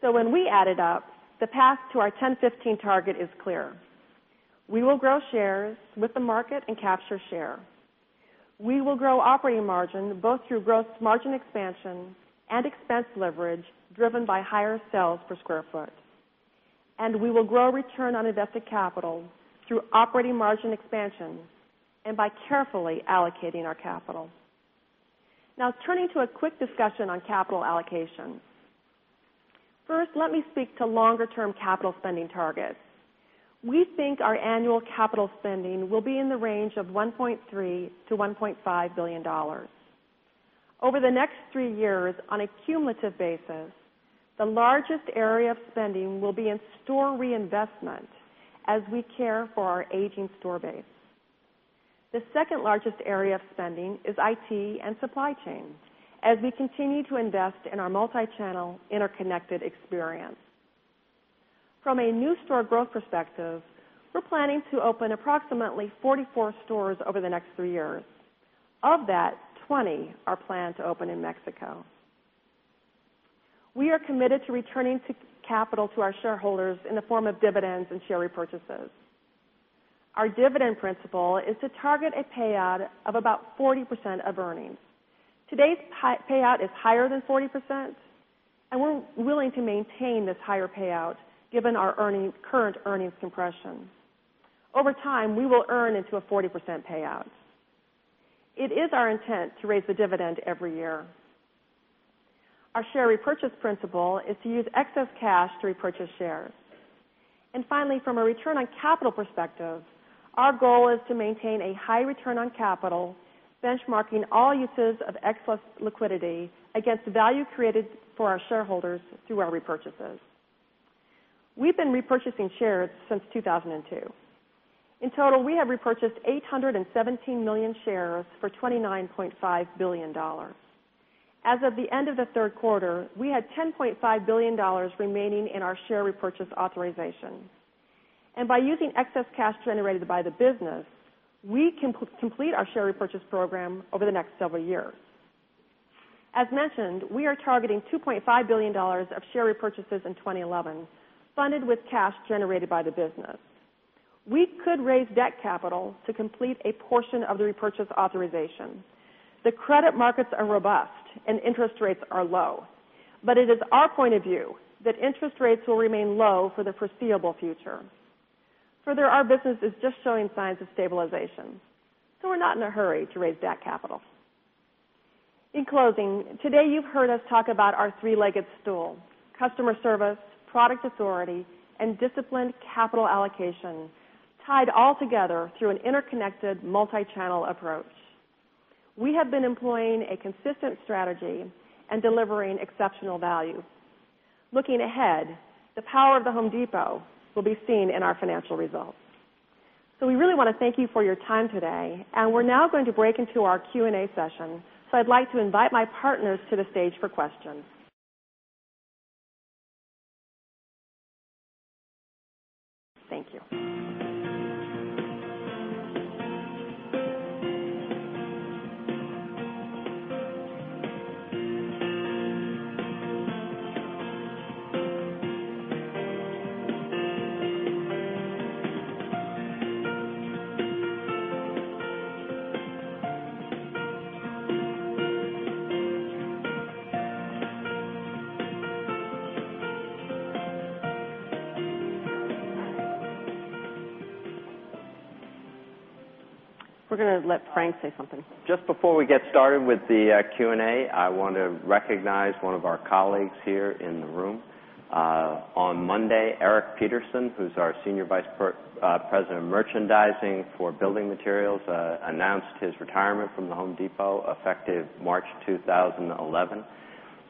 So when we add it up, the path to our 10, 15 target is clear. We will grow shares with the market and capture share. We will grow operating margin both through gross margin expansion and expense leverage driven by higher sales per square foot. And we will grow return on invested capital through operating margin expansion and by carefully allocating our capital. Now turning to a quick discussion on capital allocation. First, let me speak to longer term capital spending targets. We think our annual capital spending will be in the range of $1,300,000,000 to $1,500,000,000 Over the next 3 years, on a cumulative basis, the largest area of spending will be in store reinvestment as we care for our aging store base. The 2nd largest area of spending is IT and supply chain as we continue to invest in our multichannel interconnected experience. From a new store growth perspective, We're planning to open approximately 44 stores over the next 3 years. Of that, 20 are planned to open in Mexico. We are committed to returning capital to our shareholders in the form of dividends and share repurchases. Our dividend principle is to target a payout of about 40% of earnings. Today's payout is higher than 40%, And we're willing to maintain this higher payout given our earnings current earnings compression. Over time, we will earn into a 40% payout. It is our intent to raise the dividend every year. Our share repurchase principle is to use excess cash to repurchase shares. And finally, from a return on capital perspective, our goal is to maintain a high return on capital, benchmarking all uses of excess liquidity against value created for our shareholders through our repurchases. We've been repurchasing shares since 2002. In total, we have repurchased 817,000,000 shares for $29,500,000,000 As of the end of the third quarter, we had 10 point $5,000,000,000 remaining in our share repurchase authorization. And by using excess cash generated by the business, we can complete our share repurchase program over the next several years. As mentioned, we are targeting $2,500,000,000 of share repurchases in 2011, funded with cash generated by the business. We could raise debt capital to complete a portion of the repurchase authorization. The credit markets are robust and interest rates are low, but it is our point of view that interest rates will remain low for the foreseeable future. Further, our business is just showing signs of stabilization. So we're not in a hurry to raise that capital. In closing, today you've heard us talk about our 3 legged stool, customer service, product authority and disciplined capital allocation tied all together through an interconnected multichannel approach. We have been employing a consistent strategy and delivering exceptional value. Looking ahead, the power of the Home Depot will be seen in our financial results. So we really want to thank you for your time today, and we're now going to break into our and A session. So I'd like to invite my partners to the stage for questions. Thank you. We're going to let Frank say something. Just before we get started with the Q and A, I want to recognize one of our colleagues here in the room. On Monday, Eric Peterson, who's our Senior Vice President of Merchandising for Building Materials, Announced his retirement from The Home Depot effective March 2011.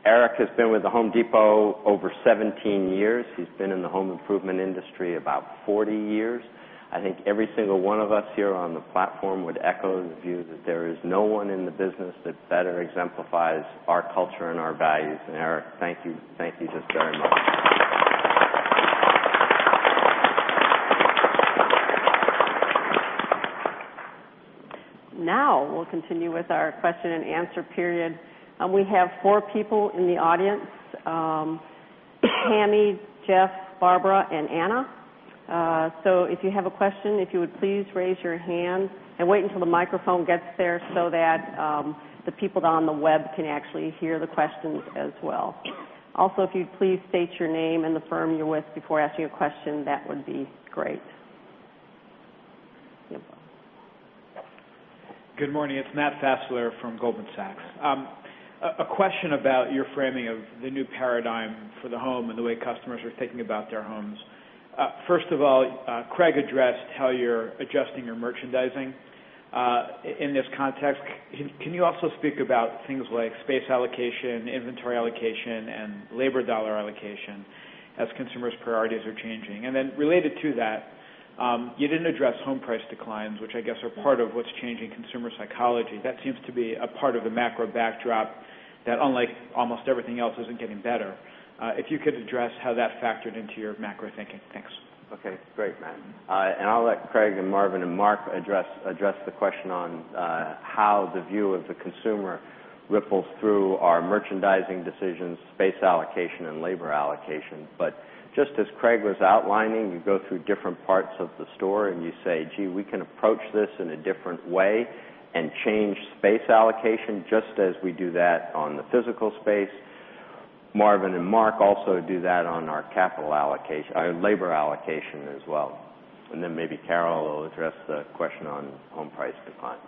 Eric has been with The Home Depot over 17 years. He's been in the home Improvement industry about 40 years. I think every single one of us here on the platform would echo the view that there is no one in the business that better Our culture and our values. And Eric, thank you. Thank you just very much. Now we'll continue with our question and answer period. We have 4 people in the audience: Tammy, Jeff, Barbara and Anna. So if you have a question, if you would please raise your hand And wait until the microphone gets there so that the people on the web can actually hear the questions as well. Also, if you'd please state your name and the firm you're with before asking a question, that would be great. Good morning. It's Matt Fassler from Goldman Sachs. A question about your framing of the new paradigm for the home and the way customers are thinking about their homes. First of all, Craig addressed how you're adjusting your merchandising In this context, can you also speak about things like space allocation, inventory allocation and labor dollar allocation As consumers' priorities are changing. And then related to that, you didn't address home price declines, which I guess are part of what's changing consumer psychology. That seems To be a part of the macro backdrop that unlike almost everything else isn't getting better. If you could address how that factored into your macro thinking? Thanks. Okay. Great, Matt. And I'll let Craig and Marvin and Mark address the question on how the view of the consumer Ripples through our merchandising decisions, space allocation and labor allocation. But just as Craig was outlining, you go through different parts of the And you say, gee, we can approach this in a different way and change space allocation just as we do that on the physical space. Marvin and Mark also do that on our capital allocation our labor allocation as well. And then maybe Carol will address the question on home price decline.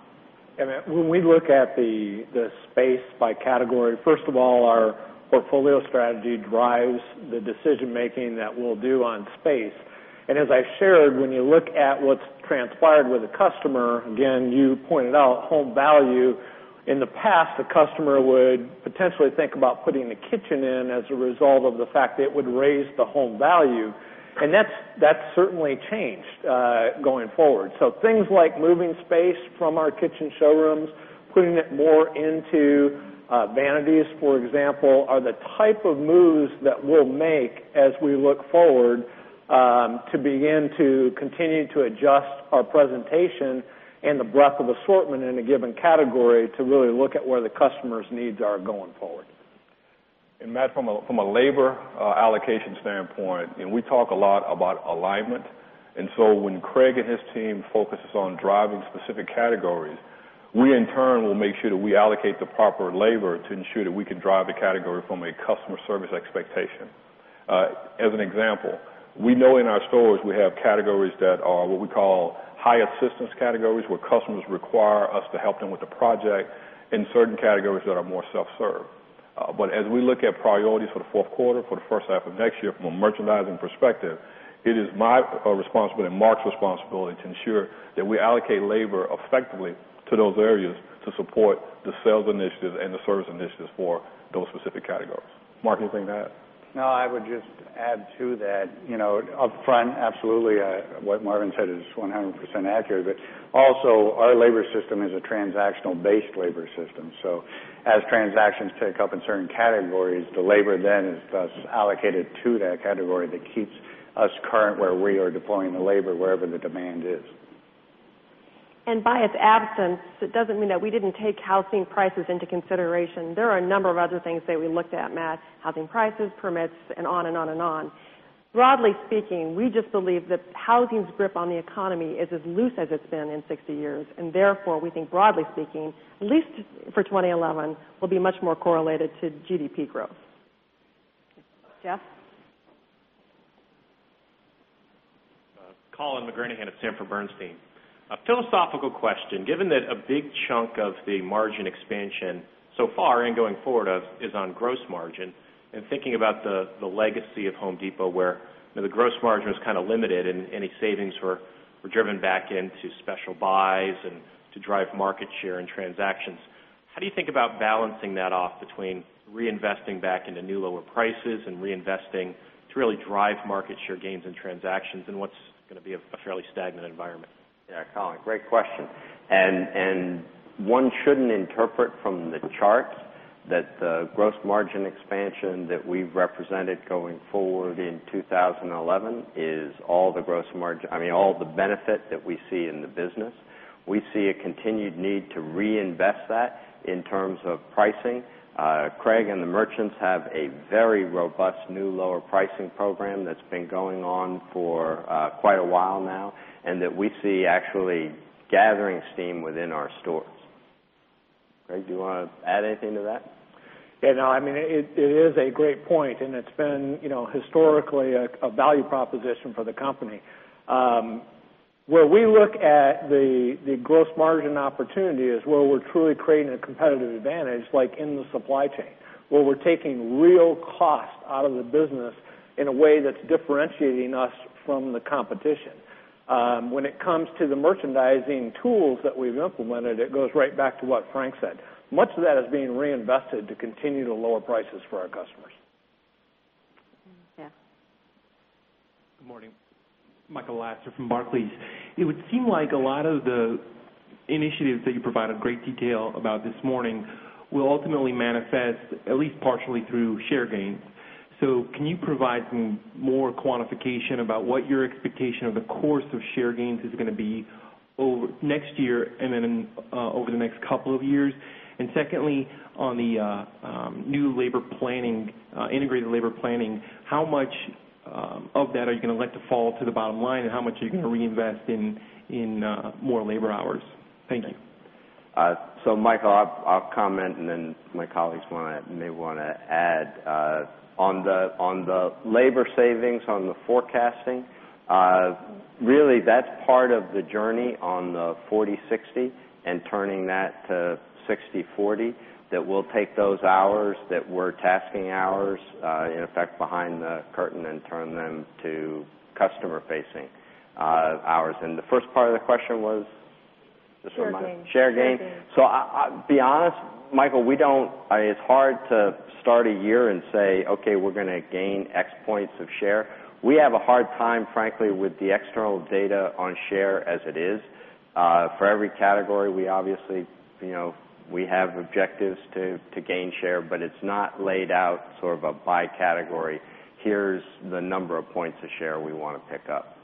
Amit, when we look at the space by category, first of all, our portfolio strategy drives the decision making that we'll do on space. And as I shared, when you look at what's transpired with the customer, again, you pointed out home value. In the Past, the customer would potentially think about putting the kitchen in as a result of the fact that it would raise the home value. And that's certainly changed going forward. So things like moving space from our kitchen showrooms, putting it more into vanities, for example, are the Type of moves that we'll make as we look forward, to begin to continue to adjust our presentation And the breadth of assortment in a given category to really look at where the customers' needs are going forward. And Matt, from a labor Allocation standpoint, and we talk a lot about alignment. And so when Craig and his team focuses on driving specific categories, We, in turn, will make sure that we allocate the proper labor to ensure that we can drive the category from a customer service expectation. As an example, we know in our stores we have categories that are what we call high assistance categories where customers require us to help them with the project in certain categories that are more self serve. But as we look at priorities for the Q4, for the first half of next year from a merchandising perspective, It is my responsibility and Mark's responsibility to ensure that we allocate labor effectively to those areas to support the sales initiatives and the service initiatives for Those specific categories. Mark, do you think that? No, I would just add to that. Upfront, absolutely, what Marvin said is 100% accurate. Also, our labor system is a transactional based labor system. So as transactions take up in certain categories, the labor then is thus Allocated to that category that keeps us current where we are deploying the labor wherever the demand is. And by its absence, it doesn't mean that we didn't take housing prices into consideration. There are a number of other things that we looked at, Matt, housing prices, permits, and on and on and on. Broadly speaking, we just believe that housing's grip on the economy is as loose as it's been in 60 years and therefore we think broadly speaking, at least for 2011 will be much more correlated to GDP growth. Jeff? Colin McGranahan at Sanford Bernstein. A philosophical question. Given that a big chunk of the margin expansion So far and going forward is on gross margin and thinking about the legacy of Home Depot where the gross margin is kind of limited and any savings We're driven back into special buys and to drive market share and transactions. How do you think about balancing that off between Reinvesting back into new lower prices and reinvesting to really drive market share gains and transactions in what's going to be a fairly stagnant environment. Yes, Colin, great question. And one shouldn't interpret from the chart that the gross margin Expansion that we've represented going forward in 2011 is all the gross margin I mean all the benefit that we see in the business. We see a continued need to reinvest that in terms of pricing. Craig and the merchants have a very robust new lower pricing program that's Going on for quite a while now and that we see actually gathering steam within our stores. Greg, do you want to add anything to that? Yes. No, I mean, it is a great point, and it's been historically a value proposition for the company. Where we look at the gross margin opportunity is where we're truly creating a competitive advantage like in the supply chain, Well, we're taking real cost out of the business in a way that's differentiating us from the competition. When it comes to the merchandising tools that we've implemented, it goes right back to what Frank said. Much of that is being reinvested to continue to lower prices for our customers. Good morning. Michael Lasser from Barclays. It would seem like a lot of the Initiatives that you provided great detail about this morning will ultimately manifest at least partially through share gains. So can you provide some more quantification about what your expectation of the course of share gains is going to be over next year and then over the next couple of years? And secondly, on the new labor planning integrated labor planning, how much Of that, are you going to like to fall to the bottom line? And how much are you going to reinvest in more labor hours? Thank you. So Michael, I'll comment and then my colleagues may want to add. On the labor savings, on the forecasting, Really, that's part of the journey on the forty-sixty and turning that to sixty-forty That we'll take those hours that we're tasking hours, in effect behind the curtain and turn them to customer facing Ours. And the first part of the question was? Share gain. Share gain. So to be honest, Michael, we don't it's hard to Start a year and say, okay, we're going to gain X points of share. We have a hard time, frankly, with the external data on share as it is. For every category, we obviously we have objectives to gain share, but it's not laid out sort of by category. Here's the number of points to share we want to pick up.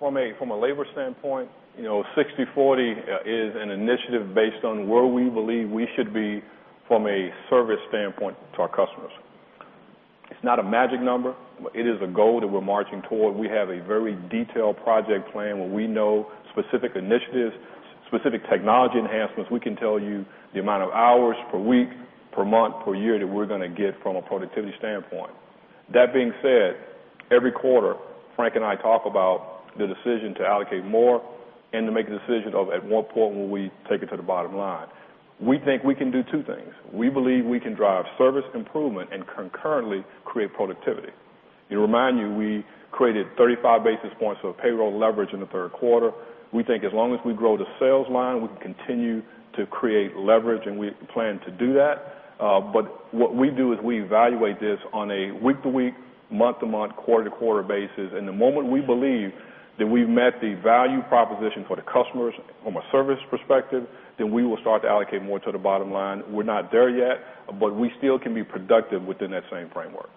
From a labor standpoint, sixty-forty is an initiative based on where we believe we should be from a service standpoint to our customers. It's not a magic number. It is a goal that we're marching toward. We have a very detailed project plan where we know specific initiatives, specific technology enhancements. We can tell you The amount of hours per week, per month, per year that we're going to get from a productivity standpoint. That being said, every quarter, Frank and I talk about the decision to allocate more and to make a decision of at what point will we take it to the bottom line. We think we can do 2 things. We believe we can drive service improvement and concurrently create productivity. To remind you, we Created 35 basis points of payroll leverage in the Q3. We think as long as we grow the sales line, we can continue to create leverage and we plan to do that. But what we do is we evaluate this on a week to week, month to month, quarter to quarter basis. And the moment we believe Then we've met the value proposition for the customers from a service perspective, then we will start to allocate more to the bottom line. We're not there yet, But we still can be productive within that same framework.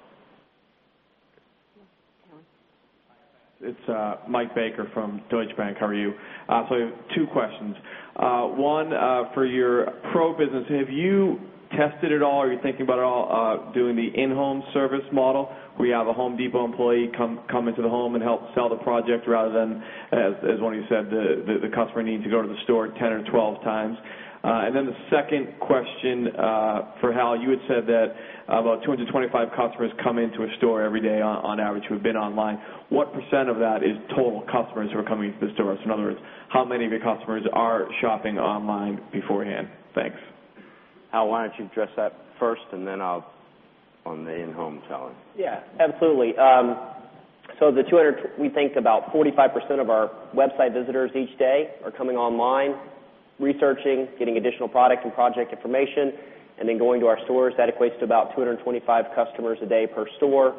It's Mike Baker from Deutsche Bank. How are you? So I have two questions. One, for your pro business, have you tested it all? Are you thinking about it all doing the in home service model? We have a Home Depot employee come into the home and help sell the project rather than, as Ronny said, the customer needs to go to the store 10 or 12 times. And then the second question, for Hal, you had said that about 225 customers come into a store every day on average who have been online. What percent of that is total customers who are coming to this store? In other words, how many of your customers are shopping online beforehand? Thanks. Al, why don't you address that first and then I'll on the in home selling. Yes, absolutely. So the 200 we think about 45% of our website visitors each day are coming online, researching, getting additional product and project information and going to our stores that equates to about 2 25 customers a day per store.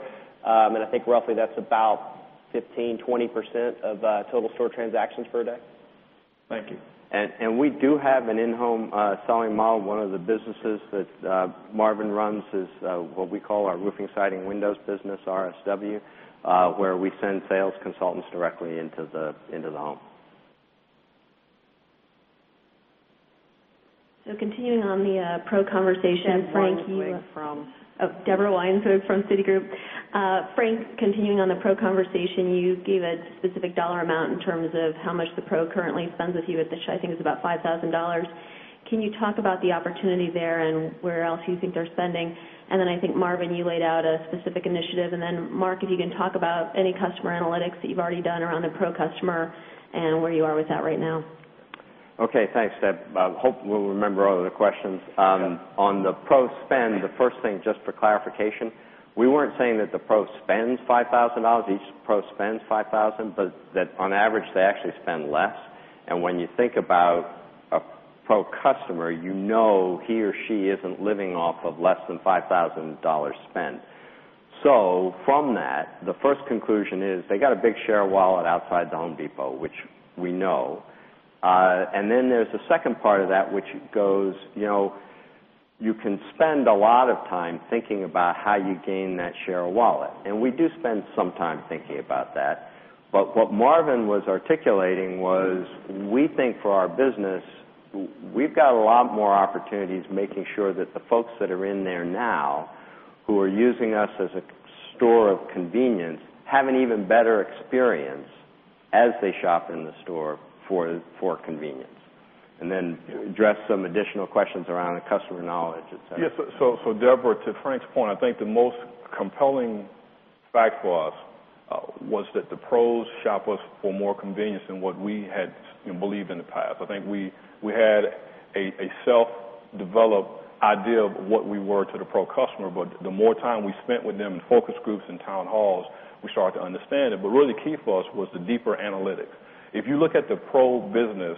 And I think roughly that's about 15%, 20% of total store transactions per day. Thank you. And we do have an in home selling model. 1 of the businesses that Marvin runs is what we call our roofing, siding and windows business, RSW, W, where we send sales consultants directly into the home. So continuing on the pro conversation, Deborah Weinfood from Citigroup. Frank, continuing on the pro conversation, you gave a specific dollar amount in terms of how much the pro currently spends with you at this, I think it's about $5,000 Can you talk about the opportunity there and where else you think they're spending? And then I think Marvin, you laid out a specific initiative. And then Mark, if you can talk about any customer analytics You've already done around the Pro customer and where you are with that right now. Okay. Thanks, Deb. I hope we'll remember all of the questions. On the Pro spend, the first thing, just For clarification, we weren't saying that the Pro spends $5,000 each Pro spends $5,000 but that on average they actually spend less. And when you think about a pro customer, you know he or she isn't living off of less than $5,000 spent. So from that, the first conclusion is they got a big share of wallet outside the Home Depot, which we know. And then there's a second part of that, which goes, you can spend a lot of time thinking about how you gain that share of wallet. And we do spend some time thinking about that. But what Marvin was articulating was we think for our business, We've got a lot more opportunities making sure that the folks that are in there now who are using us as a store of convenience Have an even better experience as they shop in the store for convenience. And then address some additional questions around the customer knowledge, Yes. So Deborah, to Frank's point, I think the most compelling fact for us was that the pros shop us for more convenience than what we had Believe in the past. I think we had a self developed idea of what we were to the Pro customer, but the more time we spent with them in focus groups in Town halls, we started to understand it. But really the key for us was the deeper analytics. If you look at the Pro business,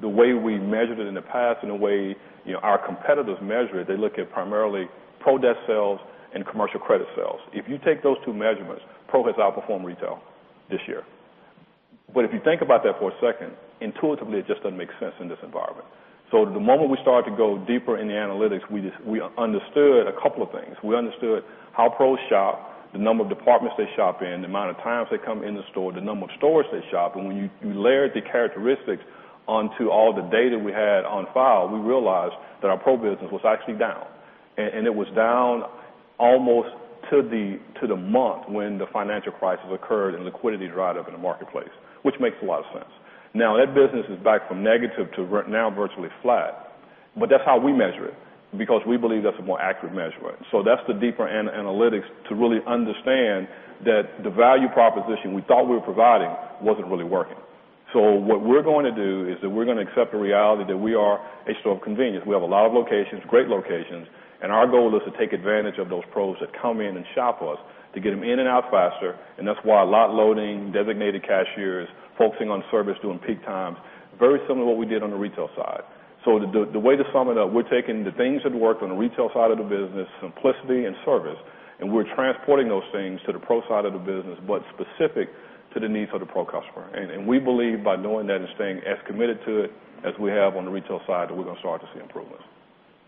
the way we measured it in the past and the way Our competitors measure it. They look at primarily Pro debt sales and commercial credit sales. If you take those two measurements Pro has outperformed retail this year. But if you think about that for a second, intuitively it just doesn't make sense in this environment. So the moment we start to go deeper in the analytics, we understood a couple of things. We understood How pros shop, the number of departments they shop in, the amount of times they come in the store, the number of stores they shop. And when you layer the characteristics Onto all the data we had on file, we realized that our pro business was actually down. And it was down almost to the month when the financial crisis occurred and liquidity dried up in the marketplace, which makes a lot of sense. Now that business is back from negative to now virtually flat. But that's how we measure it because we believe that's a more accurate measurement. So that's the deeper analytics to really understand that The value proposition we thought we were providing wasn't really working. So what we're going to do is that we're going to accept the reality that we are a store of convenience. We have a lot of locations, great locations, And our goal is to take advantage of those pros that come in and shop us to get them in and out faster. And that's why a lot loading, designated cashiers, focusing on service during peak times, Very similar to what we did on the retail side. So the way to sum it up, we're taking the things that worked on the retail side of the business, simplicity and service, we're transporting those things to the Pro side of the business, but specific to the needs of the Pro customer. And we believe by doing that and staying as committed to it As we have on the retail side, we're going to start to see improvements.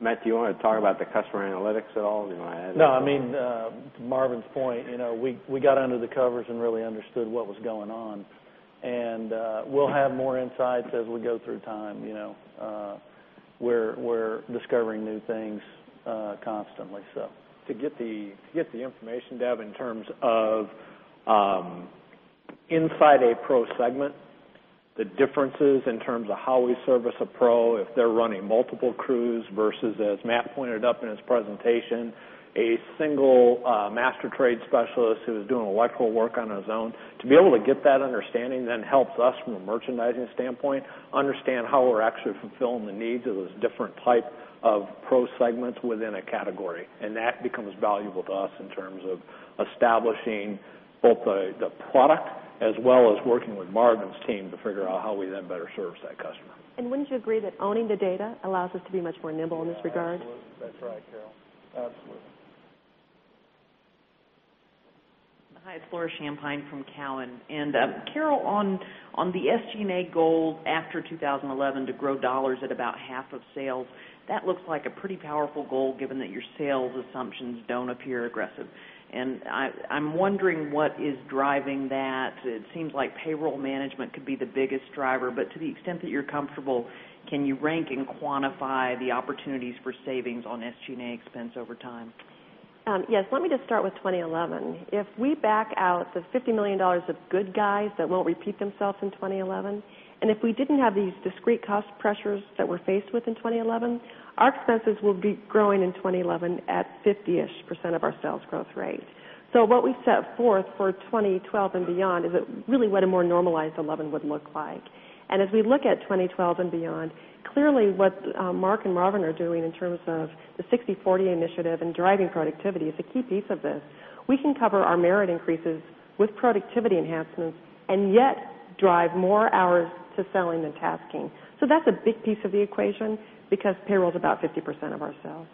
Matt, do you want to talk about the customer analytics at all? Do you want to add? No. I mean, Marvin's point, we got under the covers and really understood what was going on. And we'll have more insights as we go through time. We're discovering new things constantly. So to get the information, Deb, in terms of Inside a Pro segment, the differences in terms of how we service a Pro, if they're running multiple crews versus, as Matt pointed up in his presentation, A single master trade specialist who is doing electrical work on his own, to be able to get that understanding then helps us from a merchandising standpoint Understand how we're actually fulfilling the needs of those different type of pro segments within a category. And that becomes valuable to us in terms of establishing Both the product as well as working with Marvin's team to figure out how we then better service that customer. And wouldn't you agree that owning the data allows us to be much more nimble in this regard? That's right, Carol. Absolutely. It's Laura Champine from Cowen. And Carol, On the SG and A goal after 2011 to grow dollars at about half of sales, that looks like a pretty powerful goal given that your sales assumptions don't appear aggressive. And I'm wondering what is driving that. It seems like payroll management could be the biggest driver. But to the extent that you're comfortable, Can you rank and quantify the opportunities for savings on SG and A expense over time? Yes. Let me just start with 20.11. If we back out $50,000,000 of good guys that won't repeat themselves in 2011. And if we didn't have these discrete cost pressures that we're faced with in 2011, Our expenses will be growing in 2011 at 50 ish percent of our sales growth rate. So what we set forth for 2012 And beyond is really what a more normalized 11 would look like. And as we look at 2012 and beyond, clearly, what Mark and Robin are doing in terms of The sixty-forty initiative and driving productivity is a key piece of this. We can cover our merit increases with productivity enhancements and yet drive more hours to selling than tasking. So that's a big piece of the equation because payroll is about 50% of our sales.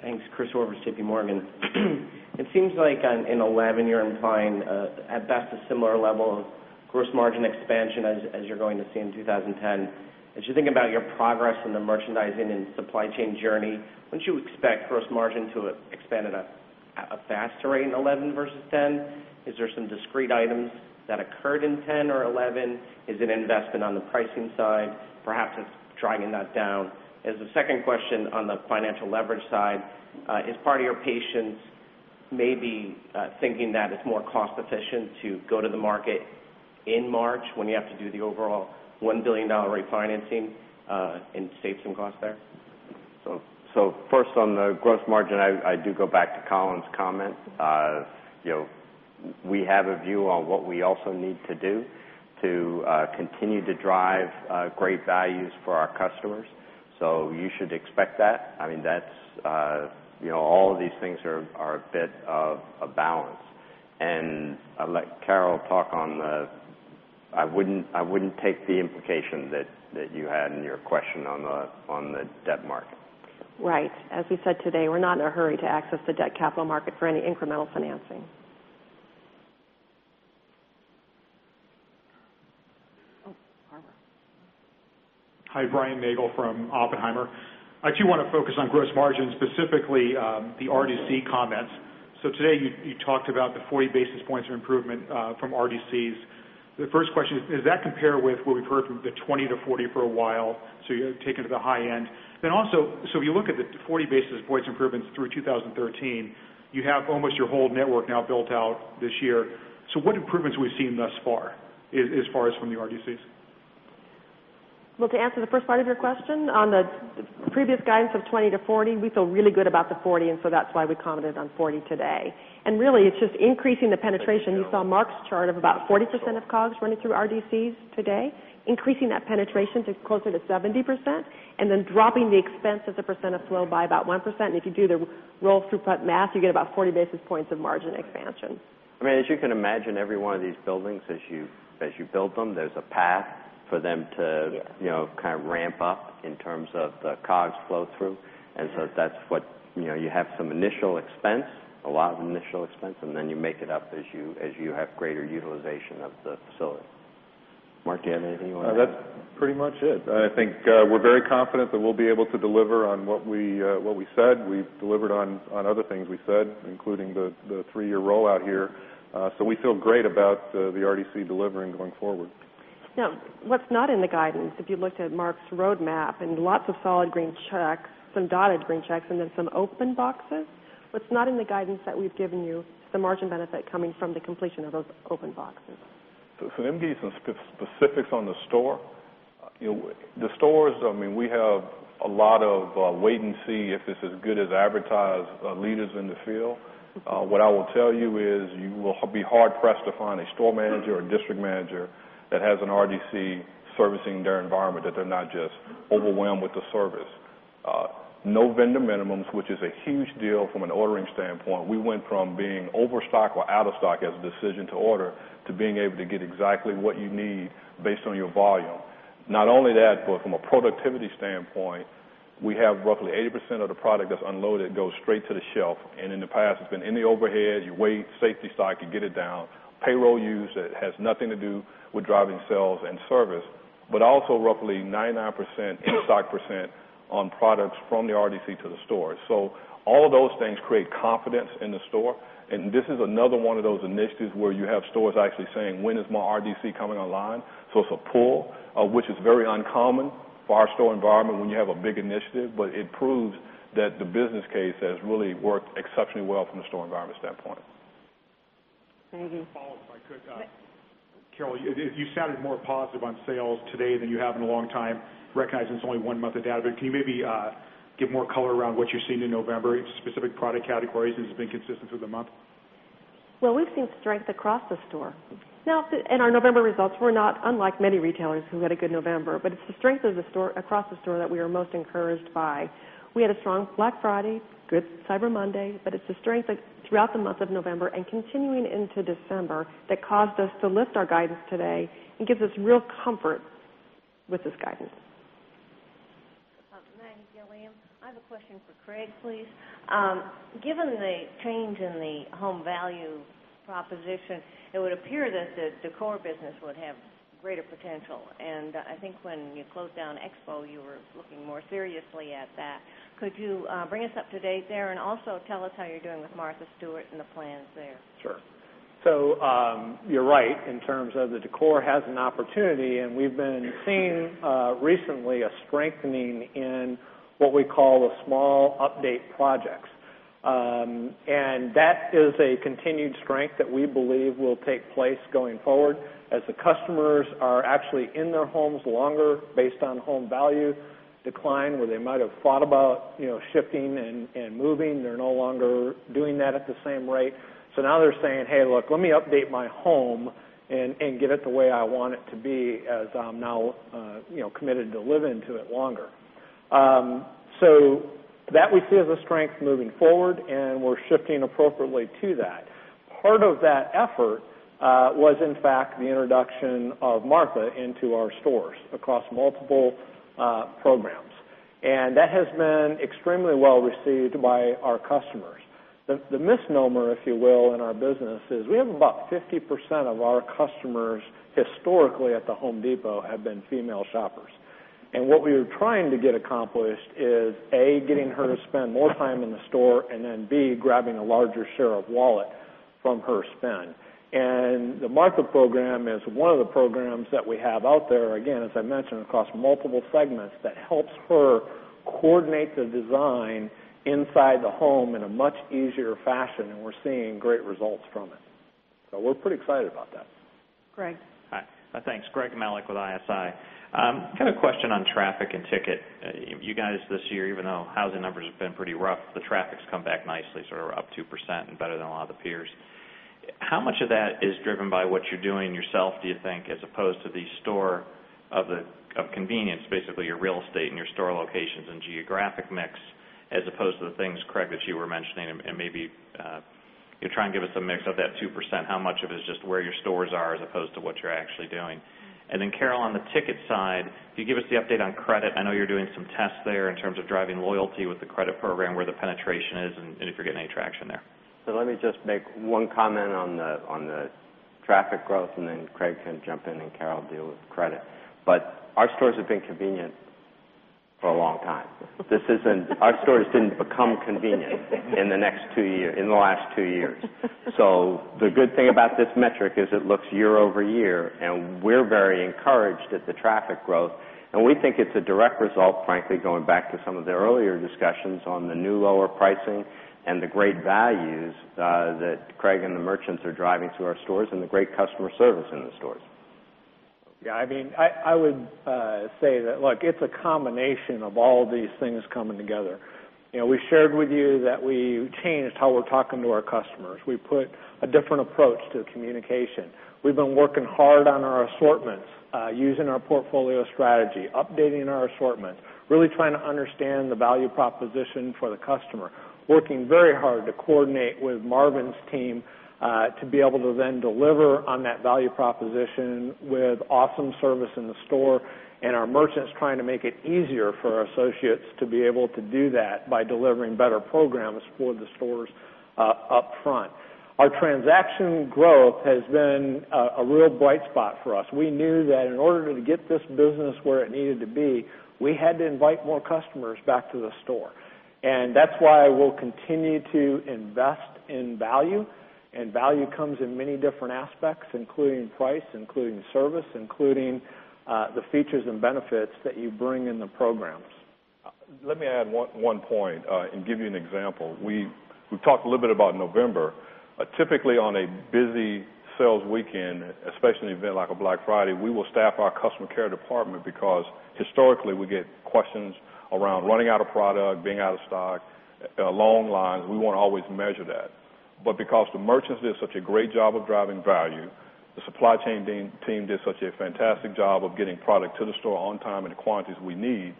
Thanks. Chris Horvers, JPMorgan. It seems like in 2011 you're implying At best, a similar level of gross margin expansion as you're going to see in 2010. As you think about your progress in the merchandising and supply chain journey, When should we expect gross margin to expand at a faster rate in 11% versus 10%? Is there some discrete items That occurred in 10 or 11 is an investment on the pricing side, perhaps it's driving that down. As a second question on the financial leverage side, Is part of your patience maybe thinking that it's more cost efficient to go to the market in March when you have to do the overall $1,000,000,000 refinancing and save some costs there. So first on the gross margin, I do go back to Colin's comment. We have a view on what we also need to do to continue to drive great values for our customers. So you should expect that. I mean that's all of these things are a bit of a balance. And I'll let Carol talk on the I wouldn't take the implication that you had in your question on the debt market. Right. As we said today, we're not in a hurry to access the debt capital market for any incremental financing. Hi, Brian Nagel from Oppenheimer. I do want to focus on gross margin, specifically, the RDC comments. So today you talked about the 40 basis points of improvement from RDCs. The first question is, does that compare with what we've heard from the 20 to 40 for a while, you're taking to the high end. Then also, so if you look at the 40 basis points improvements through 2013, you have almost your whole network now built out this year. So what improvements we've seen thus far as far as from the RDCs? Well, to answer the first part of your question, on the Previous guidance of 20 to 40, we feel really good about the 40, and so that's why we commented on 40 today. And really, it's just increasing the penetration. You saw Mark's Chart of about 40% of COGS running through RDCs today, increasing that penetration to closer to 70% and then dropping the expense as a percent of flow by about 1%. And if you do the Roll throughput math you get about 40 basis points of margin expansion. I mean as you can imagine every one of these buildings as you build them there's a path For them to kind of ramp up in terms of the COGS flow through. And so that's what you have some initial expense, A lot of initial expense and then you make it up as you have greater utilization of the facility. Mark, do you have anything you want to add? That's Pretty much it. I think we're very confident that we'll be able to deliver on what we said. We've delivered on other things we said, including the 3 year rollout here. So we feel great about the RDC delivering going forward. Now what's not in the guidance, if you looked at Mark's road map and lots of solid green checks, some dotted green checks and then some open boxes. But it's not in the guidance that we've given you, the margin benefit coming from the completion of those open boxes. So maybe some specifics on the store. The stores, I mean, we have a lot of wait and see if this is Good as advertised leaders in the field. What I will tell you is you will be hard pressed to find a store manager or district manager That has an RDC servicing their environment that they're not just overwhelmed with the service. No vendor minimums, which is a huge deal from an ordering standpoint. We went from being overstock or out of stock as a decision to order to being able to get exactly what you need based on your volume. Not only that, but from a productivity standpoint, we have roughly 80% of the product that's unloaded goes straight to the shelf. And in the past, it's In the overhead, you wait, safety stock, you get it down, payroll use that has nothing to do with driving sales and service, But also roughly 99% in stock percent on products from the RDC to the stores. So all of those things create confidence in the store. And this is another one of those initiatives where you have stores actually saying when is my RDC coming online. So it's a pool, which is very uncommon Bar store environment when you have a big initiative, but it proves that the business case has really worked exceptionally well from a store environment standpoint. Thank you. Carol, you sounded more positive on sales today than you have in a long time, recognizing it's only 1 month of data. But can you maybe Give more color around what you're seeing in November, specific product categories, and it's been consistent through the month. Well, we've seen strength across the store. Now and our November results were not unlike many retailers who had a good November, but it's the strength of the store across the store that we are most encouraged by. We had a strong Black Friday, good Cyber Monday, but it's a strength throughout the month of November and continuing into December that caused us to lift our guidance today and gives us real Comfort with this guidance. Maggie Gilliam. I have a question for Craig, please. Given the Change in the home value proposition, it would appear that the core business would have greater potential. And I think when you closed down Expo, you were More seriously at that. Could you bring us up to date there and also tell us how you're doing with Martha Stewart and the plans there? Sure. So, you're right in terms of the decor has an opportunity, and we've been seeing recently a strengthening in what we call the small update projects. And that is a continued strength that we believe will take place going forward As the customers are actually in their homes longer based on home value decline where they might have thought about shifting and moving, they're no longer Doing that at the same rate. So now they're saying, Hey, look, let me update my home and get it the way I want it to be as I'm now Committed to live into it longer. So that we see as a strength moving forward, and we're shifting appropriately to that. Part of that effort, was in fact the introduction of Martha into our stores across multiple programs. And that has been extremely well received by our customers. The misnomer, if you will, in our business is we have about 50% of our customers historically at the Home Depot have been female shoppers. And what we are trying to get accomplished is, A, getting her to spend more time in the store and then, B, grabbing a larger share of wallet from her spend. And the Martha program is one of the programs that we have out there, again, as I mentioned, across multiple segments that helps her Coordinate the design inside the home in a much easier fashion and we're seeing great results from it. So we're pretty excited about that. Greg? Thanks. Greg Malek with ISI. Kind of a question on traffic and ticket. You guys this year, even though housing numbers have been pretty rough, the traffic has come back nice, So up 2% and better than a lot of the peers. How much of that is driven by what you're doing yourself do you think as opposed to the store Of convenience, basically your real estate and your store locations and geographic mix as opposed to the things, Craig, that you were mentioning and maybe You're trying to give us a mix of that 2%, how much of it is just where your stores are as opposed to what you're actually doing? And then Carol, on the ticket side, give us the update on credit? I know you're doing some tests there in terms of driving loyalty with the credit program, where the penetration is and if you're getting any traction So let me just make one comment on the traffic growth and then Craig can jump in and Carol deal with credit. But our stores have been convenient for a long time. This isn't our stores didn't become convenient in the next 2 years in the last 2 years. So the good thing about this metric is it looks year over year. And we're very encouraged at the traffic growth. And we think it's a direct result, frankly, going back to some of the earlier discussions on the new lower pricing And the great values that Craig and the merchants are driving to our stores and the great customer service in the stores. Yes. I mean, I would say that, look, it's a combination of all these things coming together. We shared with you that we changed how we're talking to our customers. We put a different approach to We put a different approach to communication. We've been working hard on our assortments, using our portfolio strategy, updating our assortments, Really trying to understand the value proposition for the customer, working very hard to coordinate with Marvin's team to be able to then deliver on that value proposition with awesome service in the store and our merchants trying to make Easier for associates to be able to do that by delivering better programs for the stores upfront. Our transaction growth has been a real bright spot for us. We knew that in order to get this business where it needed to be, We had to invite more customers back to the store. And that's why we'll continue to invest in value. And value comes in many different aspects, including price, including service, including the features and benefits that you bring in the programs. Let me add one point and give you an example. We've talked a little bit about November. Typically on a busy Sales weekend, especially an event like a Black Friday, we will staff our customer care department because historically we get questions around running out of product, being out of stock, Long lines, we won't always measure that. But because the merchants did such a great job of driving value, the supply chain team did such a fantastic job of getting product to the on time and quantities we need.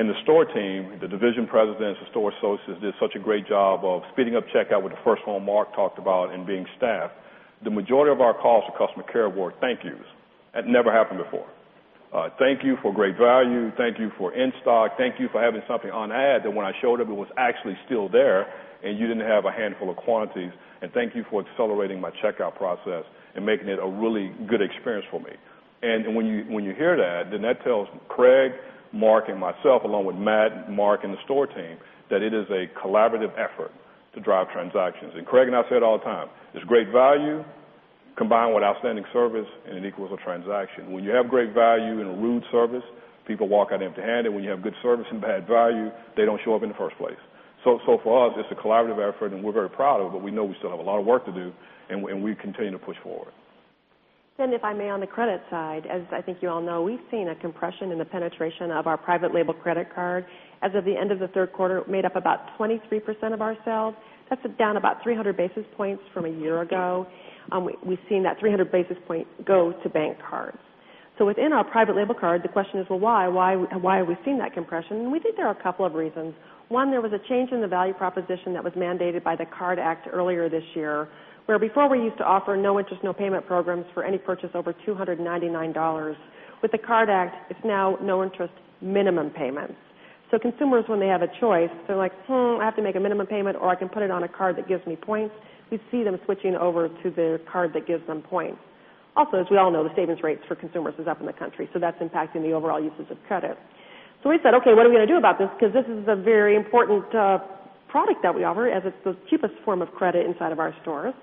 And the store team, the division presidents of store associates did such a great job of speeding up checkout with the first one Mark talked about and being staffed. The majority of our calls for customer care were thank yous. That never happened before. Thank you for great value. Thank you for in stock. Thank you for having something on ad that when I showed up Actually still there and you didn't have a handful of quantities. And thank you for accelerating my checkout process and making it a really good experience for me. And when you hear that, then that tells Craig, Mark and myself along with Matt, Mark and the store team that it is a collaborative effort to drive transactions. And Craig and I say it all the time, there's great value combined with outstanding service and an equal to transaction. When you have great value in a rude service, People walk out empty handed. When you have good service and bad value, they don't show up in the 1st place. So for us, it's a collaborative effort and we're very proud of it, but we know we still have a lot of work to do And we continue to push forward. And if I may, on the credit side, as I think you all know, we've seen a compression in the penetration of our private label credit card As of the end of Q3, it made up about 23% of our sales. That's down about 300 basis points from a year ago. We've seen that 300 basis point go to bank cards. So within our private label card, the question is, well, why, why are we seeing that compression? And we think there are a couple of reasons. One, there was a change in the value proposition that was mandated by the CARD Act earlier this year, where before we used to offer no interest, no payment programs for any purchase over $2.99 With the CARD Act, it's now no interest minimum payments. So consumers, when they have a choice, they're like, I have to make a minimum payment or I can put it on a card that gives me points, You see them switching over to the card that gives them points. Also, as we all know, the savings rates for consumers is up in the country, so that's impacting the overall uses of credit. So we said, okay, what are we going to do about this because this is a very important product that we offer as it's the cheapest form of credit inside of our stores.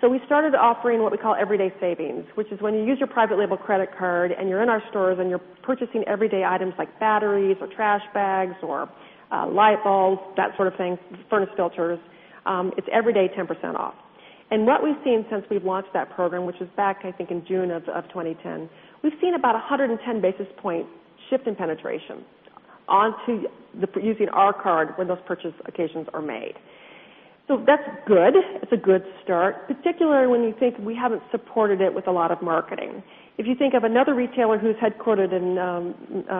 So we started offering what we call everyday savings, which is when you use your private label credit card and you're in our stores and you're purchasing everyday items like batteries or trash bags or light bulbs, that sort of thing, furnace filters. It's every day 10% off. And what we've seen since we've launched that program, which is back, I think, in June of 2010, We've seen about 110 basis point shift in penetration onto using our card when those purchase occasions are made. So that's good. It's a good start, particularly when you think we haven't supported it with a lot of marketing. If you think of another retailer who's headquartered in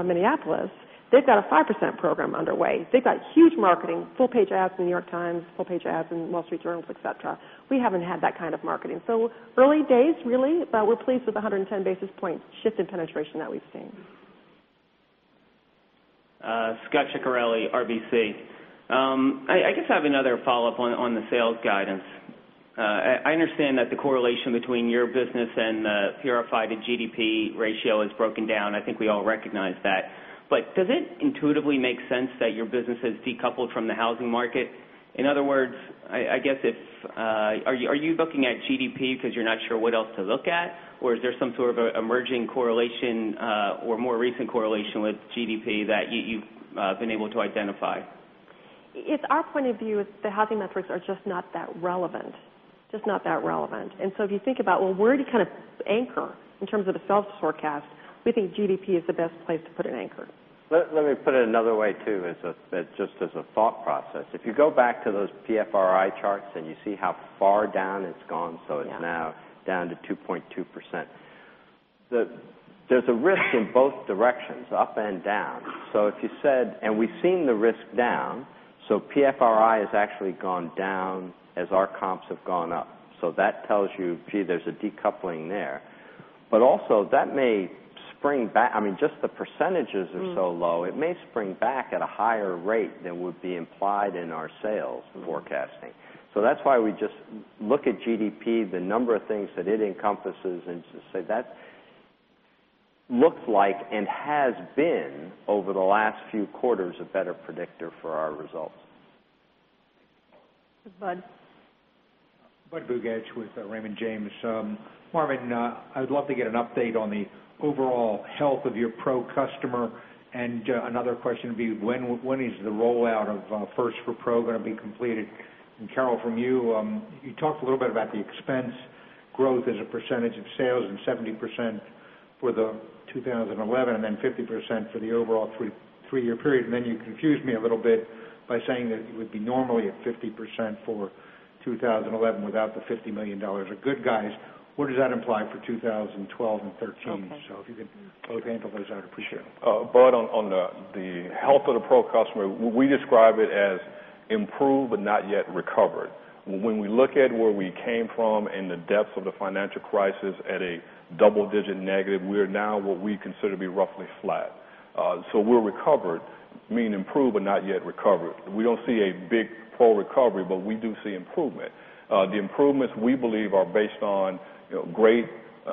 Minneapolis, They've got a 5% program underway. They've got huge marketing, full page ads in New York Times, full page ads in Wall Street Journals, etcetera. We haven't had that kind of marketing. So Early days really, but we're pleased with the 110 basis points shift in penetration that we've seen. Scott Ciccarelli, RBC. I just have another follow-up on the sales guidance. I understand that the correlation between your business and the PRI to GDP ratio is broken down. I think we all recognize that. But does it intuitively make sense that your business is decoupled from the housing market? In other words, I guess if Are you looking at GDP because you're not sure what else to look at? Or is there some sort of an emerging correlation or more recent correlation with GDP that you've I've been able to identify. It's our point of view, the housing metrics are just not that relevant, just not that relevant. And so if you think about, well, where do you kind of anchor in terms of the Phelps forecast, we think GDP is the best place to put an anchor. Let me put it another way too just as a thought process. If you go back to those PFRI charts So you see how far down it's gone. So it's now down to 2.2%. There's a risk in both directions, It's up and down. So if you said and we've seen the risk down. So PFRI has actually gone down as our comps have gone up. So that tells you, gee, there's a decoupling there. But also that may spring back I mean, just the percentages are so low. It may spring back at Higher rate than would be implied in our sales forecasting. So that's why we just look at GDP, the number of things that it encompasses and say that Looks like and has been over the last few quarters a better predictor for our results. This is Budd. Budd Bugatch with Raymond James. Marvin, I would love to get an update on the Overall health of your Pro customer and another question would be when is the rollout of First for Pro going to be completed? And Carol from you, you talked a little bit about the expense growth as a percentage of sales and 70% for the 2011 and then 50% for the overall 3 year period. And then you confused me a little bit by saying that it would be normally at 50% for 2011 without the $50,000,000 are good guys. What does that imply for 2012 and 2013? So if you can Budd, on the health of the Pro customer, we describe it as improved but not yet recovered. When we look at where we came from in the depths of the financial crisis at a double digit negative, we are now what we consider to be roughly Flat. So we recovered, meaning improved but not yet recovered. We don't see a big full recovery, but we do see improvement. The improvements we believe are based on great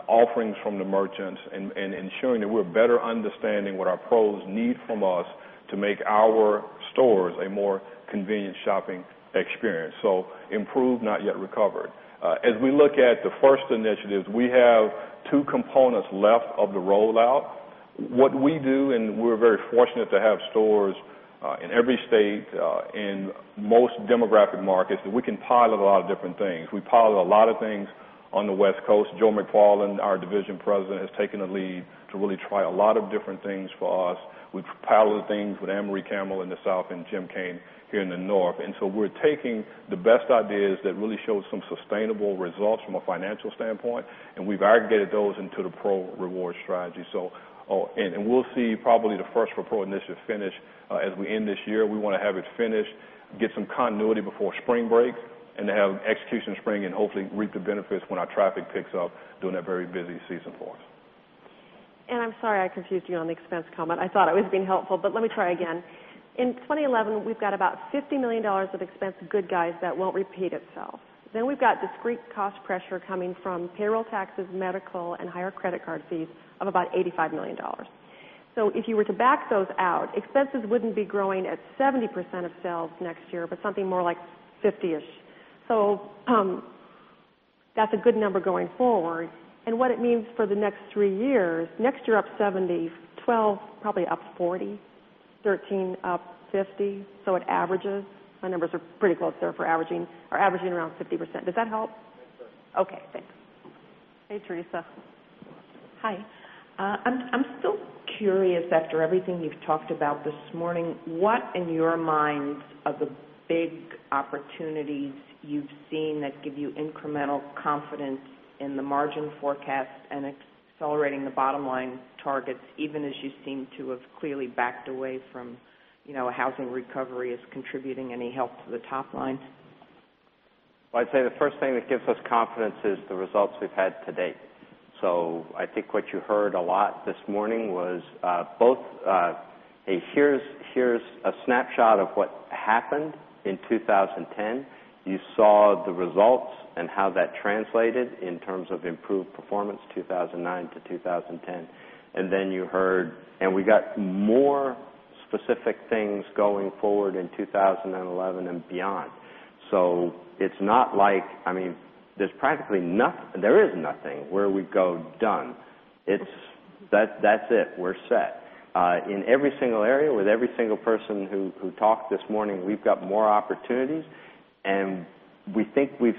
offerings from the merchants and ensuring that we're better understanding what our pros need from us to make our stores a more convenient shopping experience. So improved, not yet recovered. As we look at the first initiatives, we have Two components left of the rollout. What we do and we're very fortunate to have stores in every state in Most demographic markets, we can pilot a lot of different things. We pilot a lot of things on the West Coast. Joe McFarlane, our division President, has taken a lead To really try a lot of different things for us. We've piled things with Anne Marie Campbell in the South and Jim Cain here in the North. And so we're taking The best idea is that really show some sustainable results from a financial standpoint and we've aggregated those into the Pro Rewards And we'll see probably the 1st referral initiative finish as we end this year. We want to have it finished, get some continuity before spring break And to have execution in spring and hopefully reap the benefits when our traffic picks up during that very busy season for us. And I'm sorry I confused you on the expense comment. I thought it was being helpful, let me try again. In 2011, we've got about $50,000,000 of expense Goodguys that won't repeat itself. Then we've got discrete cost Pressure coming from payroll taxes, medical and higher credit card fees of about $85,000,000 So if you were to back those out, expenses wouldn't be growing at 70% of Next year, but something more like 50 ish. So that's a good number going forward. And what it means for the next 3 years, next year up 70%, 12%, probably up 40%, 13%, up 50%. So it averages. My numbers are pretty close there for averaging are averaging around 50%. Does that help? Yes, sir. Okay. Thanks. Hey, Theresa. Hi. I'm still curious after everything you've talked about this morning, what in your mind are the big Opportunities you've seen that give you incremental confidence in the margin forecast and accelerating the bottom line targets even as you seem to have clearly backed away from housing recovery is contributing any help to the top line? I'd say the first thing that gives us confidence is the results we've had to date. So I think what you heard a lot this morning was both Here's a snapshot of what happened in 2010. You saw the results and how that translated in terms of improved Performance 2009 to 2010. And then you heard and we got more specific things going forward in 2011 and beyond. So it's not like I mean, there's practically there is nothing where we go done. It's That's it. We're set. In every single area with every single person who talked this morning, we've got more opportunities. And we think we've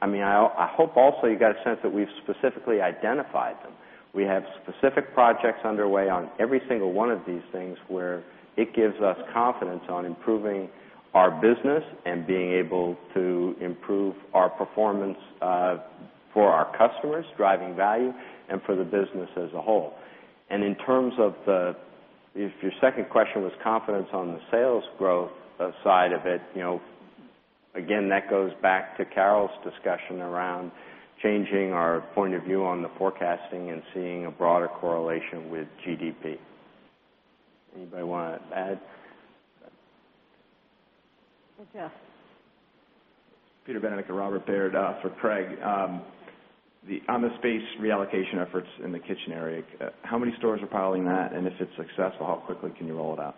I mean, I hope also you got a sense that we've specifically identified them. We have Specific projects underway on every single one of these things where it gives us confidence on improving our business And being able to improve our performance for our customers, driving value and for the business as a whole. And in terms of the if your second question was confidence on the sales growth side of it, Again, that goes back to Carol's discussion around changing our point of view on the forecasting and seeing a broader correlation with GDP. Anybody want to add? Jeff. Peter Bannick, Robert Baird for Craig. On the space reallocation efforts in the kitchen area, how many stores are piling that? And if it's successful, how quickly can you roll it out?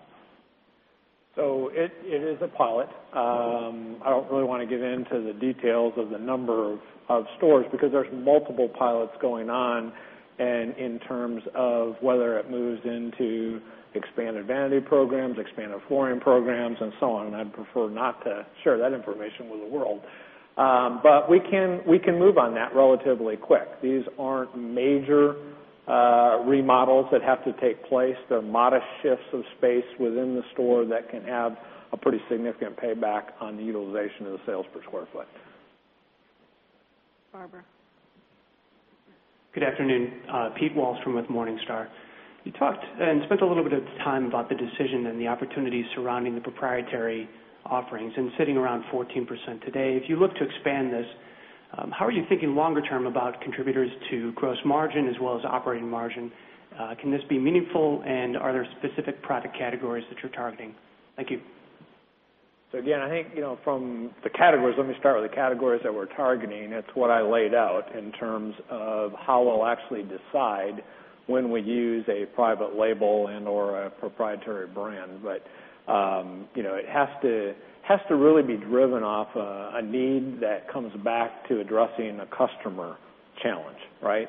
So it is a pilot. I don't really want to give into the details of the number of stores because there's multiple pilots going on. And in terms of whether it moves into expanded vanity programs, expanded flooring programs and so on, I'd prefer not to Sure. That information will the world. But we can move on that relatively quick. These aren't major Remodels that have to take place, there are modest shifts of space within the store that can have a pretty significant payback on the utilization of the sales per square Barbara? Good afternoon. Pete Wahlstrom with Morningstar. You talked and spent a little bit of time about the decision and the opportunities surrounding the proprietary offerings and sitting around 14% today. If you look to expand this, How are you thinking longer term about contributors to gross margin as well as operating margin? Can this be meaningful? And are there specific product categories that you're targeting? Thank you. So again, I think from the categories let me start with the categories that we're targeting. It's what I laid out in terms of how we'll actually side when we use a private label and or a proprietary brand. But it Has to really be driven off a need that comes back to addressing a customer challenge, right?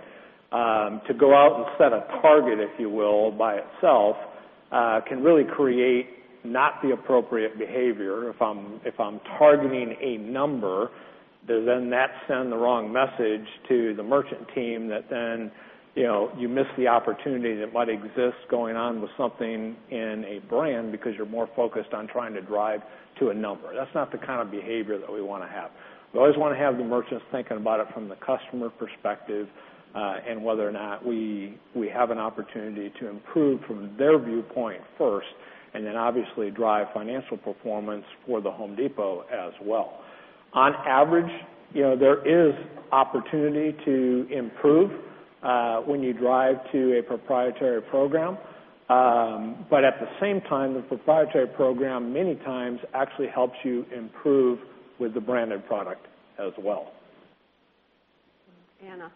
To go out and set a target, if you will, by itself, can really create not the appropriate behavior. If I'm targeting a number, does then that send the wrong message to the merchant team that You miss the opportunity that might exist going on with something in a brand because you're more focused on trying to drive To a number. That's not the kind of behavior that we want to have. We always want to have the merchants thinking about it from the customer perspective and whether or not We have an opportunity to improve from their viewpoint first and then obviously drive financial performance for the Home Depot as well. On average, there is opportunity to improve when you drive to a proprietary program. But at the same time, the proprietary program many times actually helps you improve with the branded product as well. Anna?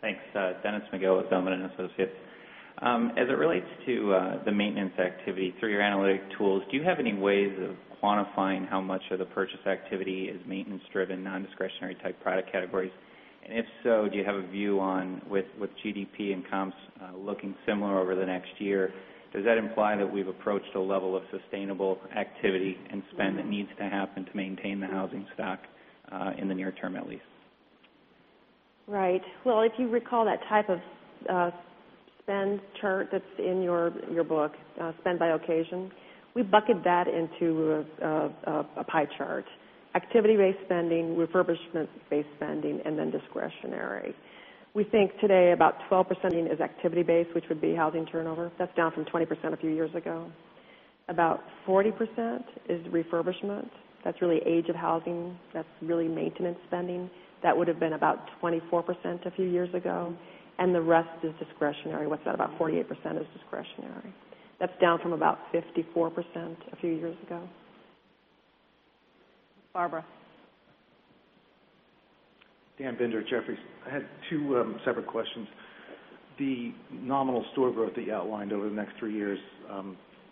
Thanks. Dennis McGill with Zelman and Associates. As it relates to the maintenance Tivi, through your analytic tools, do you have any ways of quantifying how much of the purchase activity is maintenance driven nondiscretionary type product categories? And if so, do you have a view on with GDP and comps looking similar over the next year, does that imply that we've approached a level of Sustainable activity and spend that needs to happen to maintain the housing stock, in the near term at least. Right. Well, if you recall that type of spend chart that's in your book, spend by occasion, We bucket that into a pie chart: activity based spending, refurbishment based spending and then discretionary. We think today about 12% is activity based, which would be housing turnover. That's down from 20% a few years ago. About 40% is refurbishment. That's really age of housing. That's really maintenance spending. That would have been about 24% a few years ago. And the rest is discretionary. What's that? About 48% is That's down from about 54% a few years ago. Barbara? Dan Bender, Jefferies. I had 2 separate questions. The nominal store growth that you outlined over the next 3 years,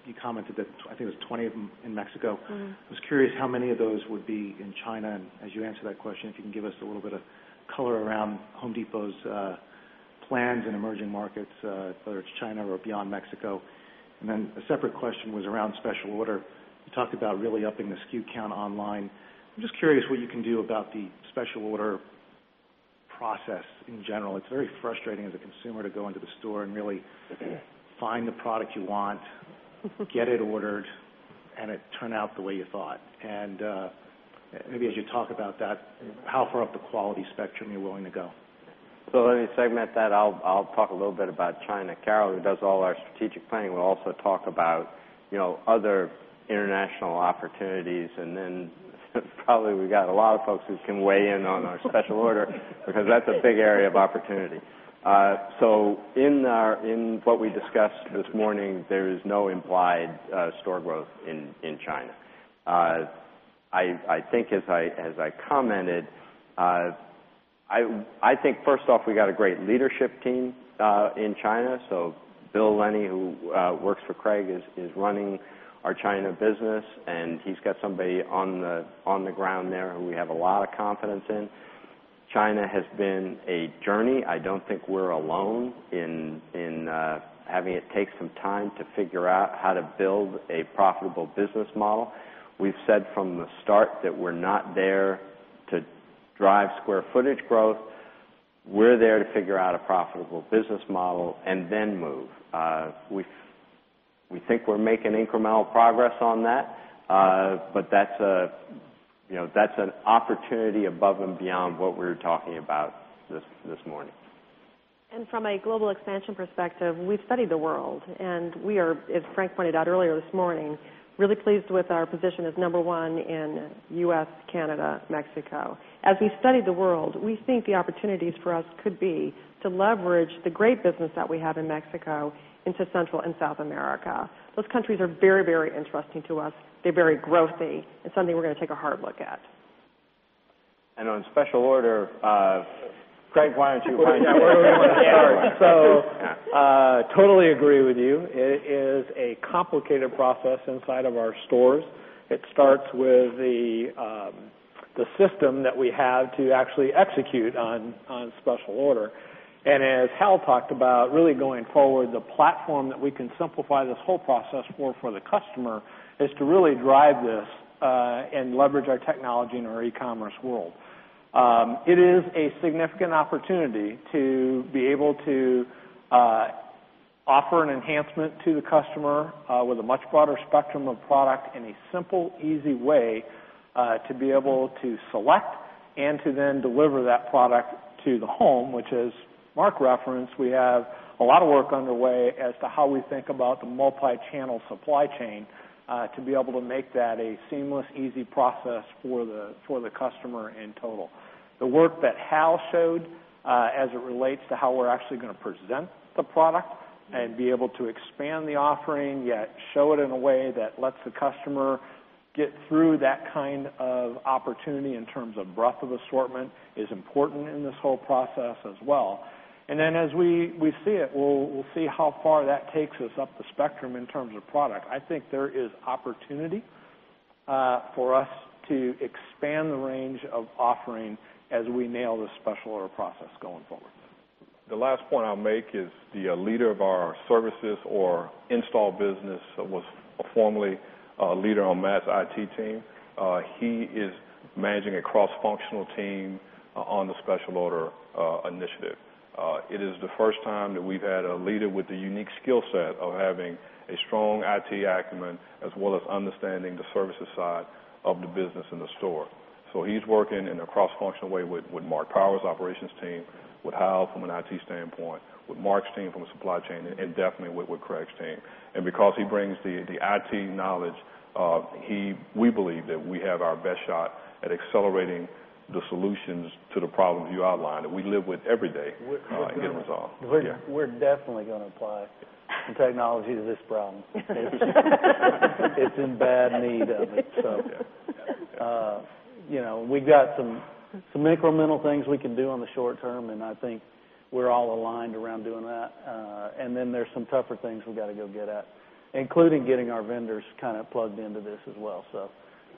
You commented that I think there's 20 of them in Mexico. I was curious how many of those would be in China. And as you answer that question, if you can give us a little bit of Color around Home Depot's plans in emerging markets, whether it's China or beyond Mexico? And then a separate question was around special order. You talked about really upping the SKU count online. I'm just curious what you can do about the special order process in general. It's very frustrating as a consumer to go into And really find the product you want, get it ordered and it turn out the way you thought. And Maybe as you talk about that, how far up the quality spectrum you're willing to go? So let me segment that. I'll talk a little bit about China. Carol, who does all our Strategic planning will also talk about other international opportunities. And then probably we've got a lot of folks who can weigh in on our special order Because that's a big area of opportunity. So in our in what we discussed this morning, there is no implied store growth in China. I think as I commented, I think first off, we got a great leadership team in China. So Bill Lenny, who works for Craig, is running our China business and he's got somebody on the ground there who we have a lot of confidence in. China has been a journey. I don't think we're alone in having it take some time to figure out how to build a Profitable business model. We've said from the start that we're not there to drive square footage growth. We're there to figure out a profitable business model and then move. We think we're making incremental progress on that, But that's an opportunity above and beyond what we're talking about this morning. And from a global expansion perspective, we've studied the world. And we are, as Frank pointed out earlier this morning, really pleased with our position as number 1 in U. S, Canada, Mexico. As we study the world, we think the opportunities for us could be to leverage the great business that we have in Mexico into Central and South America. Those countries are very, very interesting to us. They're very growthy. It's something we're going to take a hard look at. And on special order, Greg, why don't you find that word? Yes. So totally agree with you. It is a complicated That's inside of our stores. It starts with the system that we have to actually execute on special order. And as Hal talked about, really going forward, the platform that we can simplify this whole process for, for the customer is to really drive this and leverage our technology in our e commerce world. It is a significant opportunity to be able to Offer an enhancement to the customer with a much broader spectrum of product in a simple, easy way to be able to select And to then deliver that product to the home, which as Mark referenced, we have a lot of work underway as to how we think about the multichannel supply chain to be able to make that a seamless, easy process for the customer in total. The work that Hal showed as it relates to how we're actually going to present the product and be able to expand the offering, yet show it in a way that lets the customer Get through that kind of opportunity in terms of breadth of assortment is important in this whole process as well. And then as we see it, we'll see how far that takes us up the spectrum in terms of product. I think there is opportunity for us to expand the range of offering as we nail the special order process going forward. The last point I'll make is the leader of our services or install business was formerly a leader on Matt's IT team. He is Managing a cross functional team on the special order initiative. It is the first time that we've had a leader with the unique skill set of having A strong IT acumen as well as understanding the services side of the business in the store. So he's working in a Cross function way with Mark Powers' operations team, with Hal from an IT standpoint, with Mark's team from a supply chain and definitely with Craig's team. And because he brings the IT knowledge, he we believe that we have our best shot at accelerating the solutions To the problem you outlined that we live with every day and get resolved. We're definitely going to apply the technology to this problem. It's in bad need of it. So we've got some incremental things we can do on the short term, and I think We're all aligned around doing that. And then there's some tougher things we've got to go get at, including getting our vendors kind of plugged into this as well.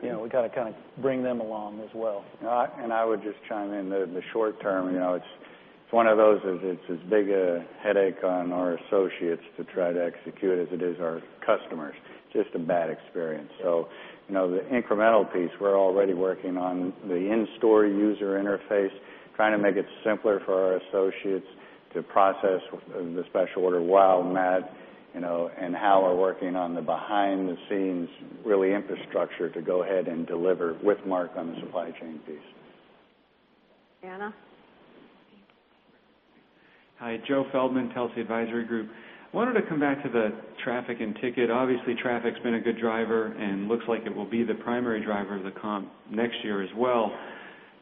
We got to kind of bring them along as well. And I would just chime in the short term. It's one of those as it's as big a Headache on our associates to try to execute as it is our customers. Just a bad experience. So the incremental piece We're already working on the in store user interface, trying to make it simpler for our associates to process the special order while Matt And how we're working on the behind the scenes really infrastructure to go ahead and deliver with Mark on the supply chain piece. Anna? Hi. Joe Feldman, Telsey Advisory Group. Wanted to come back to the Traffic and ticket, obviously traffic has been a good driver and looks like it will be the primary driver of the comp next year as well.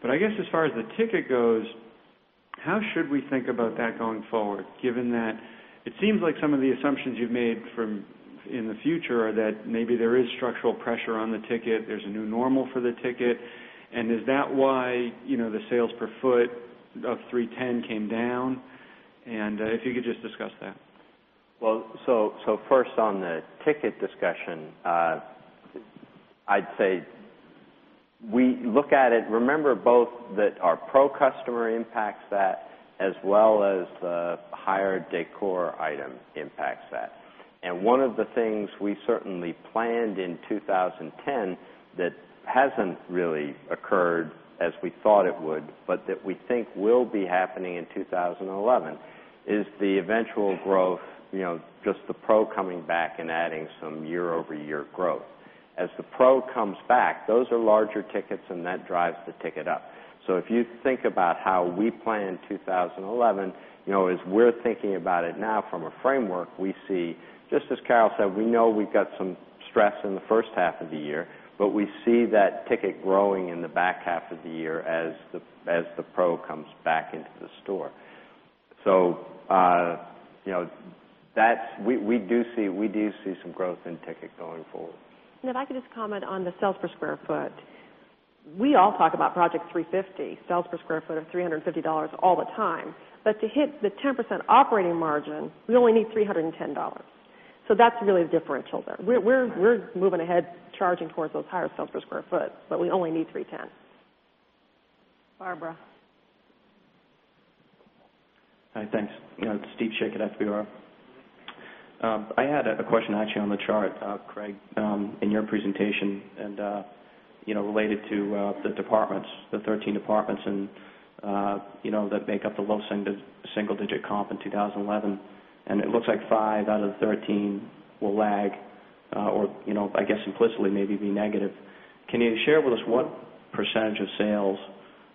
But I guess as far as the ticket goes, How should we think about that going forward given that it seems like some of the assumptions you've made from in the future are that Maybe there is structural pressure on the ticket. There's a new normal for the ticket. And is that why the sales per foot The 310 came down. And if you could just discuss that. Well, so first on the ticket discussion, I'd say, we look at it, remember both that our pro customer impacts that as well as higher decor item impacts that. And one of the things we certainly planned in 2010 that hasn't really occurred as we thought it would, but that we think will be happening in 2011. Is the eventual growth Just the Pro coming back and adding some year over year growth. As the Pro comes back, those are larger tickets and that drives the ticket So if you think about how we plan in 2011, as we're thinking about it now from a framework, we see Just as Carol said, we know we've got some stress in the first half of the year, but we see that ticket growing in the back half of the year As the pro comes back into the store. So that's we do see some growth in ticket going forward. And if I could just comment on the sales per square foot. We all talk about Project 3.50, sales per square foot of $3.50 all the time. But to hit the 10% operating margin, we only need $3.10 So that's really a differential there. We're moving ahead charging towards those higher sales per square foot, but we only need $310,000,000 Barbara? Hi, thanks. It's Steve Shaeke at FBR. I had a question actually on the chart, Craig, in your presentation and related to the departments, the 13 departments that make up the low single digit comp in 2011. And it looks like 5 out of 13 will lag or I guess implicitly maybe be negative. Can you share with us what percentage of sales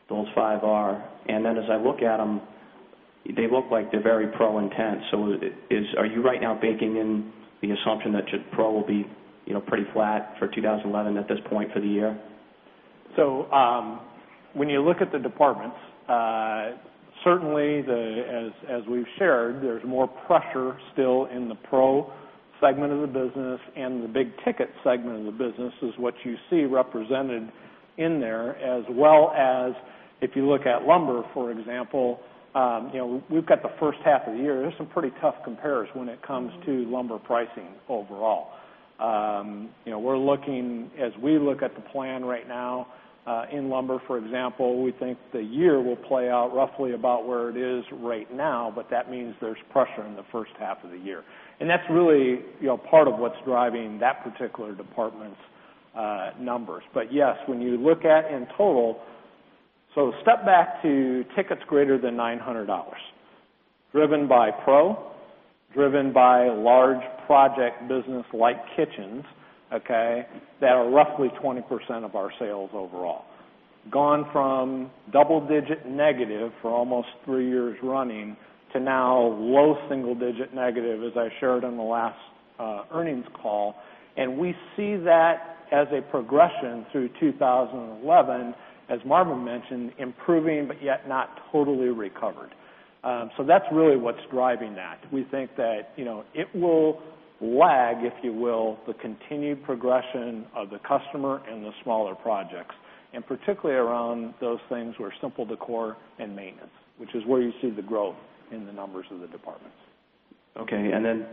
Those 5 are. And then as I look at them, they look like they're very pro intent. So are you right now baking in The assumption that Pro will be pretty flat for 2011 at this point for the year? So when you look at the departments, Certainly, as we've shared, there's more pressure still in the pro segment of the business and the big ticket segment of the business is what You see represented in there as well as if you look at lumber, for example, we've got the first half of the year. There's some pretty tough compares when it comes to lumber pricing overall. We're looking as we look at the plan right now In lumber, for example, we think the year will play out roughly about where it is right now, but that means there's pressure in the first half of the year. And that's really part of what's driving that particular department's numbers. But yes, when you look at in total So step back to tickets greater than $900 driven by Pro, driven by large project business like Kitchens, Okay. That are roughly 20% of our sales overall, gone from double digit negative for almost 3 years running to now low single digit negative, as I shared on the last earnings call. And we see that As they progression through 2011, as Marvin mentioned, improving but yet not totally recovered. So that's really what's driving that. We think that it will lag, if you will, the continued progression of The customer and the smaller projects and particularly around those things where simple decor and maintenance, which is where you see the growth in the numbers of the departments. Okay. And then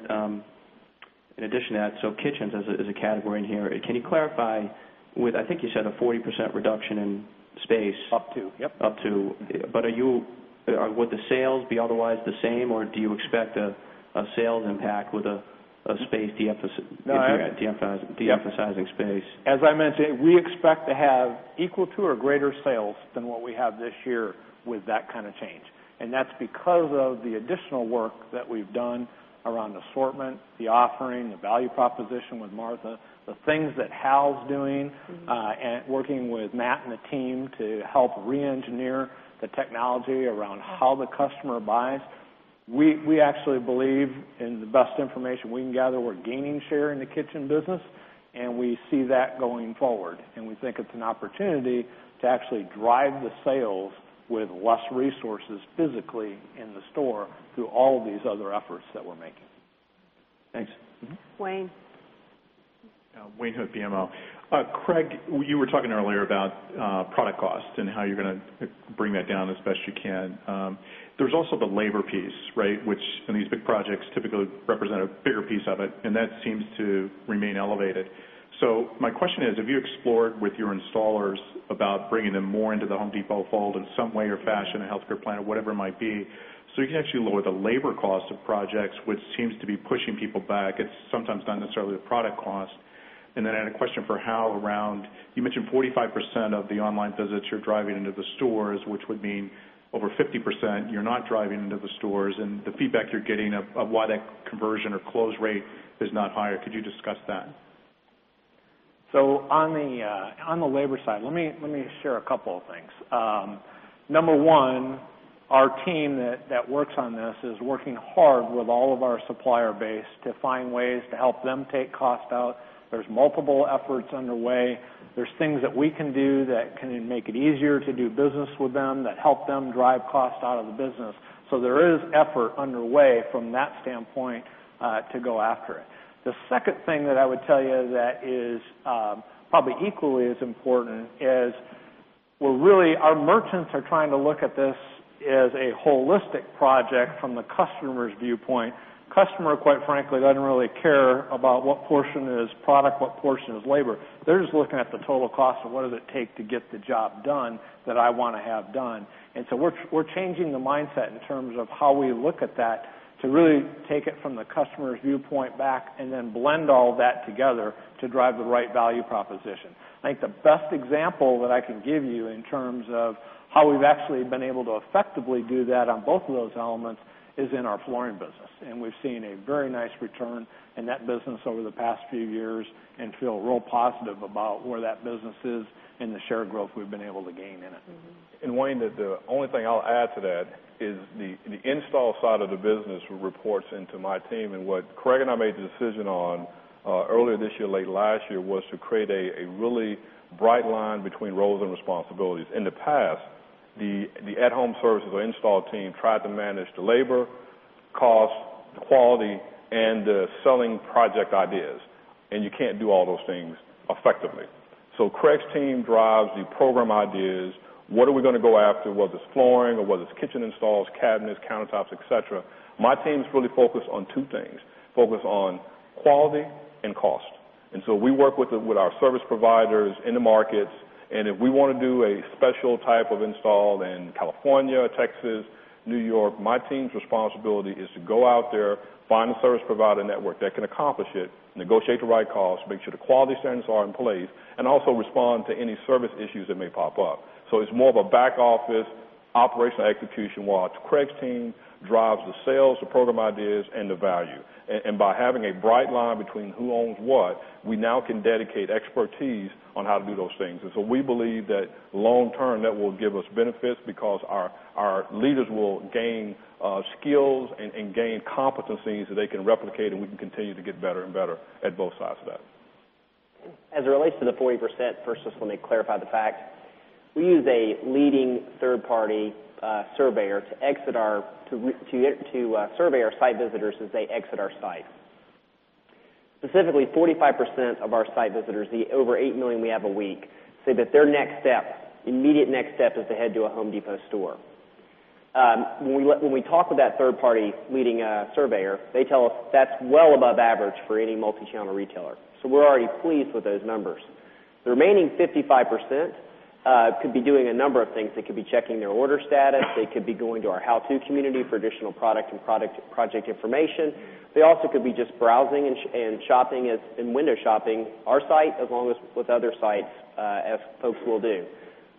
in addition to that, so kitchens is a category in here. Can you clarify with I think you said a 40% reduction in Space. Up to, yes. Up to, but are you would the sales be otherwise the same? Or do you expect a sales impact with Of space de emphasizing space. As I mentioned, we expect to have equal to or greater sales than what we have this year with that kind of change. And that's because of the additional work that we've done around assortment, the offering, the value proposition with Martha, The things that Hal is doing, working with Matt and the team to help reengineer the technology around how the customer buys, We actually believe in the best information we can gather, we're gaining share in the kitchen business, and we see that going forward. And we think it's an opportunity to actually drive the sales with less resources physically in the store through all these other efforts that we're making. Thanks. Wayne? Wayne Hood, BMO. Craig, you were talking earlier about product cost and how you're going to Bring that down as best you can. There's also the labor piece, right, which in these big projects typically represent a bigger piece of it and that seems to remain elevated. So my question is, have you explored with your installers about bringing them more into the Home Depot fold in some way or fashion, a health care plan or whatever it might be, you can actually lower the labor cost of projects, which seems to be pushing people back. It's sometimes not necessarily the product cost. And then I had a question for Hal around You mentioned 45% of the online visits you're driving into the stores, which would mean over 50%. You're not driving into the stores and the feedback you're getting of why that Conversion or close rate is not higher. Could you discuss that? So on the labor side, let me share a couple of things. Number 1, our team that works on this is working hard with all of our supplier base to find ways to help them take cost out. There's multiple efforts underway. There's things that we can do that can make it easier to do business with them that help them drive cost out of the business. So there is effort underway from that standpoint to go after it. The second thing that I would tell you that is Probably equally as important is we're really our merchants are trying to look at this as a holistic project from the customer's viewpoint. Customer, quite frankly, doesn't really care about what portion is product, what portion is labor. They're just looking at the total cost of what does it take to get the job done that I want to have done. And so we're changing the mindset in terms of how we look at that to really take it from the customer's viewpoint back And then blend all that together to drive the right value proposition. I think the best example that I can give you in terms of How we've actually been able to effectively do that on both of those elements is in our flooring business. And we've seen a very nice return in that business over the past few years and feel real positive about where that business is and the share growth we've been able to gain in it. And Wayne, the only thing I'll add to that is the install side of the business reports into my team. And what Craig and I made the decision on Earlier this year, late last year was to create a really bright line between roles and responsibilities. In the past, the at home services or install team tried to manage The labor, cost, quality and selling project ideas and you can't do all those things effectively. So Craig's team drives the program ideas, what are we going to go after, whether it's flooring or whether it's kitchen installs, cabinets, countertops, etcetera. My team is really focused on 2 things, focused on quality and cost. And so we work with our service providers in the markets. And if we want to do a special type of install in California, Texas, New York, my team's responsibility is to go out there, Find a service provider network that can accomplish it, negotiate the right cost, make sure the quality standards are in place and also respond to any service issues that may pop up. So it's more of a back office operational execution, while Craig's team drives the sales, the program ideas and the value. And by having a bright line between who owns what, we now can dedicate expertise on how to do those things. And so we believe that Long term that will give us benefits because our leaders will gain skills and gain competencies that they can replicate and we can continue to get better and better At both sides of that. As it relates to the 40%, first, let me clarify the fact. We use a leading third party surveyor to exit our to survey our site visitors as they exit our site. Specifically, 45% of our site visitors, the over 8,000,000 we have a week, Say that their next step, immediate next step is to head to a Home Depot store. When we talk with that 3rd party leading surveyor, They tell us that's well above average for any multichannel retailer. So we're already pleased with those numbers. The remaining 55% Could be doing a number of things. They could be checking their order status. They could be going to our how to community for additional product and product project information. They also could be just browsing And shopping is and window shopping our site as long as with other sites as folks will do.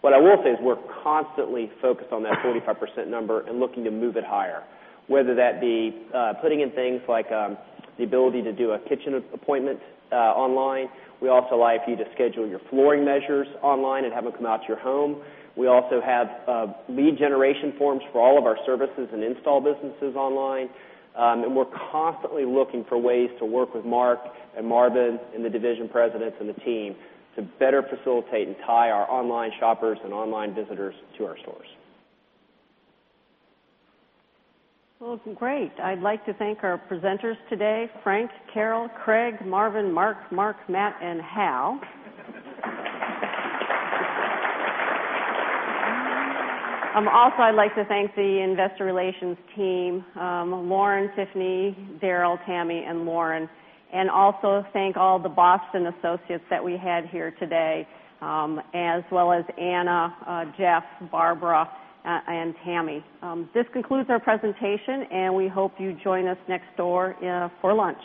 What I will say is we're Constantly focused on that 45% number and looking to move it higher, whether that be putting in things like the ability to do a kitchen appointment online. We also like you to schedule your flooring measures online and have them come out to your home. We also have lead generation forms for all of our services And install businesses online, and we're constantly looking for ways to work with Mark and Marvin and the division presidents and the team to better facilitate and tie our online shoppers and online visitors to our stores. Great. I'd like to thank our presenters today Frank, Carol, Craig, Marvin, Mark, Mark, Matt and Hal. Also, I'd like to thank the Investor Relations team, Lauren, Tiffany, Daryl, Tammy and Lauren. And also thank all the Boston associates that we had here today, as well as Anna, Jeff, Barbara and Tami. This concludes our presentation and we hope you join us next door for lunch.